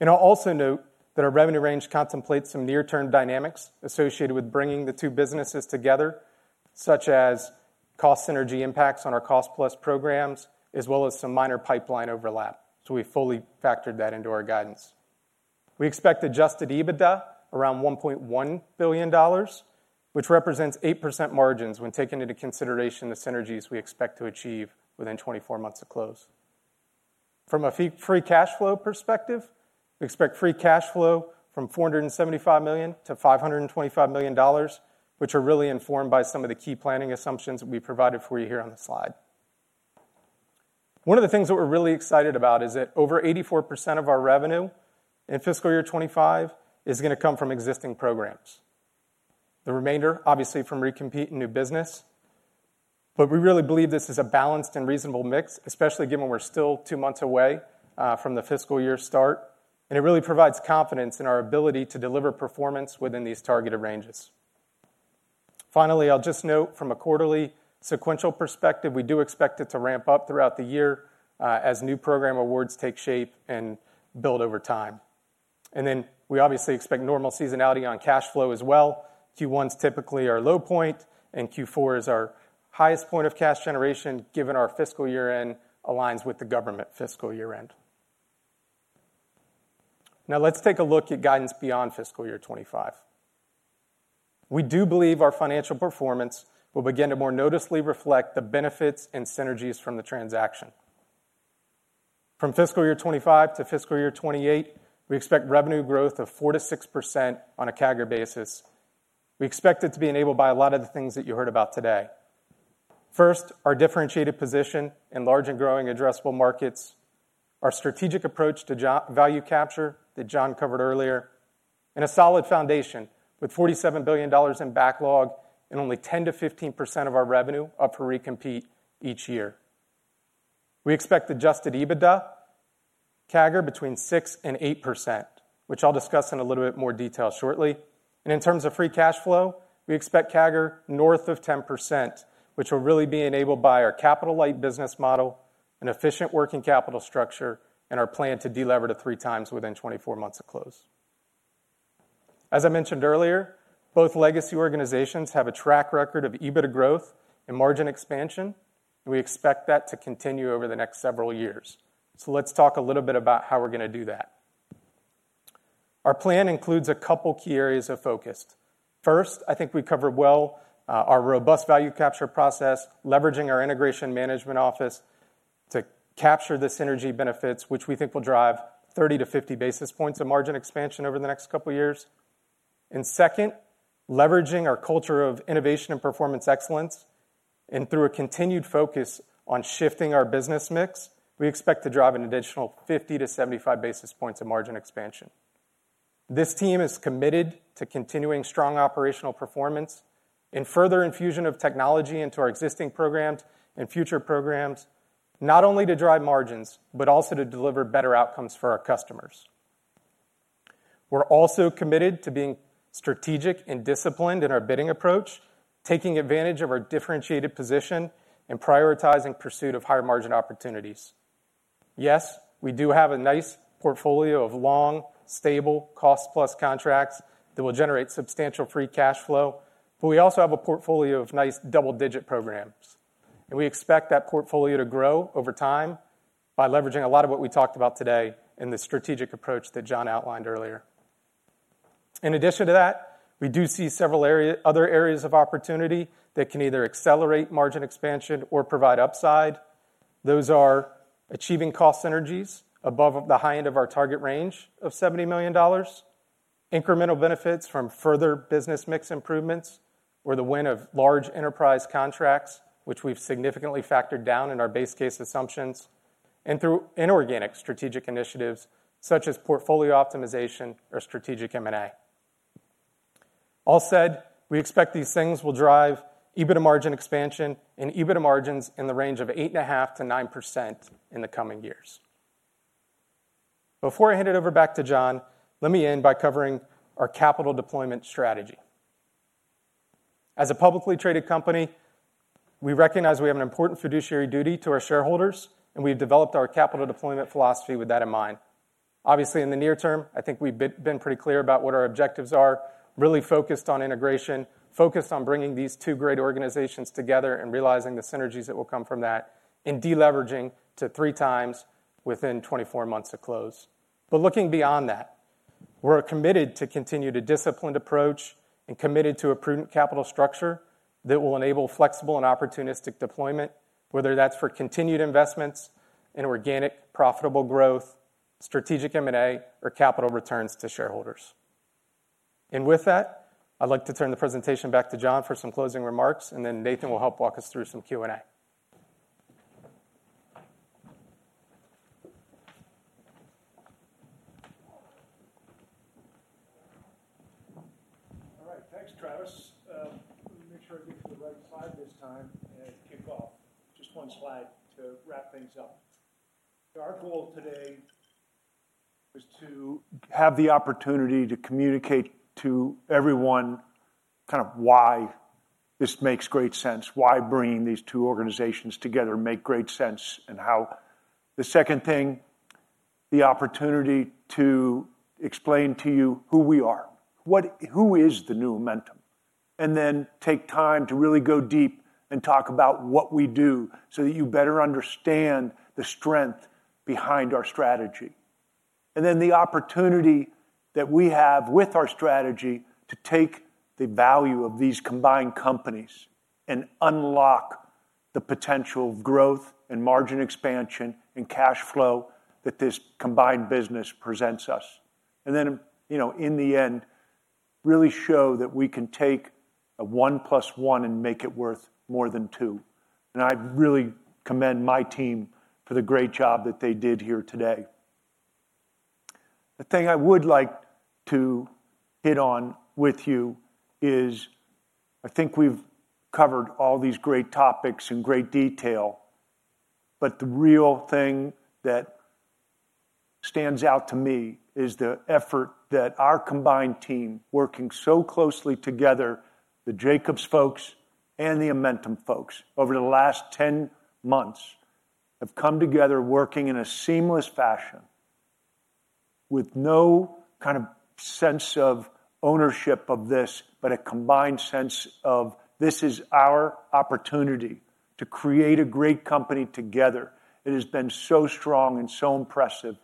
I'll also note that our revenue range contemplates some near-term dynamics associated with bringing the two businesses together, such as cost synergy impacts on our cost plus programs, as well as some minor pipeline overlap. We fully factored that into our guidance. We expect adjusted EBITDA around $1.1 billion, which represents 8% margins when taking into consideration the synergies we expect to achieve within 24 months of close. From a free cash flow perspective, we expect free cash flow from $475 million-525 million, which are really informed by some of the key planning assumptions we provided for you here on the slide. One of the things that we're really excited about is that over 84% of our revenue in fiscal year 2025 is gonna come from existing programs. The remainder, obviously, from recompete and new business. But we really believe this is a balanced and reasonable mix, especially given we're still two months away from the fiscal year start, and it really provides confidence in our ability to deliver performance within these targeted ranges. Finally, I'll just note from a quarterly sequential perspective, we do expect it to ramp up throughout the year as new program awards take shape and build over time. And then we obviously expect normal seasonality on cash flow as well. Q1 is typically our low point, and Q4 is our highest point of cash generation, given our fiscal year-end aligns with the government fiscal year-end. Now, let's take a look at guidance beyond fiscal year 2025. We do believe our financial performance will begin to more noticeably reflect the benefits and synergies from the transaction. From fiscal year 2025 to fiscal year 28, we expect revenue growth of 4%-6% on a CAGR basis. We expect it to be enabled by a lot of the things that you heard about today. First, our differentiated position in large and growing addressable markets, our strategic approach to value capture that John covered earlier, and a solid foundation with $47 billion in backlog and only 10%-15% of our revenue up for recompete each year. We expect adjusted EBITDA CAGR between 6% and 8%, which I'll discuss in a little bit more detail shortly. In terms of free cash flow, we expect CAGR north of 10%, which will really be enabled by our capital-light business model, an efficient working capital structure, and our plan to delever to 3x within 24 months of close. As I mentioned earlier, both legacy organizations have a track record of EBITDA growth and margin expansion, and we expect that to continue over the next several years. Let's talk a little bit about how we're gonna do that. Our plan includes a couple key areas of focus. First, I think we covered well, our robust value capture process, leveraging our integration management office to capture the synergy benefits, which we think will drive 30-50 basis points of margin expansion over the next couple of years. Second, leveraging our culture of innovation and performance excellence, and through a continued focus on shifting our business mix, we expect to drive an additional 50-75 basis points of margin expansion. This team is committed to continuing strong operational performance and further infusion of technology into our existing programs and future programs, not only to drive margins, but also to deliver better outcomes for our customers. We're also committed to being strategic and disciplined in our bidding approach, taking advantage of our differentiated position and prioritizing pursuit of higher-margin opportunities. Yes, we do have a nice portfolio of long, stable cost-plus contracts that will generate substantial free cash flow, but we also have a portfolio of nice double-digit programs, and we expect that portfolio to grow over time by leveraging a lot of what we talked about today in the strategic approach that John outlined earlier. In addition to that, we do see several other areas of opportunity that can either accelerate margin expansion or provide upside. Those are achieving cost synergies above the high end of our target range of $70 million, incremental benefits from further business mix improvements or the win of large enterprise contracts, which we've significantly factored down in our base case assumptions, and through inorganic strategic initiatives such as portfolio optimization or strategic M&A. All said, we expect these things will drive EBITDA margin expansion and EBITDA margins in the range of 8.5%-9% in the coming years. Before I hand it over back to John, let me end by covering our capital deployment strategy. As a publicly traded company, we recognize we have an important fiduciary duty to our shareholders, and we've developed our capital deployment philosophy with that in mind. Obviously, in the near term, I think we've been pretty clear about what our objectives are, really focused on integration, focused on bringing these two great organizations together and realizing the synergies that will come from that, and deleveraging to 3x within 24 months to close. But looking beyond that, we're committed to continue the disciplined approach and committed to a prudent capital structure that will enable flexible and opportunistic deployment, whether that's for continued investments in organic, profitable growth, strategic M&A, or capital returns to shareholders. And with that, I'd like to turn the presentation back to John for some closing remarks, and then Nathan will help walk us through some Q&A.... All right, thanks, Travis. Let me make sure I get to the right slide this time and kick off. Just one slide to wrap things up. So our goal today is to have the opportunity to communicate to everyone kind of why this makes great sense, why bringing these two organizations together make great sense, and how. The second thing, the opportunity to explain to you who we are, what-- who is the new Amentum? And then take time to really go deep and talk about what we do, so that you better understand the strength behind our strategy. And then the opportunity that we have with our strategy to take the value of these combined companies and unlock the potential growth and margin expansion and cash flow that this combined business presents us. Then, you know, in the end, really show that we can take a one plus one and make it worth more than two. I really commend my team for the great job that they did here today. The thing I would like to hit on with you is, I think we've covered all these great topics in great detail, but the real thing that stands out to me is the effort that our combined team, working so closely together, the Jacobs folks and the Amentum folks, over the last 10 months, have come together working in a seamless fashion with no kind of sense of ownership of this, but a combined sense of, "This is our opportunity to create a great company together." It has been so strong and so impressive,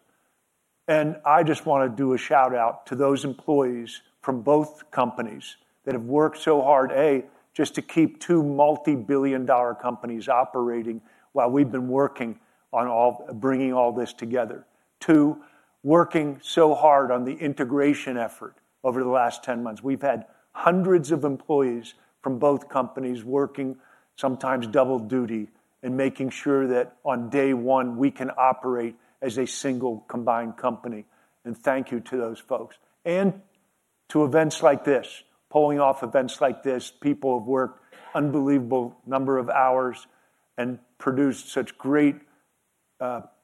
and I just wanna do a shout-out to those employees from both companies that have worked so hard, A, just to keep two multi-billion-dollar companies operating while we've been working on all, bringing all this together. Two, working so hard on the integration effort over the last 10 months. We've had hundreds of employees from both companies working, sometimes double duty, and making sure that on day one we can operate as a single combined company, and thank you to those folks. And to events like this, pulling off events like this, people have worked unbelievable number of hours and produced such great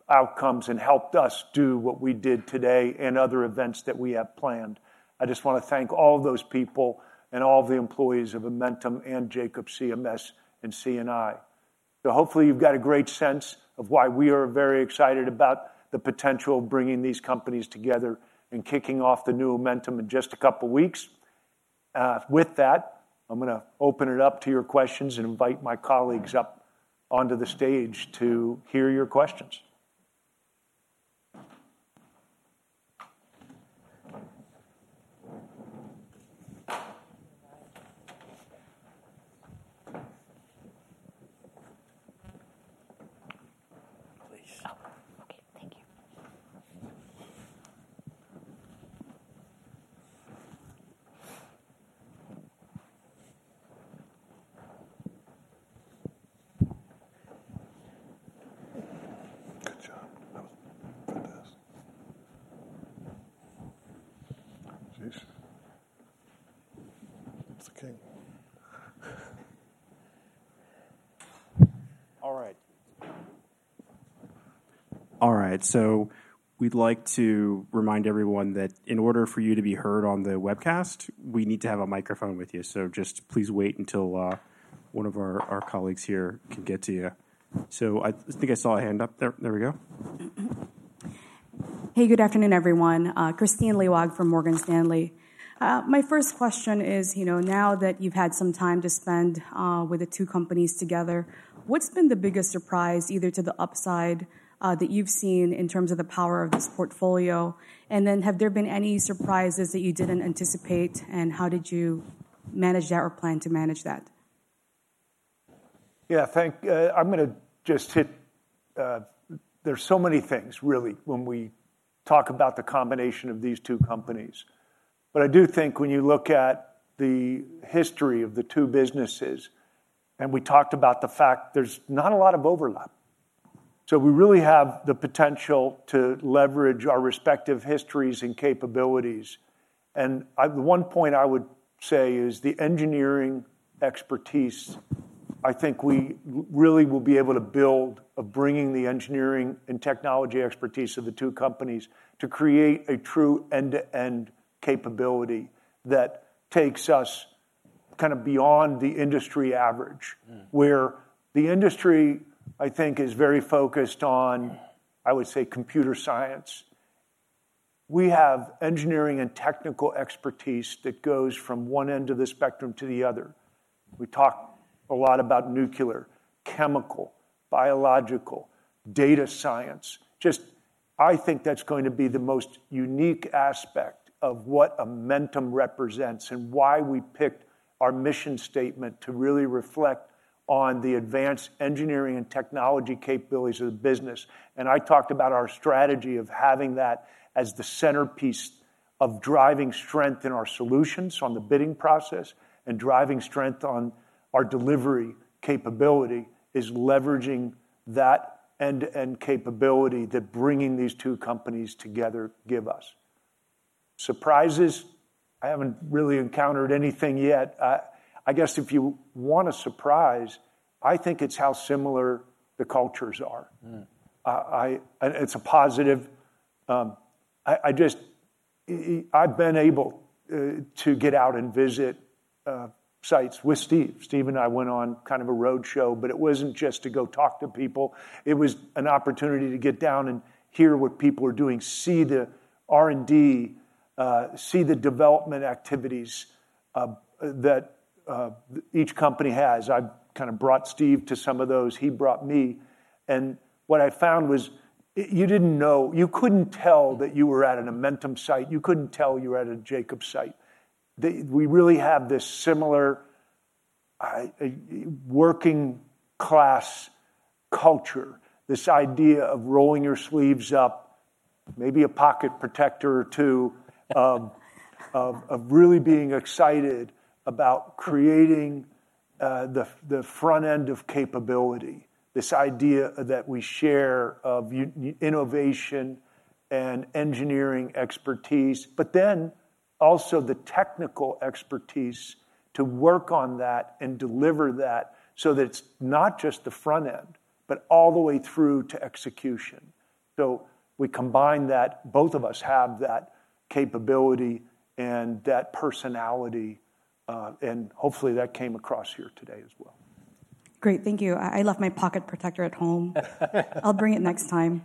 outcomes and helped us do what we did today and other events that we have planned. I just wanna thank all those people and all the employees of Amentum and Jacobs CMS and C&I. So hopefully you've got a great sense of why we are very excited about the potential of bringing these companies together and kicking off the new Amentum in just a couple of weeks. With that, I'm gonna open it up to your questions and invite my colleagues up onto the stage to hear your questions. Please. Oh, okay. Thank you. Good job. That was the best. Geez! It's okay. All right. All right, so we'd like to remind everyone that in order for you to be heard on the webcast, we need to have a microphone with you. So just please wait until one of our colleagues here can get to you. So I think I saw a hand up there. There we go. Hey, good afternoon, everyone. Kristine Liwag from Morgan Stanley. My first question is, you know, now that you've had some time to spend with the two companies together, what's been the biggest surprise, either to the upside, that you've seen in terms of the power of this portfolio? And then, have there been any surprises that you didn't anticipate, and how did you manage that or plan to manage that? Yeah, I'm gonna just hit... There's so many things, really, when we talk about the combination of these two companies. But I do think when you look at the history of the two businesses, and we talked about the fact there's not a lot of overlap. So we really have the potential to leverage our respective histories and capabilities. And the one point I would say is the engineering expertise. I think we really will be able to build of bringing the engineering and technology expertise of the two companies to create a true end-to-end capability that takes us kind of beyond the industry average. Mm. Where the industry, I think, is very focused on, I would say, computer science. We have engineering and technical expertise that goes from one end of the spectrum to the other. We talk a lot about nuclear, chemical, biological, data science. Just, I think that's going to be the most unique aspect of what Amentum represents and why we picked our mission statement to really reflect on the advanced engineering and technology capabilities of the business. And I talked about our strategy of having that as the centerpiece of driving strength in our solutions, on the bidding process and driving strength on our delivery capability is leveraging that end-to-end capability that bringing these two companies together give us. Surprises? I haven't really encountered anything yet. I guess if you want a surprise, I think it's how similar the cultures are. Mm. I, and it's a positive. I just, I've been able to get out and visit sites with Steve. Steve and I went on kind of a roadshow, but it wasn't just to go talk to people. It was an opportunity to get down and hear what people are doing, see the R&D, see the development activities, that each company has. I kind of brought Steve to some of those, he brought me, and what I found was, you didn't know you couldn't tell that you were at an Amentum site, you couldn't tell you were at a Jacobs site. We really have this similar working class culture, this idea of rolling your sleeves up, maybe a pocket protector or two, of really being excited about creating the front end of capability. This idea that we share of our innovation and engineering expertise, but then also the technical expertise to work on that and deliver that so that it's not just the front end, but all the way through to execution. So we combine that. Both of us have that capability and that personality, and hopefully, that came across here today as well. Great. Thank you. I left my pocket protector at home. I'll bring it next time.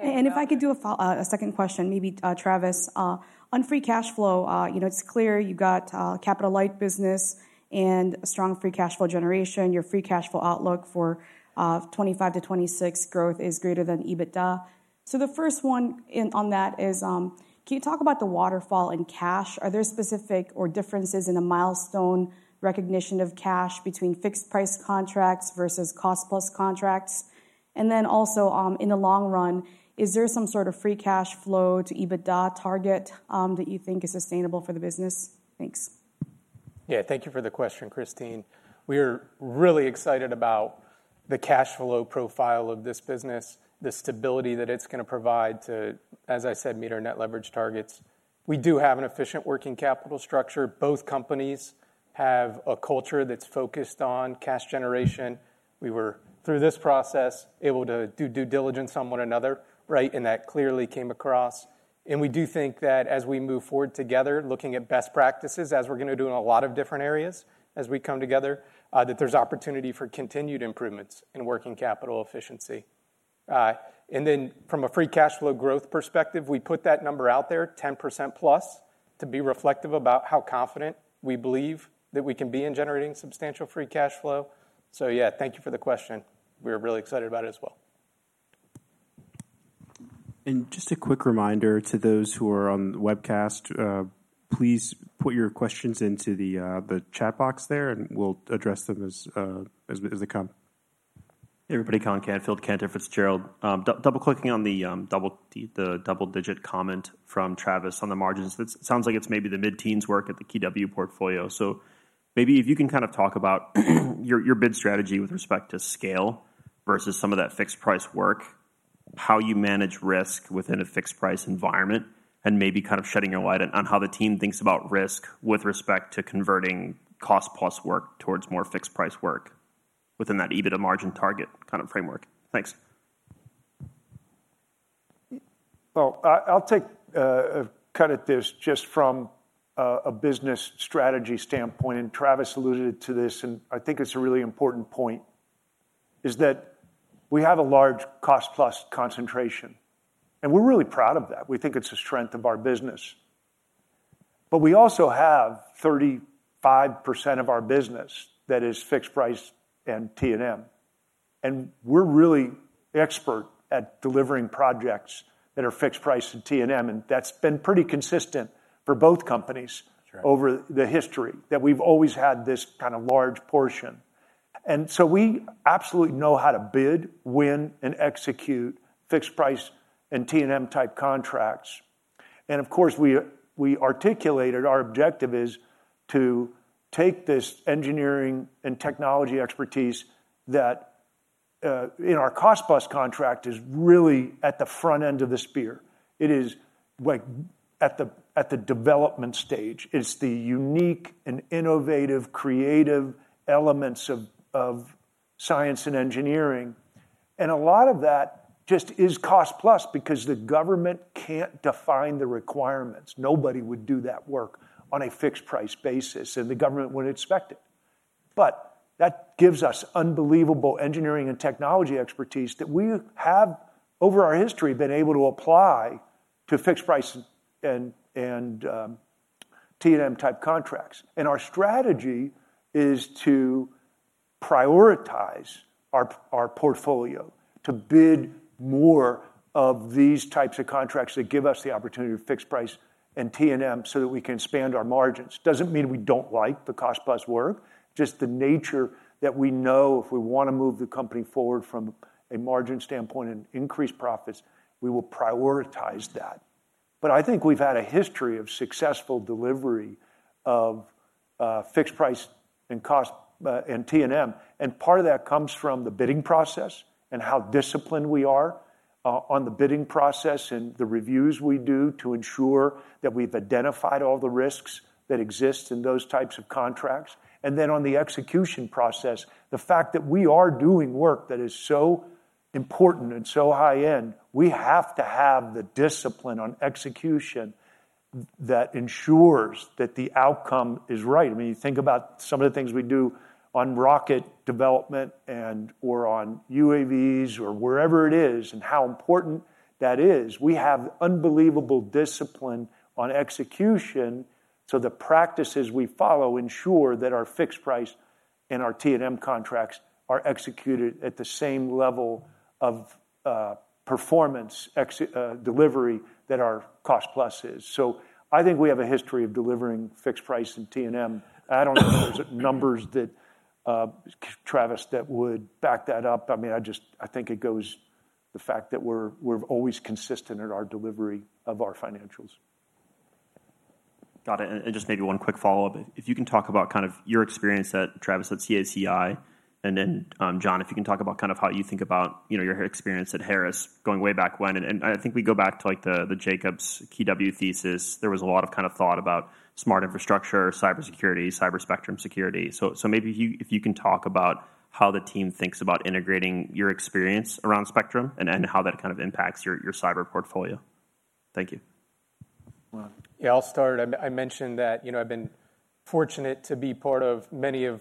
And if I could do a second question, maybe, Travis, on free cash flow, you know, it's clear you've got capital light business and a strong free cash flow generation. Your free cash flow outlook for 2025 to 2026 growth is greater than EBITDA. So the first one in, on that is, can you talk about the waterfall and cash? Are there specific or differences in the milestone recognition of cash between fixed price contracts versus cost plus contracts? And then also, in the long run, is there some sort of free cash flow to EBITDA target that you think is sustainable for the business? Thanks. Yeah, thank you for the question, Christine. We're really excited about the cash flow profile of this business, the stability that it's gonna provide to, as I said, meet our net leverage targets. We do have an efficient working capital structure. Both companies have a culture that's focused on cash generation. We were, through this process, able to do due diligence on one another, right? And that clearly came across. And we do think that as we move forward together, looking at best practices, as we're gonna do in a lot of different areas as we come together, that there's opportunity for continued improvements in working capital efficiency. And then from a free cash flow growth perspective, we put that number out there, 10%+, to be reflective about how confident we believe that we can be in generating substantial free cash flow. So yeah, thank you for the question. We're really excited about it as well. Just a quick reminder to those who are on the webcast. Please put your questions into the chat box there, and we'll address them as they come. Hey, everybody. Colin Canfield, Cantor Fitzgerald. Double clicking on the double digit comment from Travis on the margins. It sounds like it's maybe the mid-teens work at the KeyW portfolio. So maybe if you can kind of talk about your bid strategy with respect to scale versus some of that fixed price work, how you manage risk within a fixed price environment, and maybe kind of shedding a light on how the team thinks about risk with respect to converting cost plus work towards more fixed price work within that EBITDA margin target kind of framework. Thanks. Well, I, I'll take a cut at this just from a business strategy standpoint, and Travis alluded to this, and I think it's a really important point, is that we have a large cost-plus concentration, and we're really proud of that. We think it's a strength of our business. But we also have 35% of our business that is fixed-price and T&M, and we're really expert at delivering projects that are fixed-price and T&M, and that's been pretty consistent for both companies- That's right... over the history, that we've always had this kind of large portion. And so we absolutely know how to bid, win, and execute fixed price and T&M type contracts. And of course, we articulated our objective is to take this engineering and technology expertise that, in our cost plus contract, is really at the front end of the spear. It is like at the development stage. It's the unique and innovative, creative elements of science and engineering, and a lot of that just is cost plus because the government can't define the requirements. Nobody would do that work on a fixed price basis, and the government wouldn't expect it. But that gives us unbelievable engineering and technology expertise that we have, over our history, been able to apply to fixed price and T&M type contracts. Our strategy is to prioritize our portfolio, to bid more of these types of contracts that give us the opportunity to fixed-price and T&M so that we can expand our margins. Doesn't mean we don't like the cost-plus work, just the nature that we know if we wanna move the company forward from a margin standpoint and increase profits, we will prioritize that. I think we've had a history of successful delivery of fixed-price and cost-plus, and T&M, and part of that comes from the bidding process and how disciplined we are on the bidding process and the reviews we do to ensure that we've identified all the risks that exist in those types of contracts. Then on the execution process, the fact that we are doing work that is so important and so high-end, we have to have the discipline on execution that ensures that the outcome is right. I mean, you think about some of the things we do on rocket development and, or on UAVs or wherever it is, and how important that is. We have unbelievable discipline on execution, so the practices we follow ensure that our fixed price and our T&M contracts are executed at the same level of performance delivery that our cost plus is. So I think we have a history of delivering fixed price and T&M. I don't know if there's numbers that, Travis, that would back that up. I mean, I just think it goes the fact that we're always consistent in our delivery of our financials. Got it. And just maybe one quick follow-up. If you can talk about kind of your experience at Travis, at CACI, and then, John, if you can talk about kind of how you think about, you know, your experience at Harris going way back when. And I think we go back to, like, the Jacobs KeyW thesis. There was a lot of kind of thought about smart infrastructure, cybersecurity, cyber spectrum security. So maybe if you can talk about how the team thinks about integrating your experience around spectrum and how that kind of impacts your cyber portfolio. Thank you. Well, yeah, I'll start. I mentioned that, you know, I've been fortunate to be part of many of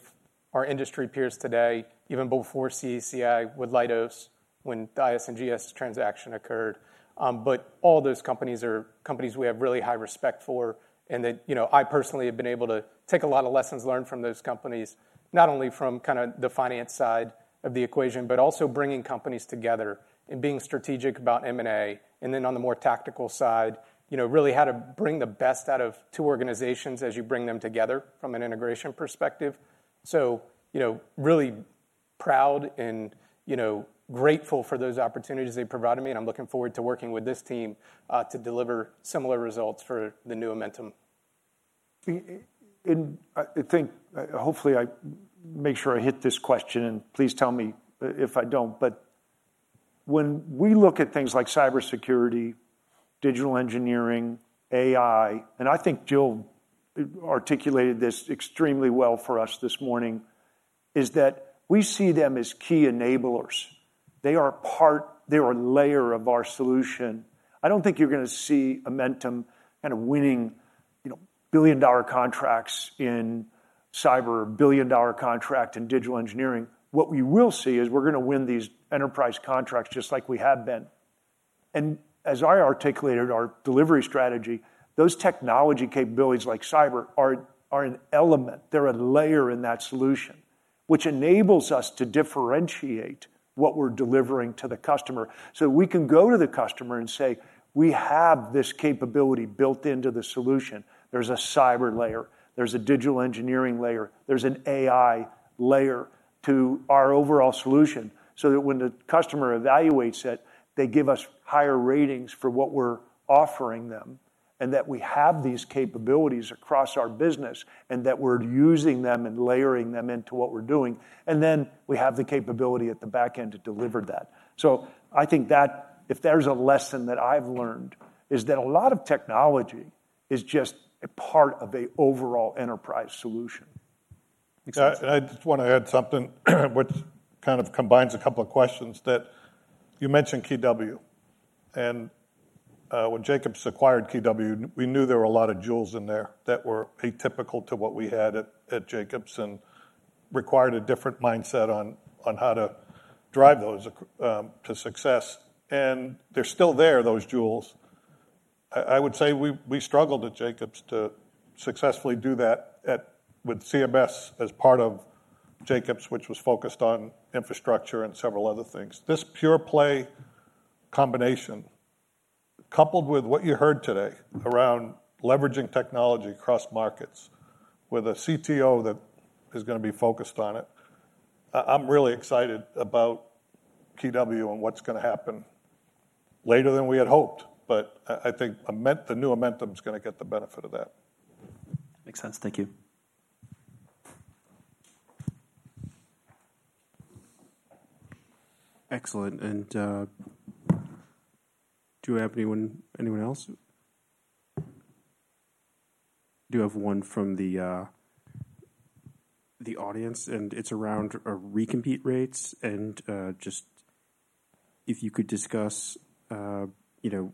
our industry peers today, even before CACI with Leidos, when the IS&GS transaction occurred. But all those companies are companies we have really high respect for, and that, you know, I personally have been able to take a lot of lessons learned from those companies, not only from kinda the finance side of the equation, but also bringing companies together and being strategic about M&A. And then on the more tactical side, you know, really how to bring the best out of two organizations as you bring them together from an integration perspective. So, you know, really proud and, you know, grateful for those opportunities they provided me, and I'm looking forward to working with this team to deliver similar results for the new Amentum. I think hopefully I make sure I hit this question, and please tell me if I don't. But when we look at things like cybersecurity, digital engineering, AI, and I think Jill articulated this extremely well for us this morning, is that we see them as key enablers. They are part. They're a layer of our solution. I don't think you're gonna see Amentum kind of winning, you know, billion-dollar contracts in cyber or billion-dollar contract in digital engineering. What we will see is we're gonna win these enterprise contracts just like we have been. And as I articulated our delivery strategy, those technology capabilities, like cyber, are an element. They're a layer in that solution, which enables us to differentiate what we're delivering to the customer. So we can go to the customer and say, "We have this capability built into the solution." There's a cyber layer, there's a digital engineering layer, there's an AI layer to our overall solution, so that when the customer evaluates it, they give us higher ratings for what we're offering them, and that we have these capabilities across our business, and that we're using them and layering them into what we're doing, and then we have the capability at the back end to deliver that. So I think that if there's a lesson that I've learned, is that a lot of technology is just a part of a overall enterprise solution. I just wanna add something which kind of combines a couple of questions, that you mentioned KeyW. And when Jacobs acquired KeyW, we knew there were a lot of jewels in there that were atypical to what we had at Jacobs and required a different mindset on how to drive those to success, and they're still there, those jewels. I would say we struggled at Jacobs to successfully do that with CMS as part of Jacobs, which was focused on infrastructure and several other things. This pure play combination, coupled with what you heard today around leveraging technology across markets with a CTO that is gonna be focused on it, I'm really excited about KeyW and what's gonna happen. Later than we had hoped, but I think the new Amentum is gonna get the benefit of that. Makes sense. Thank you. Excellent, and do we have anyone, anyone else? I do have one from the audience, and it's around recompete rates and just if you could discuss, you know,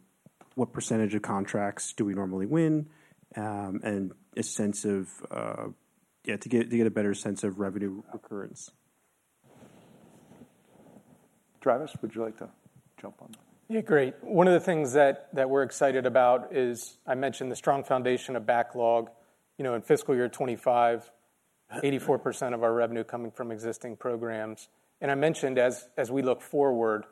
what percentage of contracts do we normally win, and a sense of to get a better sense of revenue occurrence. Travis, would you like to jump on that? Yeah, great. One of the things that we're excited about is, I mentioned the strong foundation of backlog, you know, in fiscal year 2025, 84% of our revenue coming from existing programs. And I mentioned as we look forward,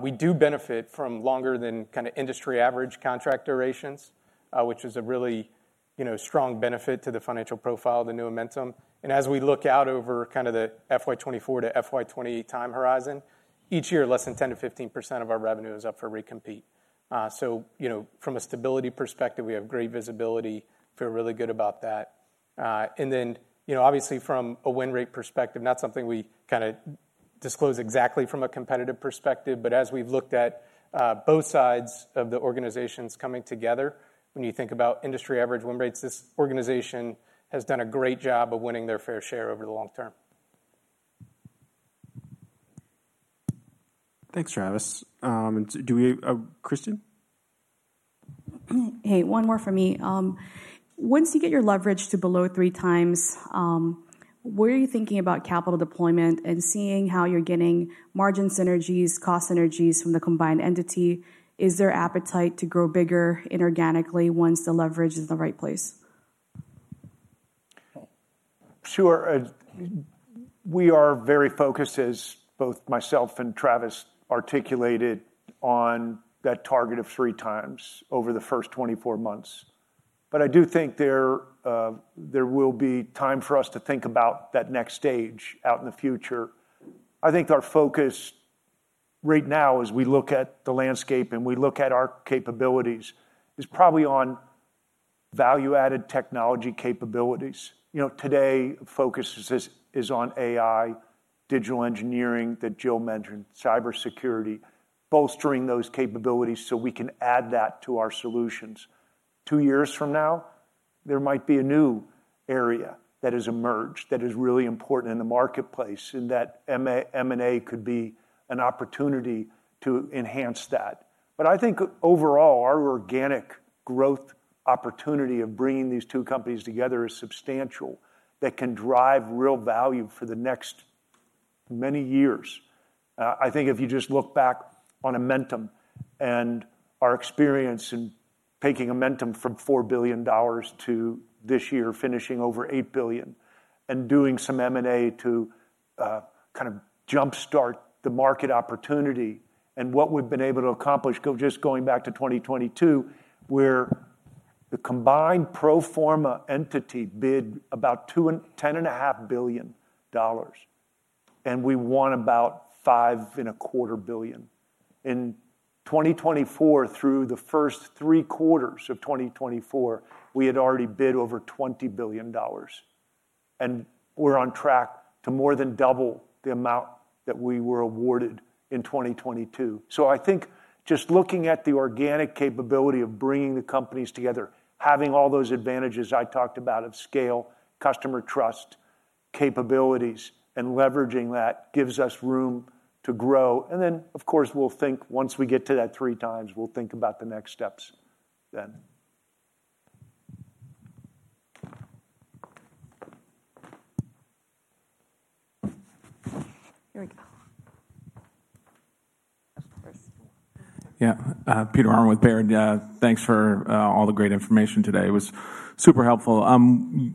we do benefit from longer than kinda industry average contract durations.... which is a really, you know, strong benefit to the financial profile of the new Amentum. And as we look out over kind of the FY 2024 to FY 2028 time horizon, each year, less than 10%-15% of our revenue is up for recompete. So, you know, from a stability perspective, we have great visibility. Feel really good about that. And then, you know, obviously from a win rate perspective, not something we kinda disclose exactly from a competitive perspective, but as we've looked at both sides of the organizations coming together, when you think about industry average win rates, this organization has done a great job of winning their fair share over the long term. Thanks, Travis. Do we, Kristen? Hey, one more from me. Once you get your leverage to below 3 times, where are you thinking about capital deployment and seeing how you're getting margin synergies, cost synergies from the combined entity? Is there appetite to grow bigger inorganically once the leverage is in the right place? Sure. We are very focused, as both myself and Travis articulated, on that target of 3x over the first 24 months. But I do think there, there will be time for us to think about that next stage out in the future. I think our focus right now, as we look at the landscape and we look at our capabilities, is probably on value-added technology capabilities. You know, today, focus is on AI, digital engineering that Jill mentioned, cybersecurity, bolstering those capabilities so we can add that to our solutions. Two years from now, there might be a new area that has emerged that is really important in the marketplace, and that M&A could be an opportunity to enhance that. But I think overall, our organic growth opportunity of bringing these two companies together is substantial that can drive real value for the next many years. I think if you just look back on Amentum and our experience in taking Amentum from $4 billion to this year, finishing over $8 billion, and doing some M&A to kind of jumpstart the market opportunity and what we've been able to accomplish just going back to 2022, where the combined pro forma entity bid about $10.5 billion, and we won about $5.25 billion. In 2024, through the first three quarters of 2024, we had already bid over $20 billion, and we're on track to more than double the amount that we were awarded in 2022. So I think just looking at the organic capability of bringing the companies together, having all those advantages I talked about of scale, customer trust, capabilities, and leveraging that, gives us room to grow. Then, of course, we'll think once we get to that 3 times, we'll think about the next steps then. Here we go. Of course. Yeah, Peter Arment with Baird. Thanks for all the great information today. It was super helpful.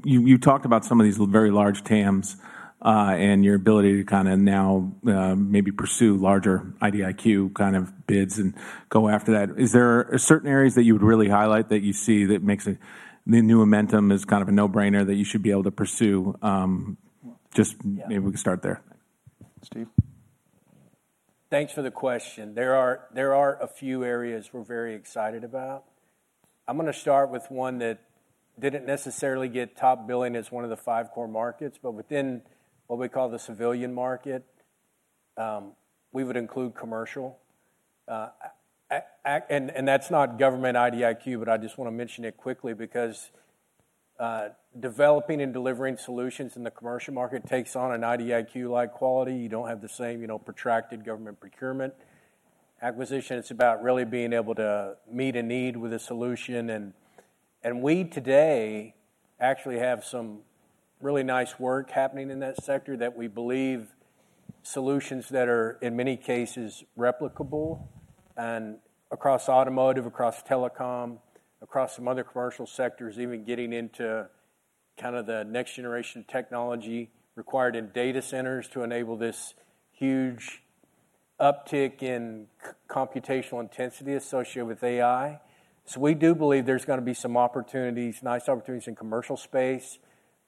You talked about some of these very large TAMs, and your ability to kinda now maybe pursue larger IDIQ kind of bids and go after that. Is there certain areas that you would really highlight that you see that makes it the new Amentum is kind of a no-brainer that you should be able to pursue? Just- Yeah. Maybe we can start there. Steve? Thanks for the question. There are a few areas we're very excited about. I'm gonna start with one that didn't necessarily get top billing as one of the five core markets, but within what we call the civilian market, we would include commercial. And that's not government IDIQ, but I just wanna mention it quickly because developing and delivering solutions in the commercial market takes on an IDIQ-like quality. You don't have the same, you know, protracted government procurement acquisition. It's about really being able to meet a need with a solution, and we today actually have some really nice work happening in that sector that we believe solutions that are, in many cases, replicable across automotive, across telecom, across some other commercial sectors, even getting into kind of the next-generation technology required in data centers to enable this huge uptick in computational intensity associated with AI. So we do believe there's gonna be some opportunities, nice opportunities in commercial space,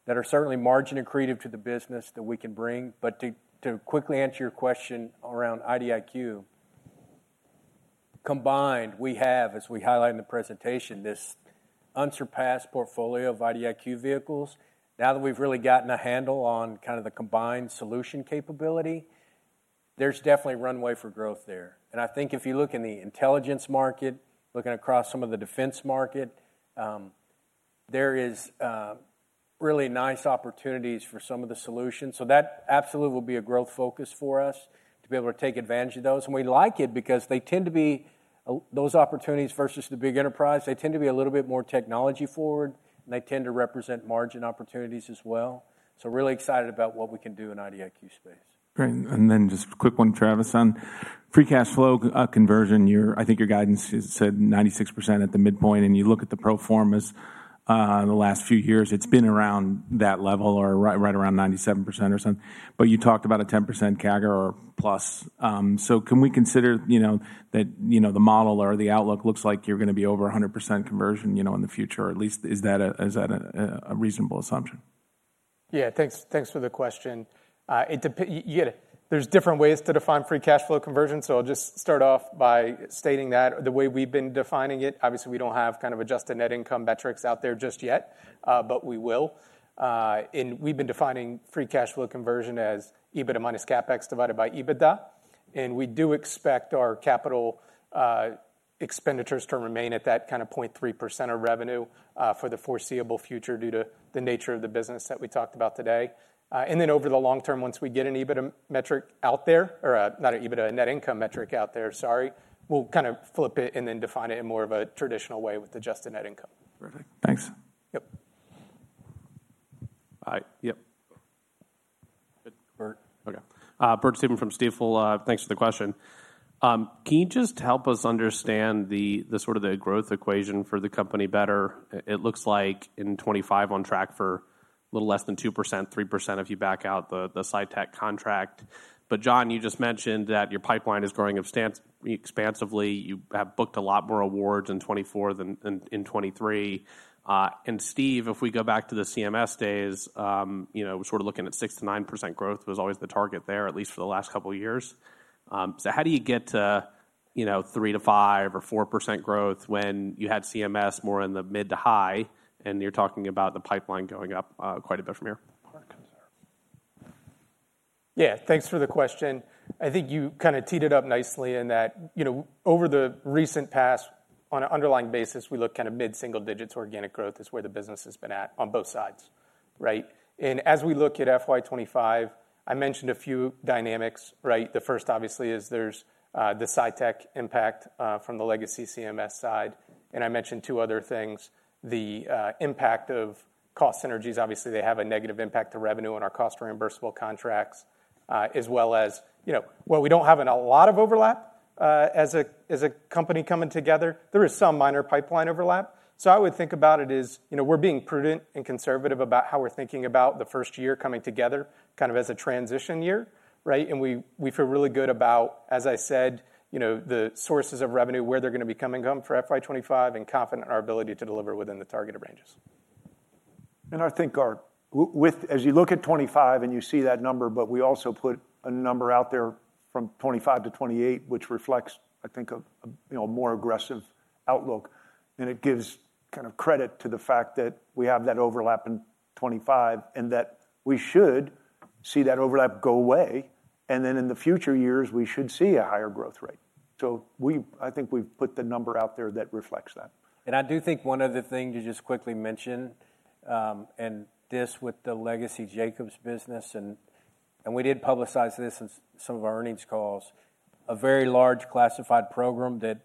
that are certainly margin accretive to the business that we can bring. But to quickly answer your question around IDIQ, combined, we have, as we highlighted in the presentation, this unsurpassed portfolio of IDIQ vehicles. Now that we've really gotten a handle on kind of the combined solution capability, there's definitely runway for growth there. I think if you look in the intelligence market, looking across some of the defense market, there is really nice opportunities for some of the solutions. So that absolutely will be a growth focus for us to be able to take advantage of those. And we like it because they tend to be those opportunities versus the big enterprise, they tend to be a little bit more technology-forward, and they tend to represent margin opportunities as well. So we're really excited about what we can do in IDIQ space. Great. And then just a quick one, Travis, on free cash flow conversion. Your—I think your guidance is said 96% at the midpoint, and you look at the pro forma as the last few years, it's been around that level or right, right around 97% or something. But you talked about a 10% CAGR or plus. So can we consider, you know, that, you know, the model or the outlook looks like you're gonna be over 100% conversion, you know, in the future, or at least, is that a reasonable assumption? Yeah. Thanks, thanks for the question. Yeah, there's different ways to define free cash flow conversion, so I'll just start off by stating that the way we've been defining it, obviously, we don't have kind of adjusted net income metrics out there just yet, but we will. And we've been defining free cash flow conversion as EBITDA minus CapEx divided by EBITDA, and we do expect our capital expenditures to remain at that kind of 0.3% of revenue for the foreseeable future due to the nature of the business that we talked about today. And then over the long term, once we get an EBITDA metric out there, or, not an EBITDA, a net income metric out there, sorry, we'll kind of flip it and then define it in more of a traditional way with adjusted net income. Perfect. Thanks. Yep. All right. Yep. Bert, okay. Bert Subin from Stifel. Thanks for the question. Can you just help us understand the sort of the growth equation for the company better? It looks like in 2025 on track for a little less than 2%, 3% if you back out the SITEC contract. But John, you just mentioned that your pipeline is growing expansively. You have booked a lot more awards in 2024 than in 2023. And Steve, if we go back to the CMS days, you know, we're sort of looking at 6%-9% growth was always the target there, at least for the last couple of years. So how do you get to, you know, 3%-5% or 4% growth when you had CMS more in the mid to high, and you're talking about the pipeline going up quite a bit from here? Yeah, thanks for the question. I think you kinda teed it up nicely in that, you know, over the recent past, on an underlying basis, we look kind of mid-single digits organic growth is where the business has been at on both sides, right? And as we look at FY 2025, I mentioned a few dynamics, right? The first, obviously, is there's the SITEC impact from the legacy CMS side, and I mentioned two other things: the impact of cost synergies. Obviously, they have a negative impact to revenue on our cost-reimbursable contracts, as well as, you know, while we don't have a lot of overlap, as a company coming together, there is some minor pipeline overlap. So I would think about it as, you know, we're being prudent and conservative about how we're thinking about the first year coming together, kind of as a transition year, right? And we feel really good about, as I said, you know, the sources of revenue, where they're gonna be coming from for FY 2025 and confident in our ability to deliver within the targeted ranges. I think, Art, with as you look at 2025 and you see that number, but we also put a number out there from 2025 to 2028, which reflects, I think, you know, more aggressive outlook, and it gives kind of credit to the fact that we have that overlap in 2025 and that we should see that overlap go away, and then in the future years, we should see a higher growth rate. So, I think we've put the number out there that reflects that. I do think one other thing to just quickly mention, and this with the legacy Jacobs business and, and we did publicize this in some of our earnings calls, a very large classified program that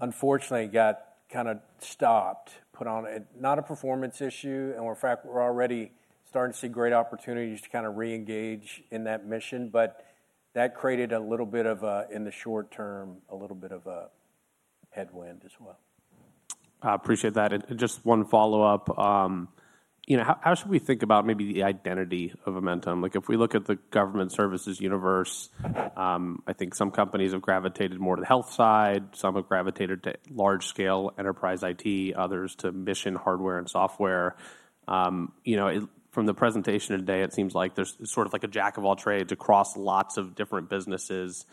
unfortunately got kinda stopped, put on a... not a performance issue, and in fact, we're already starting to see great opportunities to kinda reengage in that mission, but that created a little bit of a, in the short term, a little bit of a headwind as well. I appreciate that, and just one follow-up. You know, how should we think about maybe the identity of Amentum? Like, if we look at the government services universe, I think some companies have gravitated more to the health side, some have gravitated to large-scale enterprise IT, others to mission hardware and software. You know, from the presentation today, it seems like there's sort of like a jack of all trades across lots of different businesses.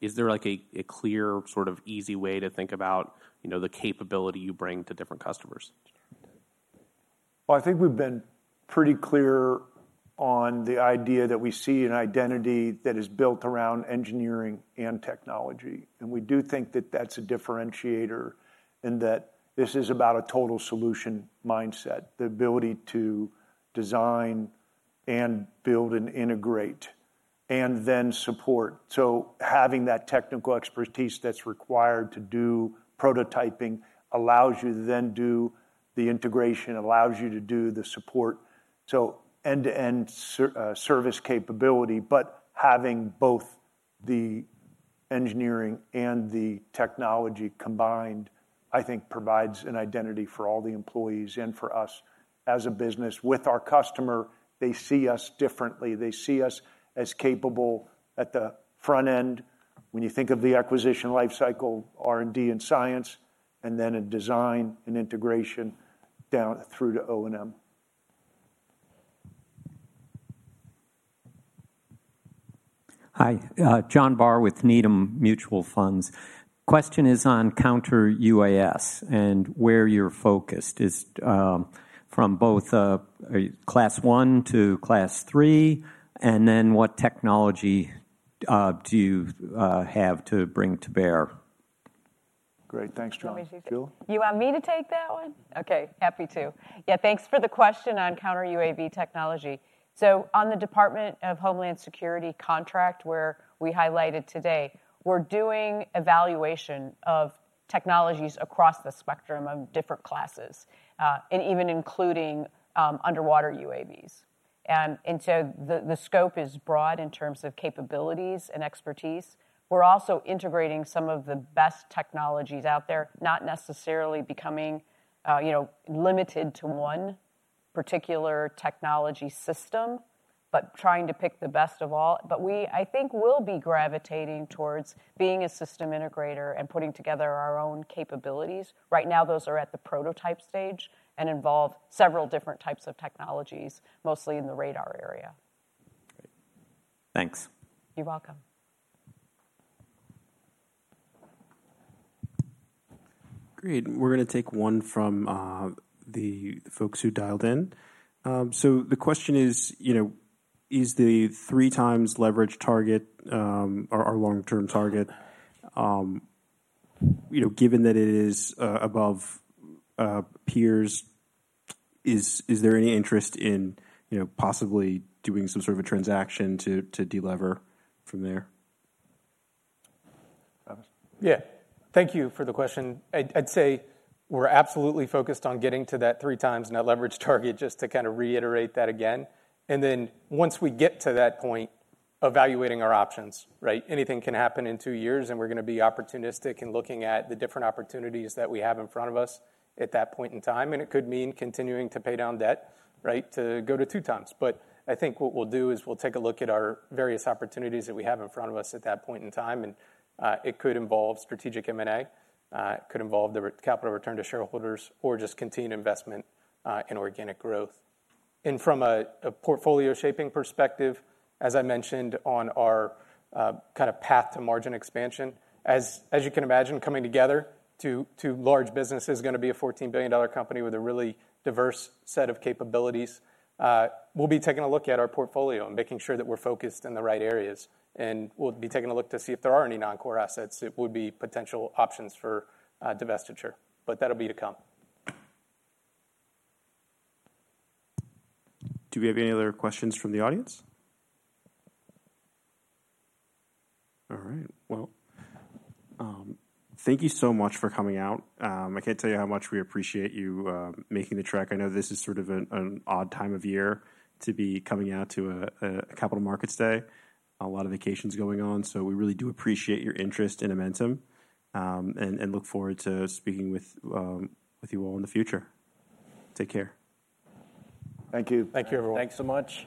Is there, like, a clear, sort of easy way to think about, you know, the capability you bring to different customers? Well, I think we've been pretty clear on the idea that we see an identity that is built around engineering and technology, and we do think that that's a differentiator and that this is about a total solution mindset, the ability to design and build and integrate and then support. So having that technical expertise that's required to do prototyping allows you to then do the integration, allows you to do the support, so end-to-end service capability. But having both the engineering and the technology combined, I think provides an identity for all the employees and for us as a business. With our customer, they see us differently. They see us as capable at the front end, when you think of the acquisition lifecycle, R&D, and science, and then in design and integration down through to O&M. Hi, John Barr with Needham Mutual Funds. Question is on counter-UAS and where you're focused. Is, from both, Class I to Class III, and then what technology, do you, have to bring to bear? Great. Thanks, John. Jill? You want me to take that one? Okay, happy to. Yeah, thanks for the question on counter-UAV technology. So on the Department of Homeland Security contract, where we highlighted today, we're doing evaluation of technologies across the spectrum of different classes, and even including underwater UAVs. So the scope is broad in terms of capabilities and expertise. We're also integrating some of the best technologies out there, not necessarily becoming, you know, limited to one particular technology system, but trying to pick the best of all. But I think we'll be gravitating towards being a system integrator and putting together our own capabilities. Right now, those are at the prototype stage and involve several different types of technologies, mostly in the radar area. Great. Thanks. You're welcome. Great. We're gonna take one from, the folks who dialed in. So the question is, you know, is the 3 times leverage target, our, our long-term target, you know, given that it is, above, peers, is, is there any interest in, you know, possibly doing some sort of a transaction to, to delever from there? Travis? Yeah. Thank you for the question. I'd say we're absolutely focused on getting to that 3x net leverage target, just to kind of reiterate that again. And then once we get to that point, evaluating our options, right? Anything can happen in two years, and we're gonna be opportunistic in looking at the different opportunities that we have in front of us at that point in time, and it could mean continuing to pay down debt, right, to go to 2x. But I think what we'll do is we'll take a look at our various opportunities that we have in front of us at that point in time, and it could involve strategic M&A, it could involve the return of capital to shareholders or just continued investment in organic growth. From a portfolio shaping perspective, as I mentioned on our kind of path to margin expansion, as you can imagine, coming together two large businesses is gonna be a $14 billion company with a really diverse set of capabilities. We'll be taking a look at our portfolio and making sure that we're focused in the right areas, and we'll be taking a look to see if there are any non-core assets that would be potential options for divestiture, but that'll be to come. Do we have any other questions from the audience? All right. Well, thank you so much for coming out. I can't tell you how much we appreciate you making the trek. I know this is sort of an odd time of year to be coming out to a Capital Markets Day, a lot of vacations going on, so we really do appreciate your interest in Amentum, and look forward to speaking with you all in the future. Take care. Thank you. Thank you, everyone. Thanks so much.